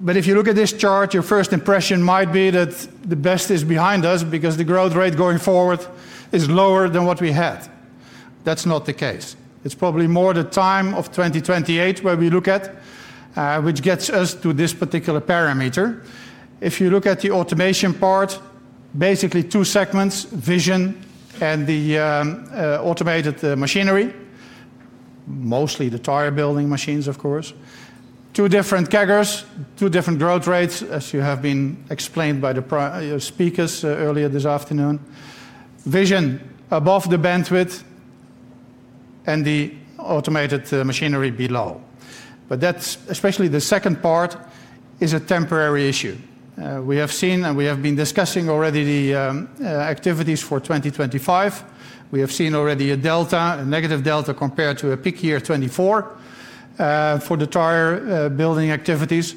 If you look at this chart, your first impression might be that the best is behind us because the growth rate going forward is lower than what we had. That's not the case. It's probably more the time of 2028 where we look at, which gets us to this particular parameter. If you look at the automation part, basically two segments, vision and the automated machinery, mostly the tire building machines, of course, two different categories, two different growth rates, as you have been explained by the speakers earlier this afternoon. Vision above the bandwidth and the automated machinery below. Especially the second part is a temporary issue. We have seen, and we have been discussing already the activities for 2025. We have seen already a delta, a negative delta compared to a peak year 2024 for the tire building activities.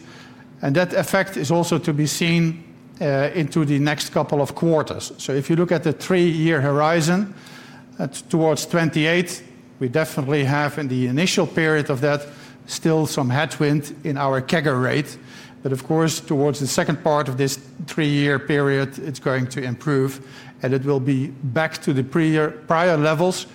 That effect is also to be seen into the next couple of quarters. If you look at the three-year horizon, it's towards 2028. We definitely have in the initial period of that still some headwind in our CAGR rate. Of course, towards the second part of this three-year period, it's going to improve and it will be back to the prior levels.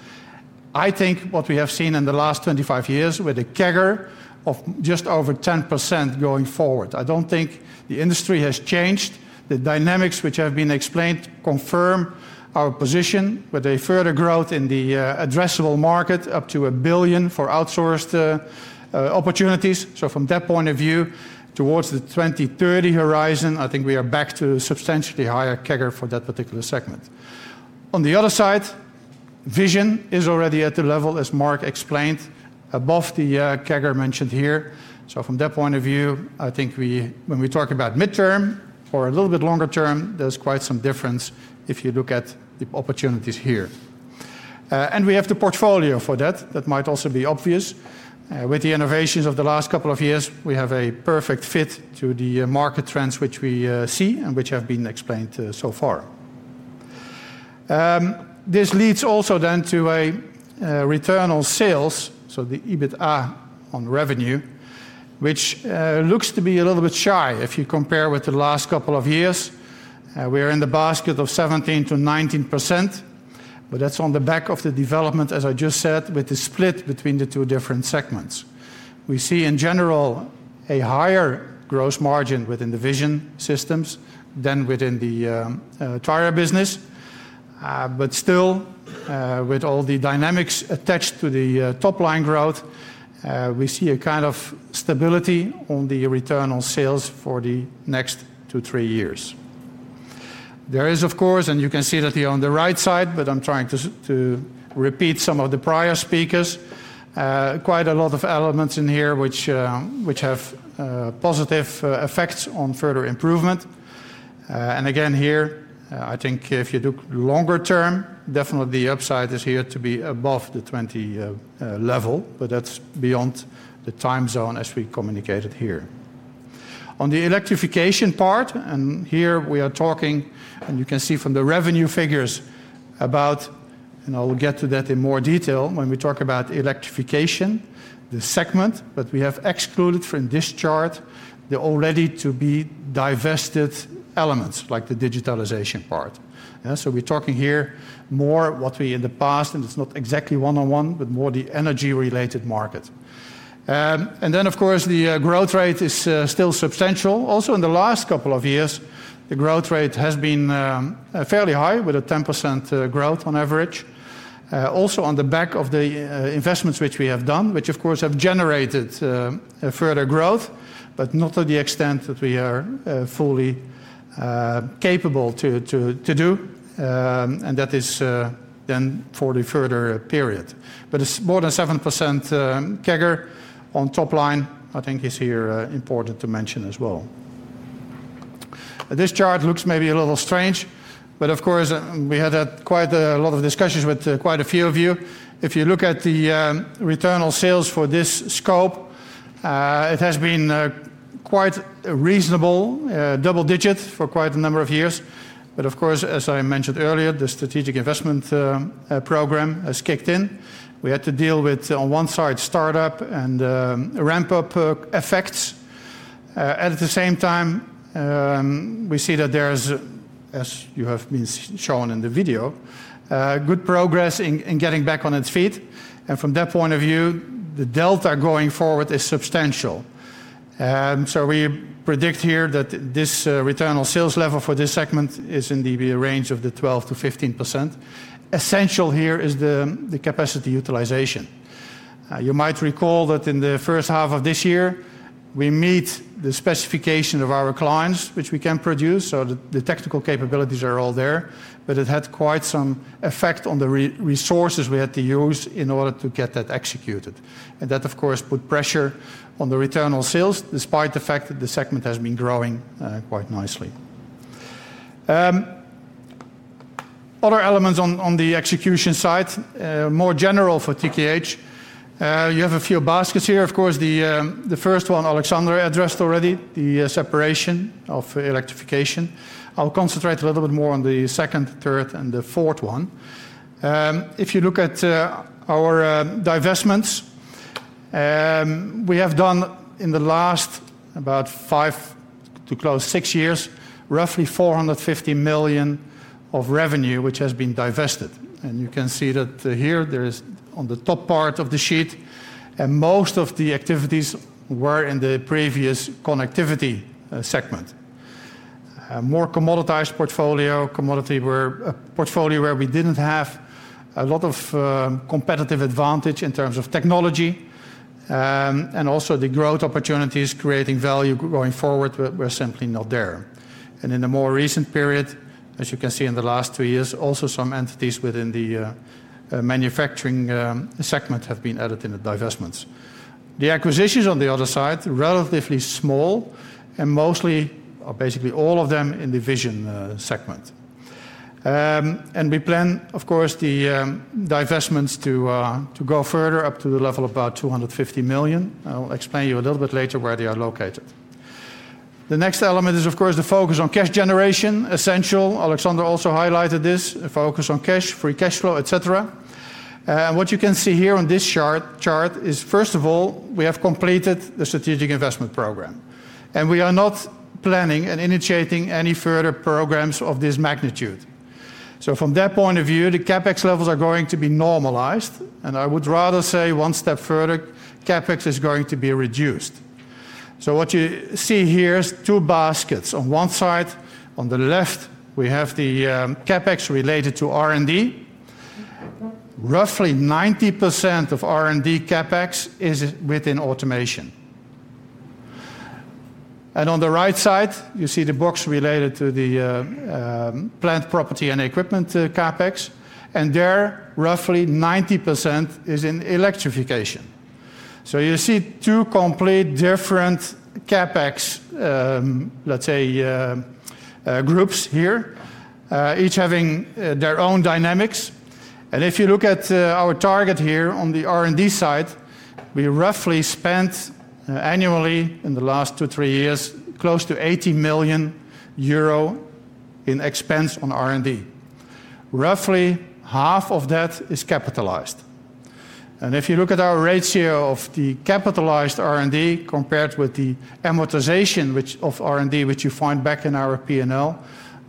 I think what we have seen in the last 25 years with a CAGR of just over 10% going forward. I don't think the industry has changed. The dynamics which have been explained confirm our position with a further growth in the addressable market up to 1 billion for outsourced opportunities. From that point of view, towards the 2030 horizon, I think we are back to a substantially higher CAGR for that particular segment. On the other side, vision is already at the level, as Mark explained, above the CAGR mentioned here. From that point of view, I think when we talk about midterm or a little bit longer term, there's quite some difference if you look at the opportunities here. We have the portfolio for that. That might also be obvious. With the innovations of the last couple of years, we have a perfect fit to the market trends which we see and which have been explained so far. This leads also then to a return on sales, so the EBITDA on revenue, which looks to be a little bit shy if you compare with the last couple of years. We're in the basket of 17%-19%, but that's on the back of the development, as I just said, with the split between the two different segments. We see in general a higher gross margin within the vision systems than within the tire business. Still, with all the dynamics attached to the top line growth, we see a kind of stability on the return on sales for the next two to three years. There is, of course, and you can see that here on the right side, but I'm trying to repeat some of the prior speakers, quite a lot of elements in here which have positive effects on further improvement. Again here, I think if you look longer term, definitely the upside is here to be above the 20% level, but that's beyond the time zone as we communicated here. On the electrification part, and here we are talking, and you can see from the revenue figures about, and I'll get to that in more detail when we talk about electrification, the segment, but we have excluded from this chart the already to be divested elements like the digitalization part. We're talking here more what we in the past, and it's not exactly one-on-one, but more the energy-related market. Of course, the growth rate is still substantial. Also, in the last couple of years, the growth rate has been fairly high with a 10% growth on average. Also on the back of the investments which we have done, which of course have generated further growth, but not to the extent that we are fully capable to do, and that is then for the further period. More than 7% CAGR on top line, I think is here important to mention as well. This chart looks maybe a little strange, but of course, we had quite a lot of discussions with quite a few of you. If you look at the return on sales for this scope, it has been quite a reasonable double digit for quite a number of years. Of course, as I mentioned earlier, the strategic investment program has kicked in. We had to deal with, on one side, startup and ramp-up effects. At the same time, we see that there is, as you have been shown in the video, good progress in getting back on its feet. From that point of view, the delta going forward is substantial. We predict here that this return on sales level for this segment is in the range of 12%-15%. Essential here is the capacity utilization. You might recall that in the first half of this year, we meet the specification of our clients, which we can produce, so the technical capabilities are all there, but it had quite some effect on the resources we had to use in order to get that executed. That, of course, put pressure on the return on sales, despite the fact that the segment has been growing quite nicely. Other elements on the execution side, more general for TKH, you have a few baskets here. The first one Alexander addressed already, the separation of electrification. I'll concentrate a little bit more on the second, third, and the fourth one. If you look at our divestments, we have done in the last about five to close six years, roughly 450 million of revenue, which has been divested. You can see that here there is on the top part of the sheet, and most of the activities were in the previous connectivity segment. More commoditized portfolio, a portfolio where we didn't have a lot of competitive advantage in terms of technology, and also the growth opportunities, creating value going forward were simply not there. In the more recent period, as you can see in the last two years, also some entities within the manufacturing segment have been added in the divestments. The acquisitions on the other side, relatively small, and mostly or basically all of them in the vision segment. We plan, of course, the divestments to go further up to the level of about 250 million. I'll explain to you a little bit later where they are located. The next element is, of course, the focus on cash generation, essential. Alexander also highlighted this, a focus on cash, free cash flow, et cetera. What you can see here on this chart is, first of all, we have completed the strategic investment program. We are not planning and initiating any further programs of this magnitude. From that point of view, the CapEx levels are going to be normalized, and I would rather say one step further, CapEx is going to be reduced. What you see here is two baskets. On one side, on the left, we have the CapEx related to R&D. Roughly 90% of R&D CapEx is within automation. On the right side, you see the box related to the plant, property, and equipment CapEx, and there roughly 90% is in electrification. You see two complete different CapEx groups here, each having their own dynamics. If you look at our target here on the R&D side, we roughly spent annually in the last two to three years close to 80 million euro in expense on R&D. Roughly half of that is capitalized. If you look at our ratio of the capitalized R&D compared with the amortization of R&D which you find back in our P&L,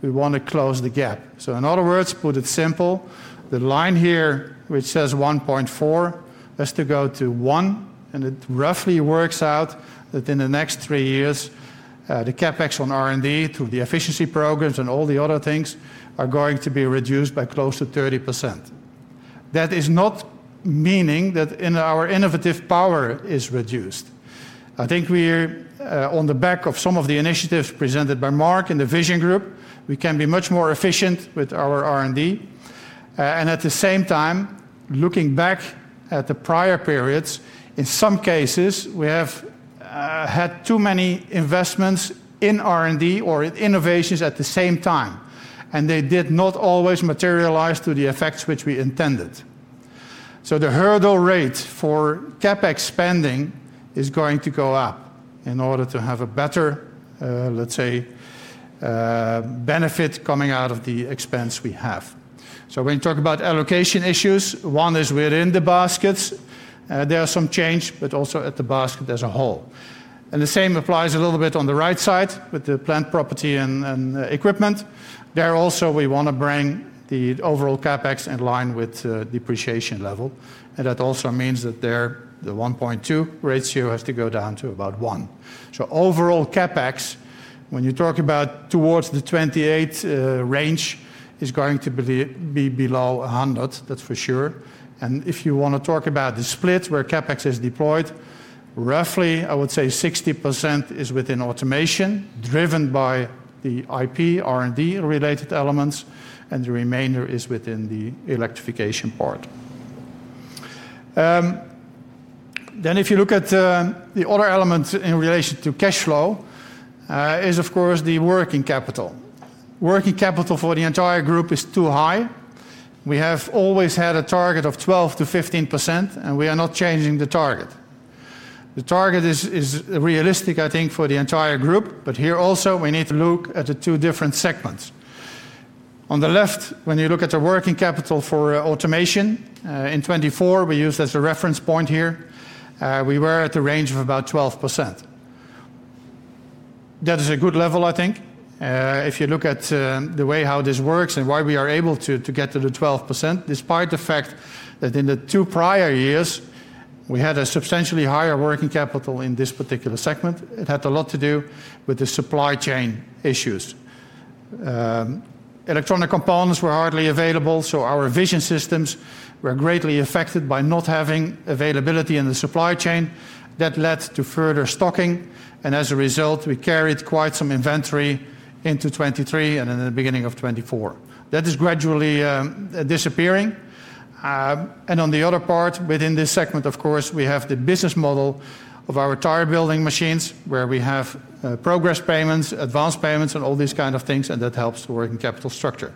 we want to close the gap. In other words, put it simple, the line here which says 1.4x has to go to 1x, and it roughly works out that in the next three years, the CapEx on R&D through the efficiency programs and all the other things are going to be reduced by close to 30%. That does not mean that our innovative power is reduced. I think we're on the back of some of the initiatives presented by Mark in the vision group, we can be much more efficient with our R&D. At the same time, looking back at the prior periods, in some cases, we have had too many investments in R&D or in innovations at the same time, and they did not always materialize to the effects which we intended. The hurdle rate for CapEx spending is going to go up in order to have a better benefit coming out of the expense we have. When you talk about allocation issues, one is within the baskets, there's some change, but also at the basket as a whole. The same applies a little bit on the right side with the plant, property, and equipment. There also, we want to bring the overall CapEx in line with the depreciation level, and that also means that the 1.2x ratio has to go down to about 1x. Overall CapEx, when you talk about towards the 2028 range, is going to be below 100 million, that's for sure. If you want to talk about the split where CapEx is deployed, roughly, I would say 60% is within automation, driven by the IP, R&D related elements, and the remainder is within the electrification part. If you look at the other elements in relation to cash flow, it is of course the working capital. Working capital for the entire group is too high. We have always had a target of 12%-15%, and we are not changing the target. The target is realistic, I think, for the entire group, but here also we need to look at the two different segments. On the left, when you look at the working capital for automation in 2024, we use as a reference point here, we were at a range of about 12%. That is a good level, I think. If you look at the way how this works and why we are able to get to the 12%, despite the fact that in the two prior years, we had a substantially higher working capital in this particular segment, it had a lot to do with the supply chain issues. Electronic components were hardly available, so our vision systems were greatly affected by not having availability in the supply chain. That led to further stocking, and as a result, we carried quite some inventory into 2023 and in the beginning of 2024. That is gradually disappearing. On the other part, within this segment, of course, we have the business model of our tire building machines where we have progress payments, advanced payments, and all these kinds of things, and that helps the working capital structure.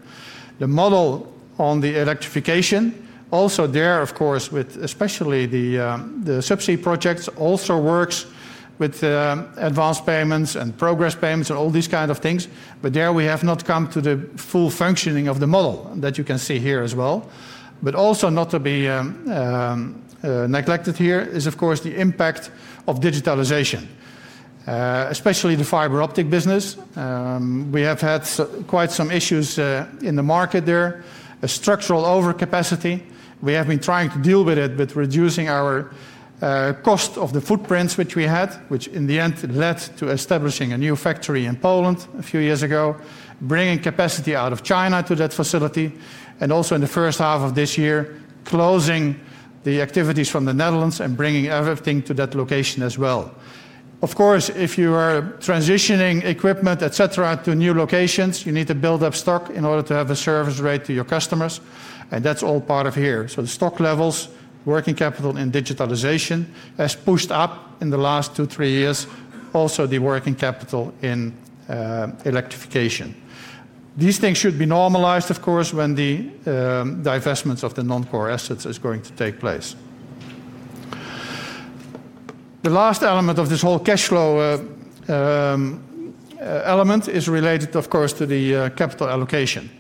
The model on the electrification, also there, of course, with especially the subsidy projects, also works with advanced payments and progress payments and all these kinds of things, but there we have not come to the full functioning of the model, and that you can see here as well. Also not to be neglected here is, of course, the impact of digitalization, especially the fiber optic business. We have had quite some issues in the market there, a structural overcapacity. We have been trying to deal with it with reducing our cost of the footprints which we had, which in the end led to establishing a new factory in Poland a few years ago, bringing capacity out of China to that facility, and also in the first half of this year, closing the activities from the Netherlands and bringing everything to that location as well. Of course, if you are transitioning equipment, et cetera, to new locations, you need to build up stock in order to have a service rate to your customers, and that's all part of here. The stock levels, working capital in digitalization has pushed up in the last two to three years, also the working capital in electrification. These things should be normalized, of course, when the divestment of the non-core assets is going to take place. The last element of this whole cash flow element is related, of course, to the capital allocation.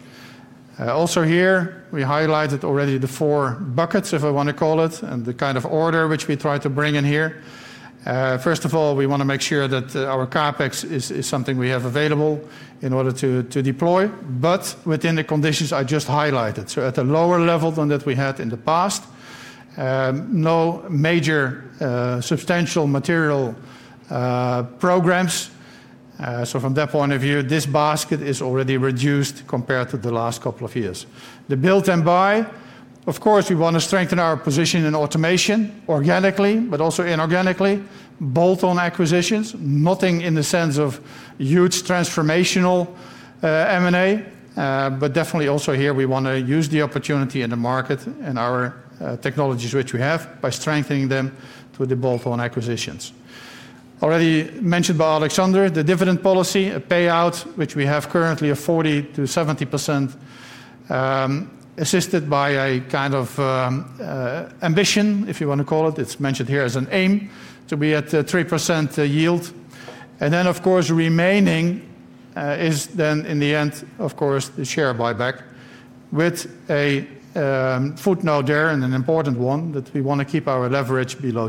Also here, we highlighted already the four buckets, if I want to call it, and the kind of order which we try to bring in here. First of all, we want to make sure that our CapEx is something we have available in order to deploy, but within the conditions I just highlighted. At a lower level than that we had in the past, no major substantial material programs. From that point of view, this basket is already reduced compared to the last couple of years. The build and buy, of course, we want to strengthen our position in automation organically, but also inorganically, bolt-on acquisitions, nothing in the sense of huge transformational M&A, but definitely also here we want to use the opportunity in the market and our technologies which we have by strengthening them through the bolt-on acquisitions. Already mentioned by Alexander, the dividend policy, a payout which we have currently of 40%-70% assisted by a kind of ambition, if you want to call it. It's mentioned here as an aim to be at a 3% yield. Of course, remaining is then in the end, of course, the share buyback with a footnote there and an important one that we want to keep our leverage below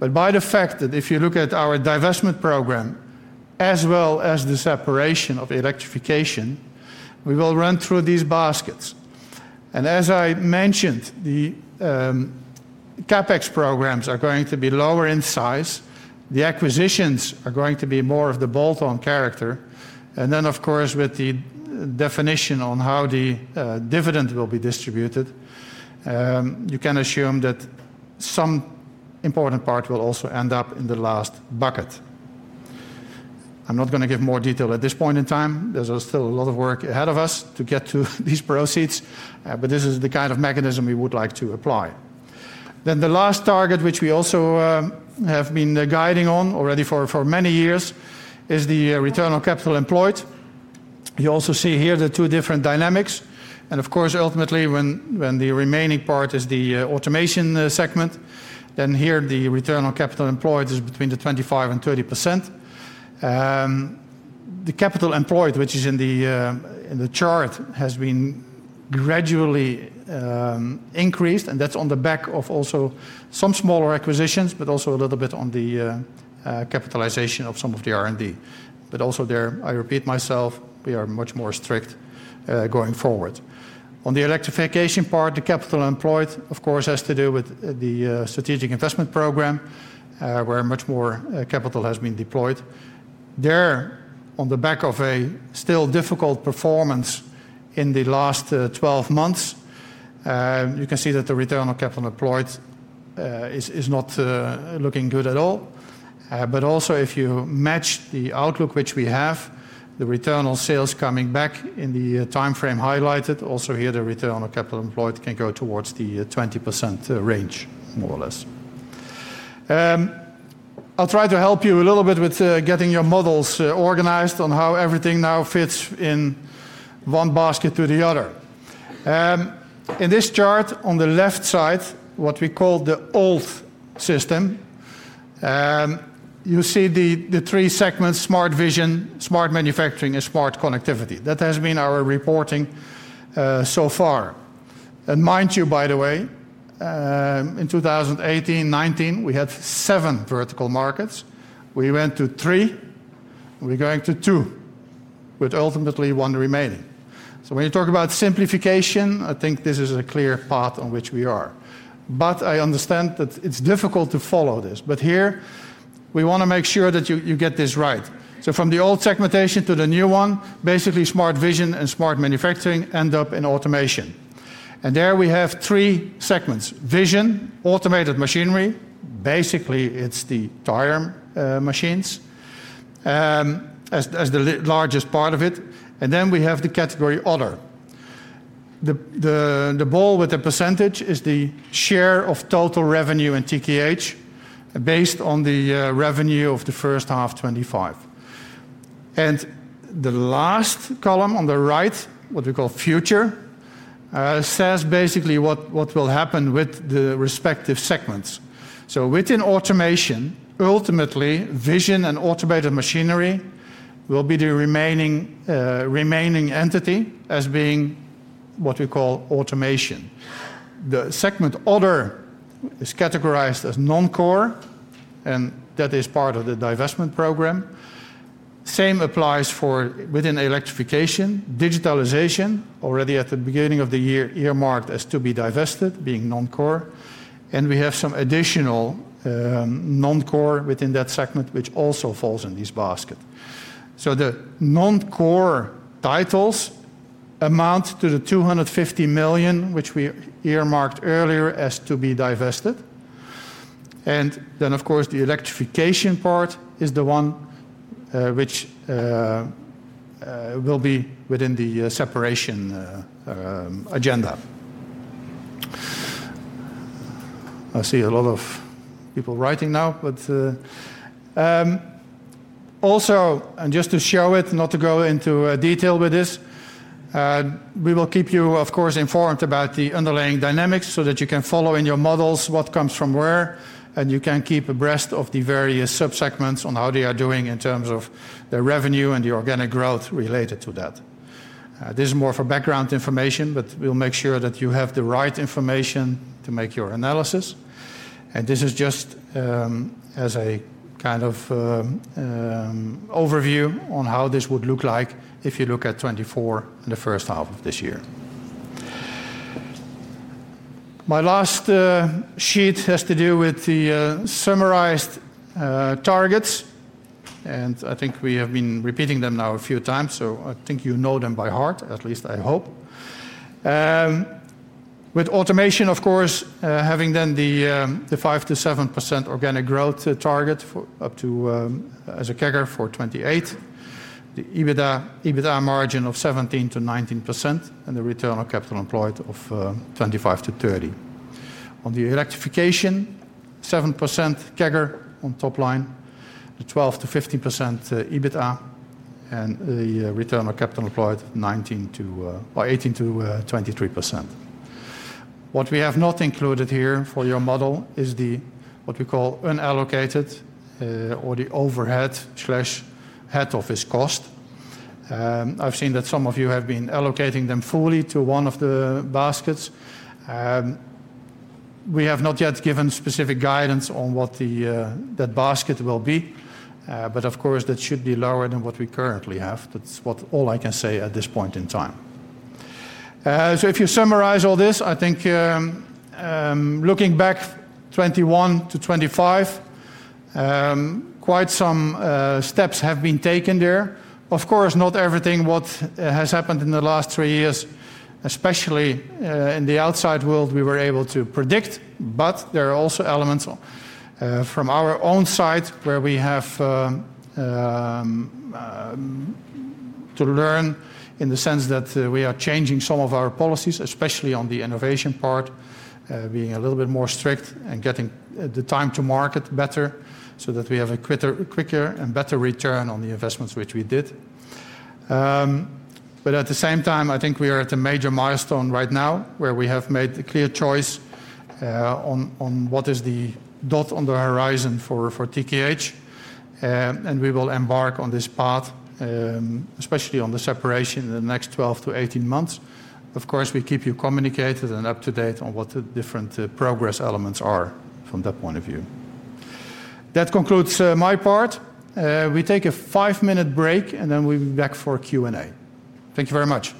two. By the fact that if you look at our divestment program as well as the separation of electrification, we will run through these baskets. As I mentioned, the CapEx programs are going to be lower in size, the acquisitions are going to be more of the bolt-on character, and with the definition on how the dividend will be distributed, you can assume that some important part will also end up in the last bucket. I'm not going to give more detail at this point in time. There's still a lot of work ahead of us to get to these proceeds, but this is the kind of mechanism we would like to apply. The last target which we also have been guiding on already for many years is the return on capital employed. You also see here the two different dynamics, and of course, ultimately, when the remaining part is the automation segment, then here the return on capital employed is between the 25%-30%. The capital employed, which is in the chart, has been gradually increased, and that's on the back of also some smaller acquisitions, but also a little bit on the capitalization of some of the R&D. Also there, I repeat myself, we are much more strict going forward. On the electrification part, the capital employed, of course, has to do with the strategic investment program where much more capital has been deployed. There, on the back of a still difficult performance in the last 12 months, you can see that the return on capital employed is not looking good at all. If you match the outlook which we have, the return on sales coming back in the timeframe highlighted, also here, the return on capital employed can go towards the 20% range, more or less. I'll try to help you a little bit with getting your models organized on how everything now fits in one basket to the other. In this chart on the left side, what we call the old system, you see the three segments: Smart Vision, Smart Manufacturing, and Smart Connectivity. That has been our reporting so far. Mind you, by the way, in 2018-2019, we had seven vertical markets. We went to three, we're going to two, with ultimately one remaining. When you talk about simplification, I think this is a clear path on which we are. I understand that it's difficult to follow this. Here, we want to make sure that you get this right. From the old segmentation to the new one, basically, Smart Vision and Smart Manufacturing end up in Automation. There we have three segments: Vision, Automated Machinery, basically, it's the tire machines as the largest part of it, and then we have the category Other. The ball with the percentage is the share of total revenue in TKH based on the revenue of the first half, 2025. The last column on the right, what we call future, says basically what will happen with the respective segments. Within Automation, ultimately, Vision and Automated Machinery will be the remaining entity as being what we call Automation. The segment Other is categorized as non-core, and that is part of the divestment program. The same applies for within Electrification, Digitalization, already at the beginning of the year earmarked as to be divested, being non-core. We have some additional non-core within that segment, which also falls in this basket. The non-core titles amount to the 250 million, which we earmarked earlier as to be divested. Of course, the Electrification part is the one which will be within the separation agenda. I see a lot of people writing now, but also, and just to show it, not to go into detail with this, we will keep you, of course, informed about the underlying dynamics so that you can follow in your models what comes from where, and you can keep abreast of the various subsegments on how they are doing in terms of the revenue and the organic growth related to that. This is more for background information, but we'll make sure that you have the right information to make your analysis. This is just as a kind of overview on how this would look like if you look at 2024 in the first half of this year. My last sheet has to do with the summarized targets, and I think we have been repeating them now a few times, so I think you know them by heart, at least I hope. With Automation, of course, having then the 5%-7% organic growth target up to as a CAGR for 2028, the EBITDA margin of 17%-19%, and the return on capital employed of 25%-30%. On Electrification, 7% CAGR on top line, the 12%-15% EBITDA, and the return on capital employed 18%-23%. What we have not included here for your model is what we call unallocated or the overhead/head office cost. I've seen that some of you have been allocating them fully to one of the baskets. We have not yet given specific guidance on what that basket will be, but of course, that should be lower than what we currently have. That's all I can say at this point in time. If you summarize all this, I think looking back 2021 to 2025, quite some steps have been taken there. Not everything that has happened in the last three years, especially in the outside world, we were able to predict, but there are also elements from our own side where we have to learn in the sense that we are changing some of our policies, especially on the innovation part, being a little bit more strict and getting the time to market better so that we have a quicker and better return on the investments which we did. At the same time, I think we are at a major milestone right now where we have made a clear choice on what is the dot on the horizon for TKH, and we will embark on this path, especially on the separation in the next 12-18 months. Of course, we keep you communicated and up to date on what the different progress elements are from that point of view. That concludes my part. We take a five-minute break, and then we'll be back for Q&A. Thank you very much.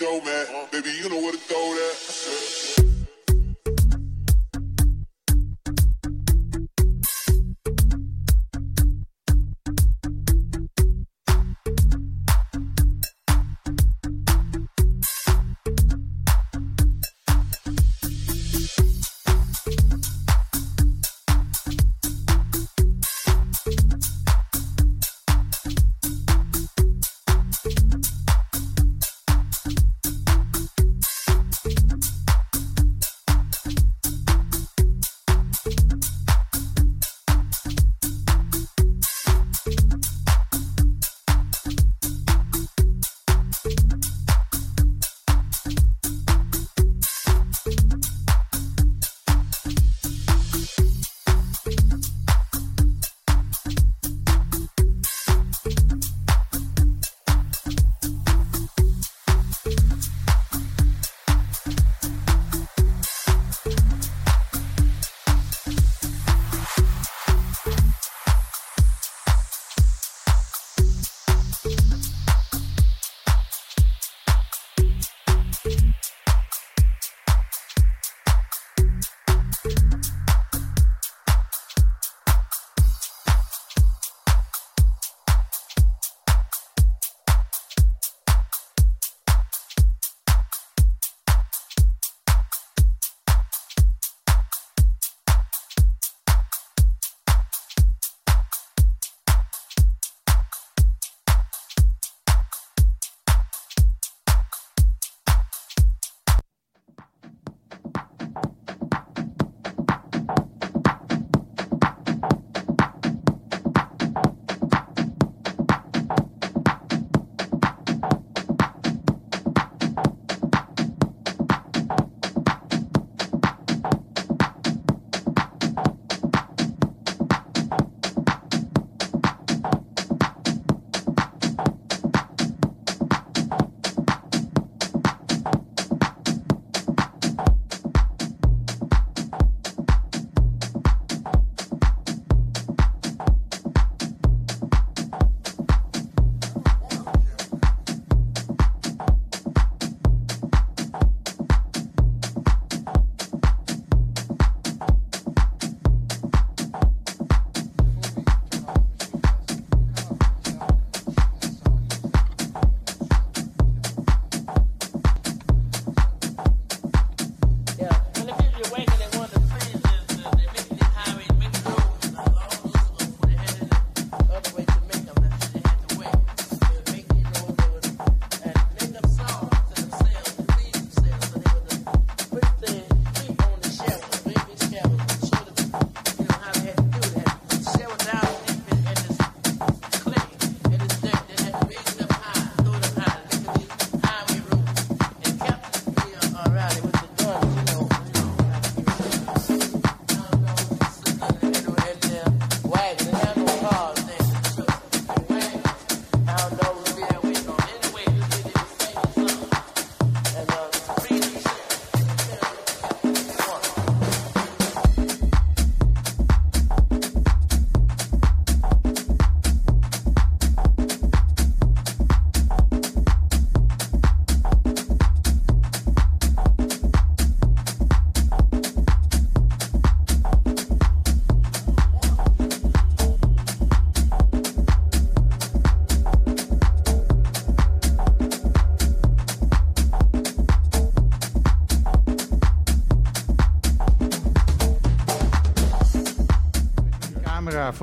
I saw you fake on show, looking for the after party with the dough. Don't want to flow like a dough man. Baby, you know where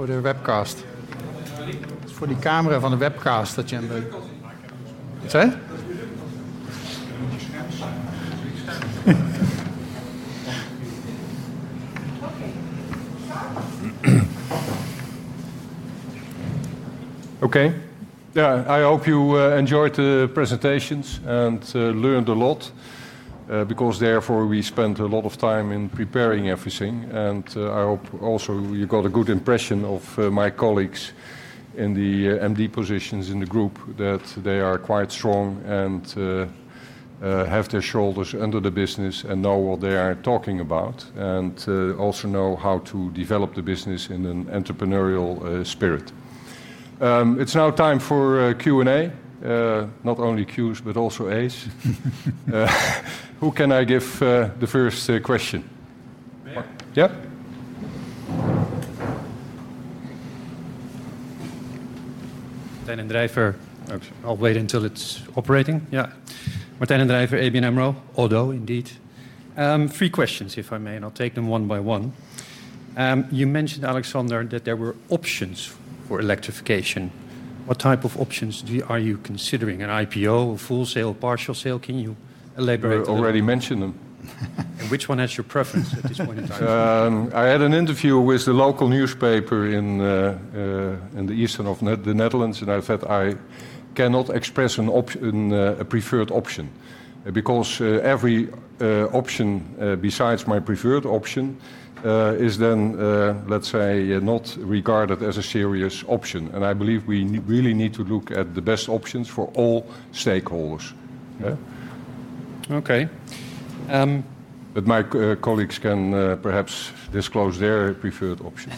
the dough here. Okay. Yeah, I hope you enjoyed the presentations and learned a lot, because therefore we spent a lot of time in preparing everything. I hope also you got a good impression of my colleagues in the MD positions in the group, that they are quite strong and have their shoulders under the business and know what they are talking about and also know how to develop the business in an entrepreneurial spirit. It's now time for Q&A, not only Qs, but also As. Who can I give the first question? Yeah? Martijn den Drijver, I'll wait until it's operating. Yeah. Martijn den Drijver, ABN AMRO, or do indeed. Three questions, if I may, and I'll take them one by one. You mentioned, Alexander, that there were options for electrification. What type of options are you considering? An IPO, a full sale, a partial sale? Can you elaborate? I already mentioned them. Which one has your preference at this point in time? I had an interview with the local newspaper in the east of the Netherlands, and I said I cannot express a preferred option because every option besides my preferred option is then, let's say, not regarded as a serious option. I believe we really need to look at the best options for all stakeholders. Okay. My colleagues can perhaps disclose their preferred option.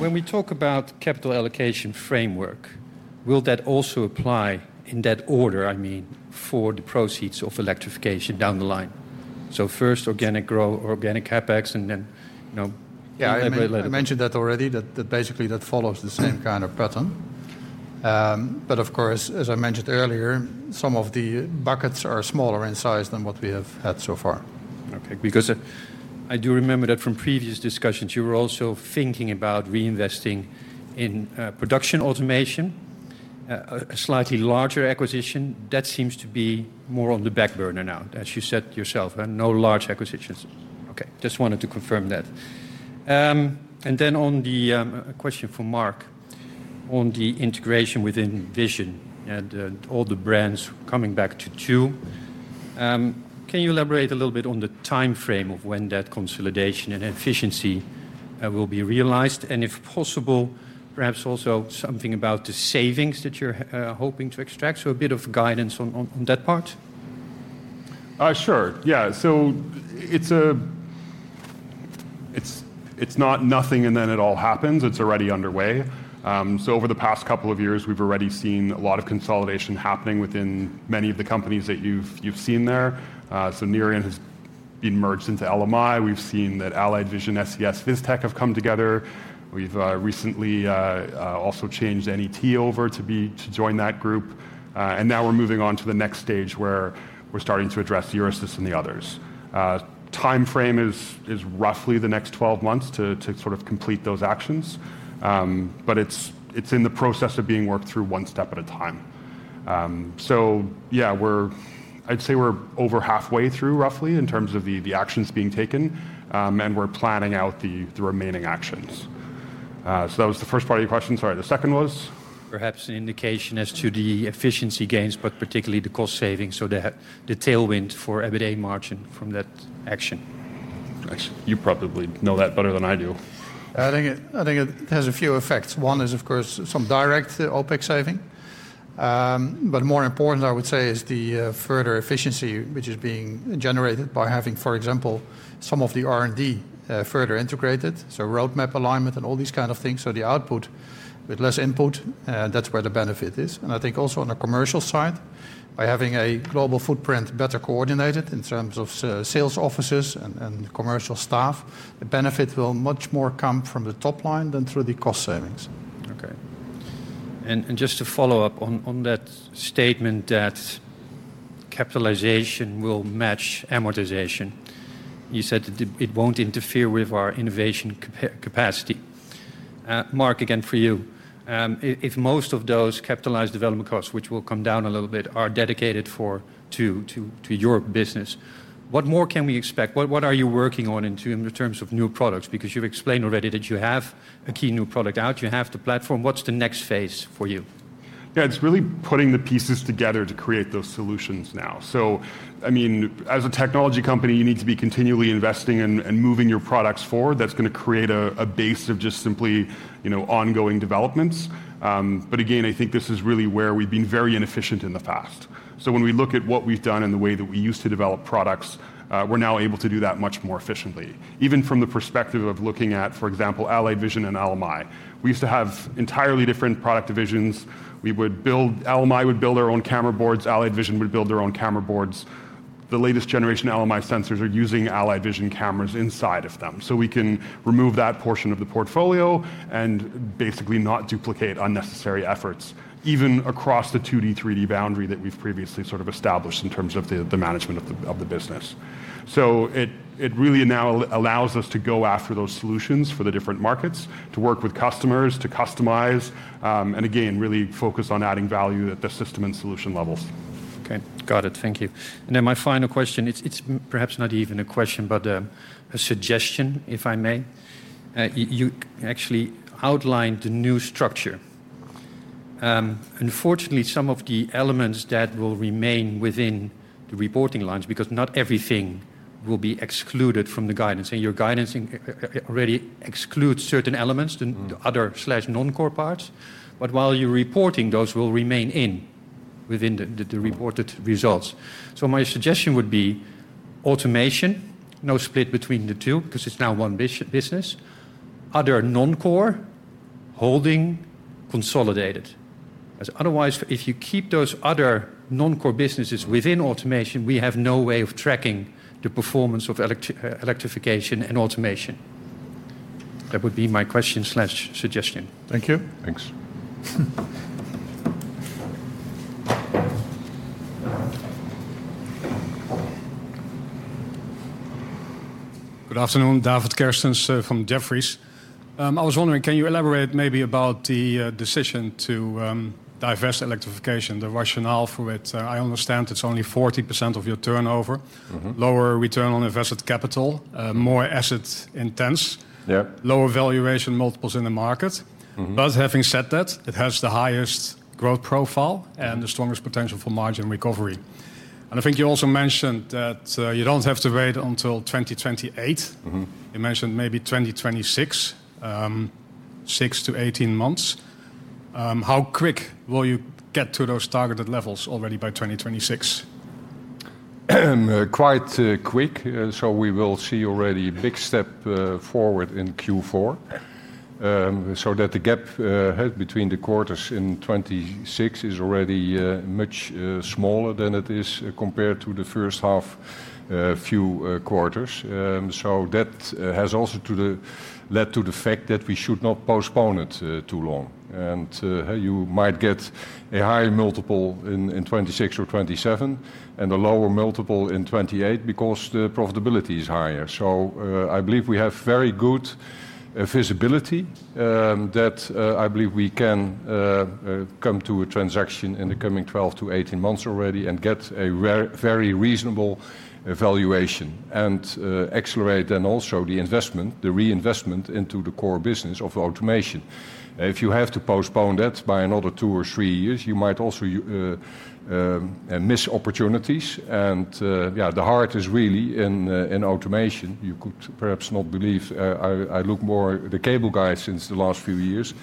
When we talk about capital allocation framework, will that also apply in that order? I mean, for the proceeds of electrification down the line? First organic growth or organic CapEx, and then, you know. Yeah, I mentioned that already, that basically that follows the same kind of pattern. Of course, as I mentioned earlier, some of the buckets are smaller in size than what we have had so far. Okay, because I do remember that from previous discussions, you were also thinking about reinvesting in production automation, a slightly larger acquisition. That seems to be more on the back burner now, as you said yourself, no large acquisitions. Okay, just wanted to confirm that. On the question for Mark, on the integration within vision and all the brands coming back to two, can you elaborate a little bit on the timeframe of when that consolidation and efficiency will be realized? If possible, perhaps also something about the savings that you're hoping to extract, so a bit of guidance on that part? Sure, yeah. It's not nothing and then it all happens. It's already underway. Over the past couple of years, we've already seen a lot of consolidation happening within many of the companies that you've seen there. Nerion has been merged into LMI. We've seen that Allied Vision, SVS-Vistek have come together. We've recently also changed [any T] over to join that group. Now we're moving on to the next stage where we're starting to address Euresys and the others. The timeframe is roughly the next 12 months to complete those actions. It's in the process of being worked through one step at a time. I'd say we're over halfway through roughly in terms of the actions being taken. We're planning out the remaining actions. That was the first part of your question. Sorry, the second was? Perhaps an indication as to the efficiency gains, particularly the cost savings, the tailwind for everyday margin from that action. You probably know that better than I do. I think it has a few effects. One is, of course, some direct OpEx saving. More important, I would say, is the further efficiency, which is being generated by having, for example, some of the R&D further integrated. Roadmap alignment and all these kinds of things mean the output with less input, and that's where the benefit is. I think also on the commercial side, by having a global footprint better coordinated in terms of sales offices and commercial staff, the benefit will much more come from the top line than through the cost savings. Okay. Just to follow up on that statement that capitalization will match amortization, you said that it won't interfere with our innovation capacity. Mark, again for you, if most of those capitalized development costs, which will come down a little bit, are dedicated to your business, what more can we expect? What are you working on in terms of new products? You've explained already that you have a key new product out. You have the platform. What's the next phase for you? Yeah, it's really putting the pieces together to create those solutions now. As a technology company, you need to be continually investing and moving your products forward. That's going to create a base of just simply ongoing developments. I think this is really where we've been very inefficient in the past. When we look at what we've done and the way that we used to develop products, we're now able to do that much more efficiently. Even from the perspective of looking at, for example, Allied Vision and LMI. We used to have entirely different product divisions. We would build LMI, would build our own camera boards. Allied Vision would build their own camera boards. The latest generation LMI sensors are using Allied Vision cameras inside of them. We can remove that portion of the portfolio and basically not duplicate unnecessary efforts, even across the 2D, 3D boundary that we've previously sort of established in terms of the management of the business. It really now allows us to go after those solutions for the different markets, to work with customers, to customize, and again, really focus on adding value at the system and solution levels. Okay, got it. Thank you. My final question, it's perhaps not even a question, but a suggestion, if I may. You actually outlined the new structure. Unfortunately, some of the elements that will remain within the reporting lines, because not everything will be excluded from the guidance. Your guidance already excludes certain elements, the other/non-core parts. While you're reporting, those will remain within the reported results. My suggestion would be automation, no split between the two, because it's now one business. Other non-core holding consolidated. Otherwise, if you keep those other non-core businesses within automation, we have no way of tracking the performance of electrification and automation. That would be my question/suggestion. Thank you. Thanks. Good afternoon, David Kerstens from Jefferies. I was wondering, can you elaborate maybe about the decision to divest Electrification, the rationale for it? I understand it's only 40% of your turnover, lower return on invested capital, more asset intense, lower valuation multiples in the market. Having said that, it has the highest growth profile and the strongest potential for margin recovery. I think you also mentioned that you don't have to wait until 2028. You mentioned maybe 2026, 6-18 months. How quick will you get to those targeted levels already by 2026? Quite quick. We will see already a big step forward in Q4, so that the gap between the quarters in 2026 is already much smaller than it is compared to the first half few quarters. That has also led to the fact that we should not postpone it too long. You might get a higher multiple in 2026 or 2027 and a lower multiple in 2028 because the profitability is higher. I believe we have very good visibility that I believe we can come to a transaction in the coming 12-18 months already and get a very reasonable evaluation and accelerate then also the investment, the reinvestment into the core business of automation. If you have to postpone that by another two or three years, you might also miss opportunities. The heart is really in automation. You could perhaps not believe I look more at the cable guys since the last few years,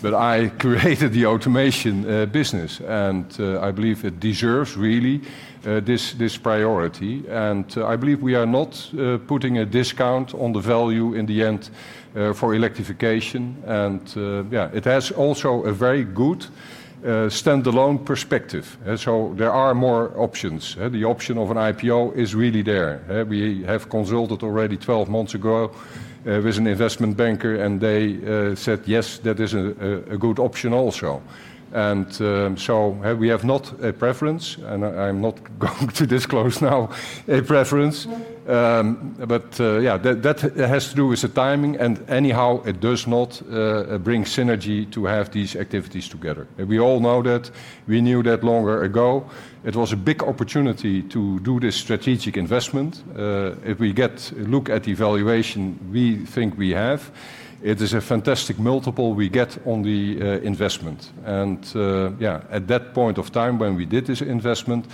but I created the automation business. I believe it deserves really this priority. I believe we are not putting a discount on the value in the end for electrification. It has also a very good standalone perspective. There are more options. The option of an IPO is really there. We have consulted already 12 months ago with an investment banker, and they said, yes, that is a good option also. We have not a preference, and I'm not going to disclose now a preference. That has to do with the timing. Anyhow, it does not bring synergy to have these activities together. We all know that. We knew that longer ago. It was a big opportunity to do this strategic investment. If we look at the valuation we think we have, it is a fantastic multiple we get on the investment. At that point of time when we did this investment,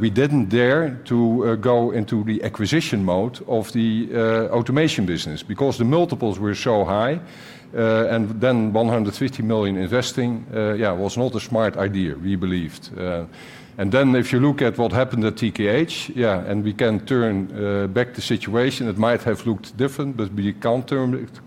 we didn't dare to go into the acquisition mode of the automation business because the multiples were so high. Then 150 million investing was not a smart idea, we believed. If you look at what happened at TKH, and we can turn back the situation, it might have looked different, but we can't turn it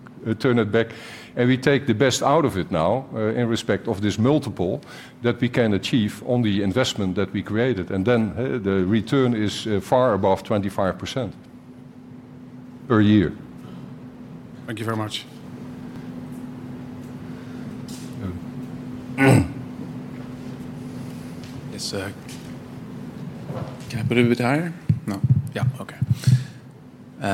back. We take the best out of it now in respect of this multiple that we can achieve on the investment that we created. The return is far above 25% per year. Thank you very much. Yeah, but a bit higher? No. Yeah, okay.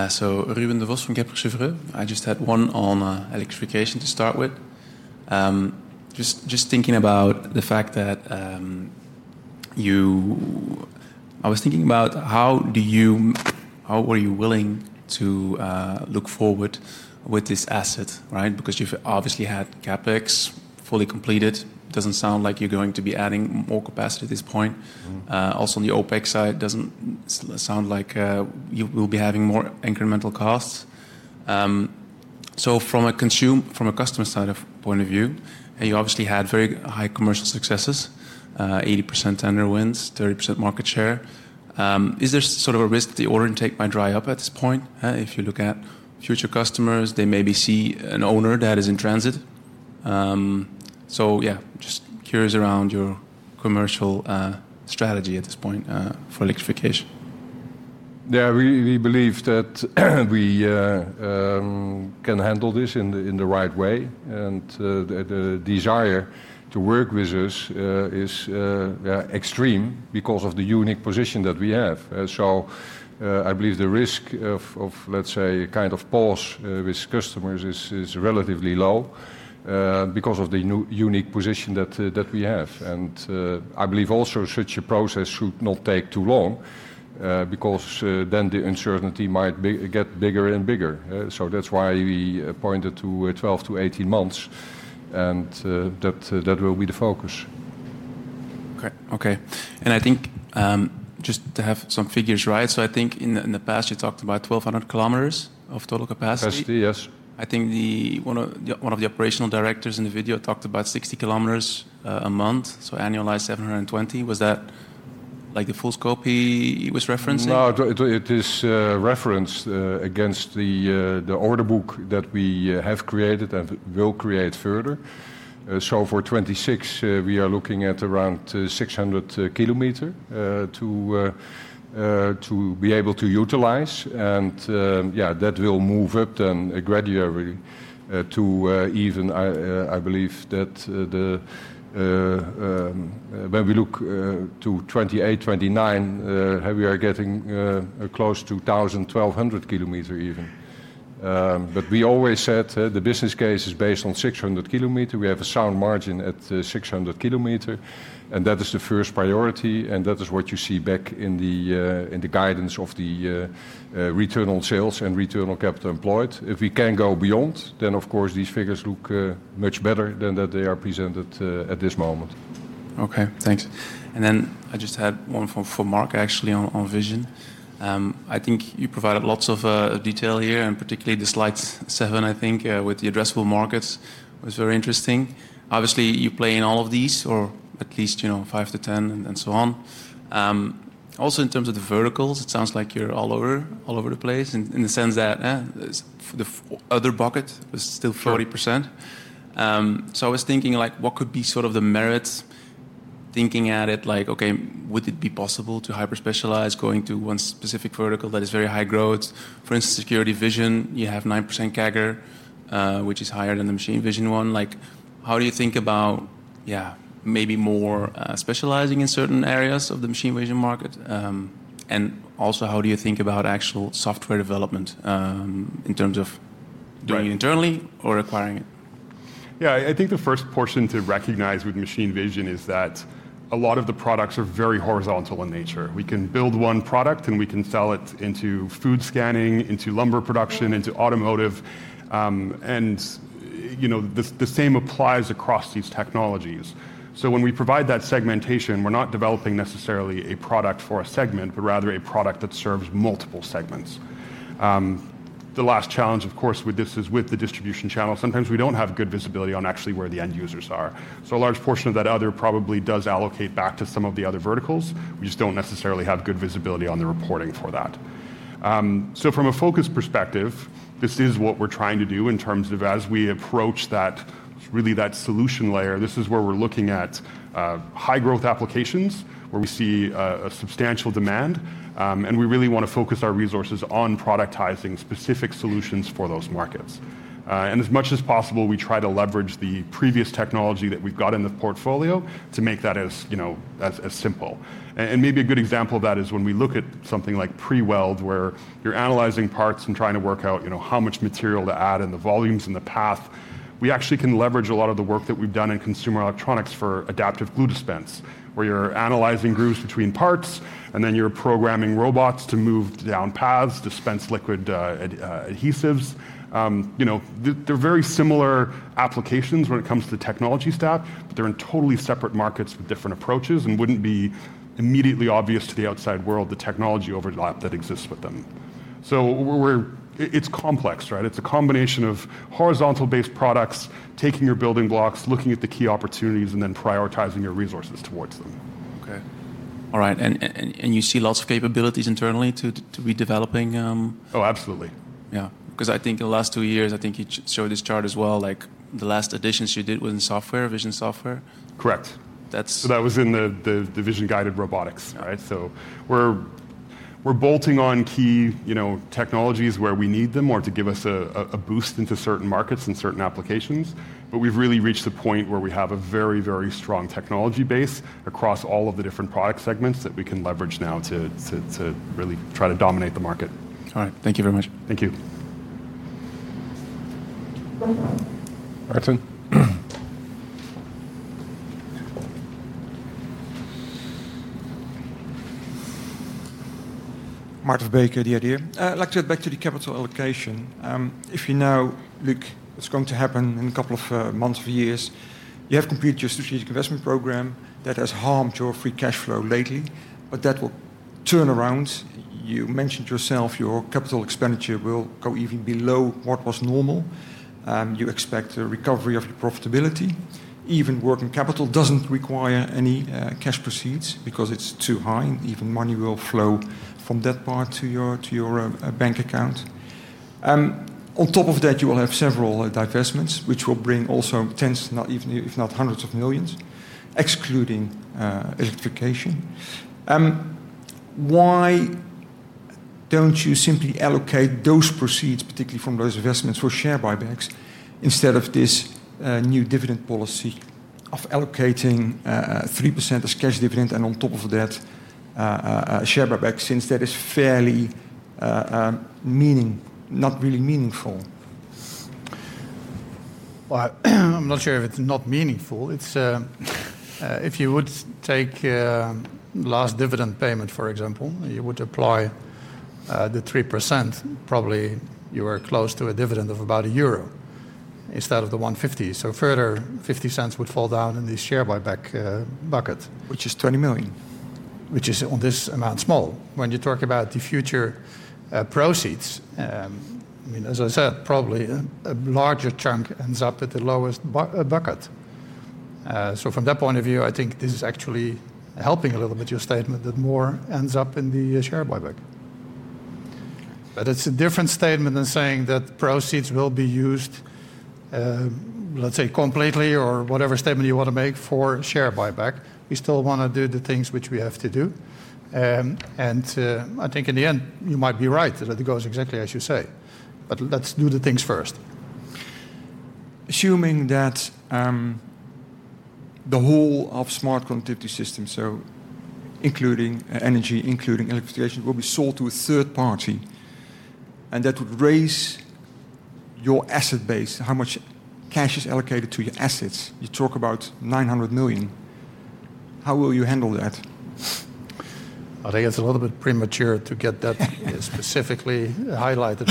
So Ruben Devos from Kepler Cheuvreux. I just had one on electrification to start with. Just thinking about the fact that you, I was thinking about how do you, how were you willing to look forward with this asset, right? Because you've obviously had CapEx fully completed. It doesn't sound like you're going to be adding more capacity at this point. Also on the OpEx side, it doesn't sound like you will be having more incremental costs. From a customer point of view, you obviously had very high commercial successes, 80% tender wins, 30% market share. Is there sort of a risk that the order intake might dry up at this point? If you look at future customers, they maybe see an owner that is in transit. Yeah, just curious around your commercial strategy at this point for electrification. We believe that we can handle this in the right way. The desire to work with us is extreme because of the unique position that we have. I believe the risk of, let's say, a kind of pause with customers is relatively low because of the unique position that we have. I believe also such a process should not take too long because then the uncertainty might get bigger and bigger. That's why we pointed to 12-18 months, and that will be the focus. Okay. I think just to have some figures right, I think in the past you talked about 1,200 km of total capacity. Capacity, yes. I think one of the Operational Directors in the video talked about 60 km a month, so annualized 720 km. Was that like the full scope he was referencing? No, it is referenced against the order book that we have created and will create further. For 2026, we are looking at around 600 km to be able to utilize. That will move up gradually to even, I believe, when we look to 2028, 2029, we are getting close to 1,200 km even. We always said the business case is based on 600 km. We have a sound margin at 600 km, and that is the first priority. That is what you see back in the guidance of the return on sales and return on capital employed. If we can go beyond, of course these figures look much better than they are presented at this moment. Okay, thanks. I just had one for Mark actually on vision. I think you provided lots of detail here, and particularly the slides seven, I think, with the addressable markets was very interesting. Obviously, you play in all of these, or at least, you know, five to 10 and so on. Also, in terms of the verticals, it sounds like you're all over the place in the sense that the other bucket was still 40%. I was thinking like, what could be sort of the merits thinking at it? Like, okay, would it be possible to hyperspecialize going to one specific vertical that is very high growth? For instance, security vision, you have 9% CAGR, which is higher than the machine vision one. How do you think about, yeah, maybe more specializing in certain areas of the machine vision market? Also, how do you think about actual software development in terms of doing it internally or acquiring it? Yeah, I think the first portion to recognize with machine vision is that a lot of the products are very horizontal in nature. We can build one product and we can sell it into food scanning, into lumber production, into automotive. The same applies across these technologies. When we provide that segmentation, we're not developing necessarily a product for a segment, but rather a product that serves multiple segments. The last challenge, of course, with this is with the distribution channel. Sometimes we don't have good visibility on actually where the end users are. A large portion of that other probably does allocate back to some of the other verticals. We just don't necessarily have good visibility on the reporting for that. From a focus perspective, this is what we're trying to do in terms of as we approach that, really that solution layer. This is where we're looking at high growth applications where we see a substantial demand. We really want to focus our resources on productizing specific solutions for those markets. As much as possible, we try to leverage the previous technology that we've got in the portfolio to make that as simple. Maybe a good example of that is when we look at something like pre-weld where you're analyzing parts and trying to work out how much material to add and the volumes and the path. We actually can leverage a lot of the work that we've done in consumer electronics for adaptive glue dispense, where you're analyzing grooves between parts, and then you're programming robots to move down paths, dispense liquid adhesives. They're very similar applications when it comes to technology staff. They're in totally separate markets with different approaches and wouldn't be immediately obvious to the outside world, the technology overlap that exists with them. It's complex, right? It's a combination of horizontal-based products, taking your building blocks, looking at the key opportunities, and then prioritizing your resources towards them. All right. You see lots of capabilities internally to be developing? Oh, absolutely. Yeah, because I think in the last two years, I think you showed this chart as well, like the last additions you did within software, vision software. Correct. That was in the vision guided robotics. All right. We're bolting on key technologies where we need them or to give us a boost into certain markets and certain applications. We've really reached the point where we have a very, very strong technology base across all of the different product segments that we can leverage now to really try to dominate the market. All right, thank you very much. Thank you. Maarten. Maarten Verbeek, the IDEA!. I'd like to get back to the capital allocation. If you know, look, what's going to happen in a couple of months or years, you have completed your strategic investment program that has harmed your free cash flow lately, but that will turn around. You mentioned yourself, your capital expenditure will go even below what was normal. You expect a recovery of the profitability. Even working capital doesn't require any cash proceeds because it's too high, and even money will flow from that part to your bank account. On top of that, you will have several divestments, which will bring also tens, if not hundreds of millions, excluding electrification. Why don't you simply allocate those proceeds, particularly from those investments for share buybacks, instead of this new dividend policy of allocating 3% as cash dividend and on top of that, a share buyback since that is fairly meaning, not really meaningful? I'm not sure if it's not meaningful. If you would take the last dividend payment, for example, you would apply the 3%, probably you were close to a dividend of about EUR 1 instead of the 1.50. A further 0.50 would fall down in the share buyback bucket, which is 20 million, which is on this amount small. When you talk about the future proceeds, I mean, as I said, probably a larger chunk ends up at the lowest bucket. From that point of view, I think this is actually helping a little bit your statement that more ends up in the share buyback. It's a different statement than saying that proceeds will be used, let's say, completely or whatever statement you want to make for a share buyback. We still want to do the things which we have to do. I think in the end, you might be right that it goes exactly as you say. Let's do the things first. Assuming that the whole of Smart Connectivity Solutions, so including energy, including electrification, will be sold to a third party, and that would raise your asset base, how much cash is allocated to your assets? You talk about 900 million. How will you handle that? I think it's a little bit premature to get that specifically highlighted.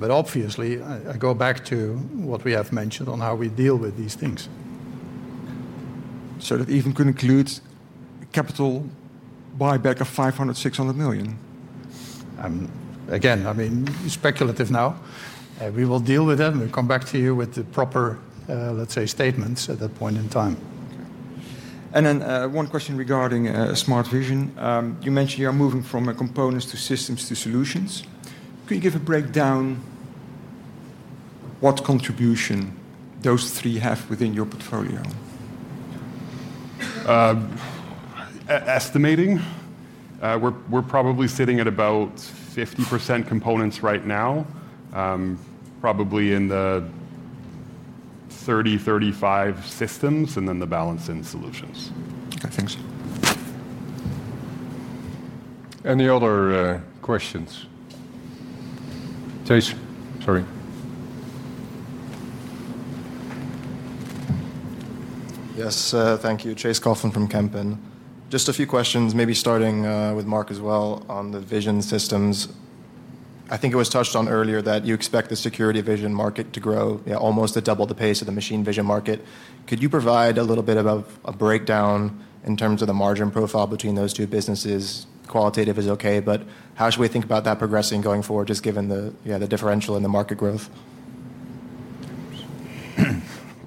Obviously, I go back to what we have mentioned on how we deal with these things. Could it even include a share buyback of 500 million, 600 million? Again, I mean, speculative now. We will deal with it and we'll come back to you with the proper, let's say, statements at that point in time. Okay. One question regarding Smart Vision. You mentioned you are moving from components to systems to solutions. Could you give a breakdown what contribution those three have within your portfolio? Estimating, we're probably sitting at about 50% components right now, probably in the 30%, 35% systems, and then the balance in solutions. Gotcha. Any other questions? Chase, sorry. Yes, thank you. Chase Coughlan from Kempen. Just a few questions, maybe starting with Mark as well on the vision systems. I think it was touched on earlier that you expect the security vision market to grow almost at double the pace of the machine vision market. Could you provide a little bit of a breakdown in terms of the margin profile between those two businesses? Qualitative is okay, but how should we think about that progressing going forward, just given the differential in the market growth?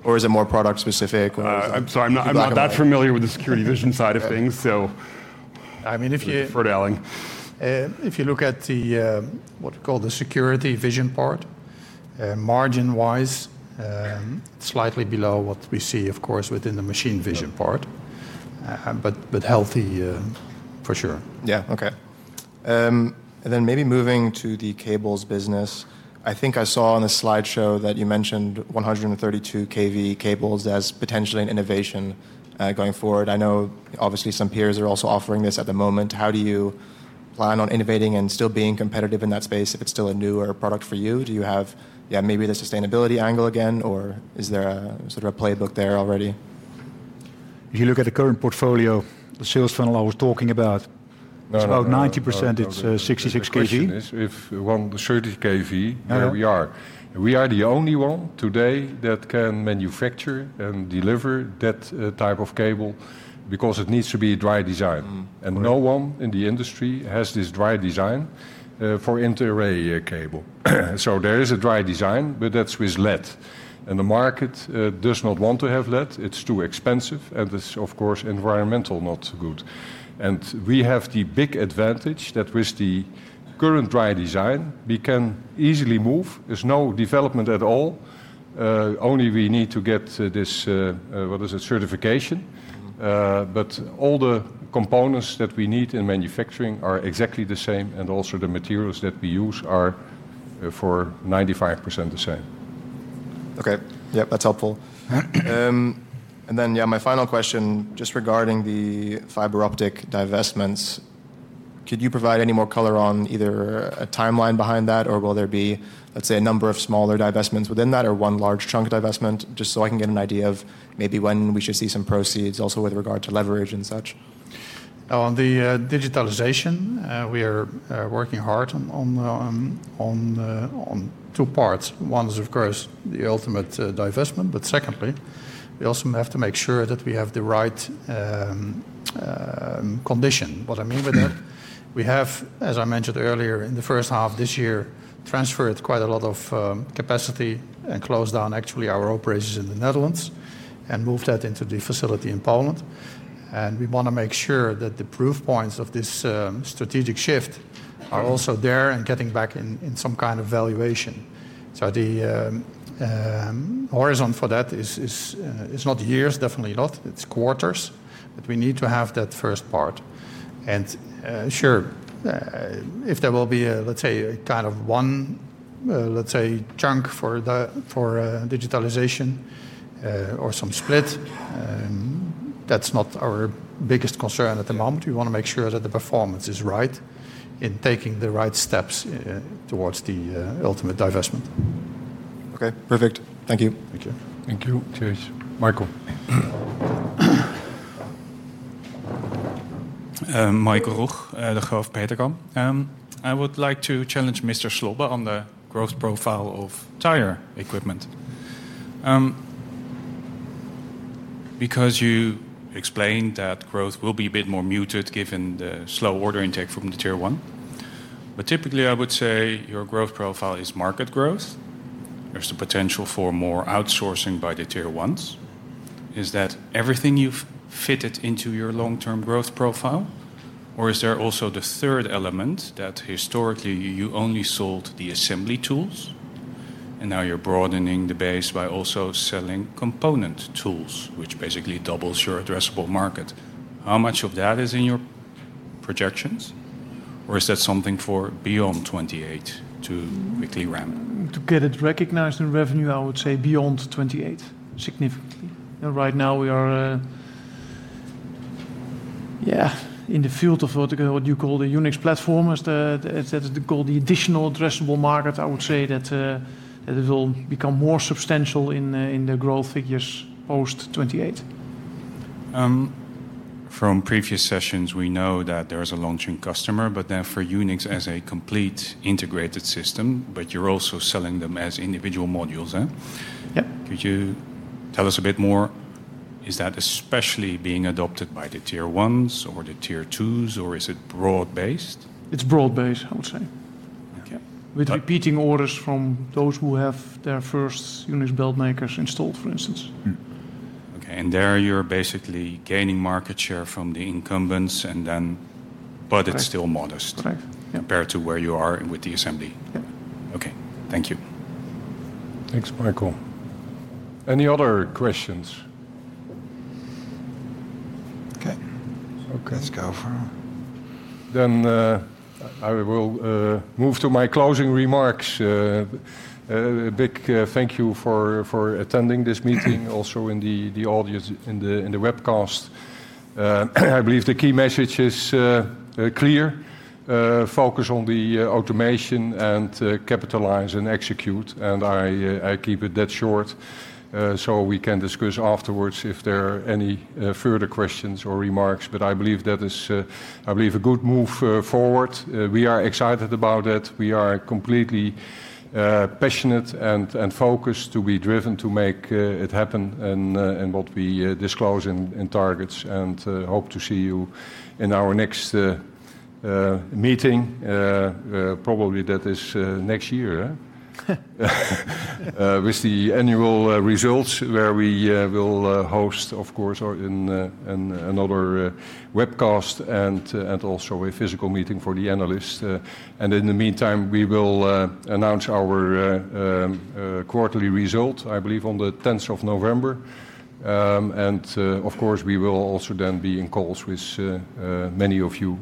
Is it more product specific? I'm sorry, I'm not that familiar with the security vision side of things. If you look at what we call the security vision part, margin-wise, slightly below what we see, of course, within the machine vision part, but healthy for sure. Okay. Maybe moving to the cables business, I think I saw on a slideshow that you mentioned 132 kV cables as potentially an innovation going forward. I know obviously some peers are also offering this at the moment. How do you plan on innovating and still being competitive in that space if it's still a newer product for you? Do you have maybe the sustainability angle again, or is there a sort of a playbook there already? If you look at the current portfolio, the sales funnel I was talking about, it's about 90%, it's 66 kV. If we want the 132 kV, there we are. We are the only one today that can manufacture and deliver that type of cable because it needs to be a dry-design. No one in the industry has this dry-design for inter-array cable. There is a dry-design, but that's with lead. The market does not want to have lead. It's too expensive. This, of course, environmentally is not so good. We have the big advantage that with the current dry-design, we can easily move. There's no development at all. Only we need to get this, what is it, certification. All the components that we need in manufacturing are exactly the same. Also, the materials that we use are for 95% the same. Okay. Yeah, that's helpful. My final question, just regarding the fiber optic divestments, could you provide any more color on either a timeline behind that, or will there be, let's say, a number of smaller divestments within that or one large chunk of divestment, just so I can get an idea of maybe when we should see some proceeds also with regard to leverage and such? On the digitalization, we are working hard on two parts. One is, of course, the ultimate divestment, but secondly, we also have to make sure that we have the right condition. What I mean by that, we have, as I mentioned earlier, in the first half this year, transferred quite a lot of capacity. and close down, actually, our operations in the Netherlands and move that into the facility in Poland. We want to make sure that the proof points of this strategic shift are also there and getting back in some kind of valuation. The horizon for that is not years, definitely not. It's quarters, but we need to have that first part. If there will be a, let's say, a kind of one, let's say, chunk for digitalization or some split, that's not our biggest concern at the moment. We want to make sure that the performance is right in taking the right steps towards the ultimate divestment. Okay, perfect. Thank you. Thank you. Thank you. Cheers, Michael. Michael Roeg, Degroof Petercam. I would like to challenge Mr. Slobbe on the growth profile of tire equipment. Because you explained that growth will be a bit more muted given the slow order intake from the Tier 1. Typically, I would say your growth profile is market growth. There's the potential for more outsourcing by the Tier 1s. Is that everything you've fitted into your long-term growth profile? Or is there also the third element that historically you only sold the assembly tools, and now you're broadening the base by also selling component tools, which basically doubles your addressable market? How much of that is in your projections, or is that something for beyond 2028 to quickly ramp? To get it recognized in revenue, I would say beyond 2028, significantly. Right now, we are in the field of what you call the UNIXX platform. As they call the additional addressable market, I would say that it will become more substantial in the growth figures post 2028. From previous sessions, we know that there is a launching customer for UNIXX as a complete integrated system, but you're also selling them as individual modules. Yeah. Could you tell us a bit more? Is that especially being adopted by the Tier 1s or the Tier 2s, or is it broad based? It's broad-based, I would say. Okay. With repeating orders from those who have their first VMI build makers installed, for instance. Okay. There you're basically gaining market share from the incumbents, and it's still modest compared to where you are with the assembly. Yeah. Okay, thank you. Thanks, Michael. Any other questions? Okay. Okay. Let's go from there. I will move to my closing remarks. A big thank you for attending this meeting, also in the audience in the webcast. I believe the key message is clear. Focus on the automation and capitalize and execute. I keep it that short so we can discuss afterwards if there are any further questions or remarks. I believe that is, I believe, a good move forward. We are excited about it. We are completely passionate and focused to be driven to make it happen and what we disclose in targets. I hope to see you in our next meeting. Probably that is next year with the annual results where we will host, of course, in another webcast and also a physical meeting for the analysts. In the meantime, we will announce our quarterly result, I believe, on the 10th of November. Of course, we will also then be in calls with many of you.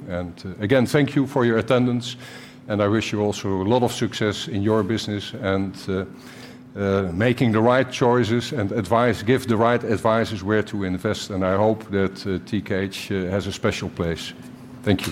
Again, thank you for your attendance. I wish you also a lot of success in your business and making the right choices and advice, give the right advice where to invest. I hope that TKH has a special place. Thank you.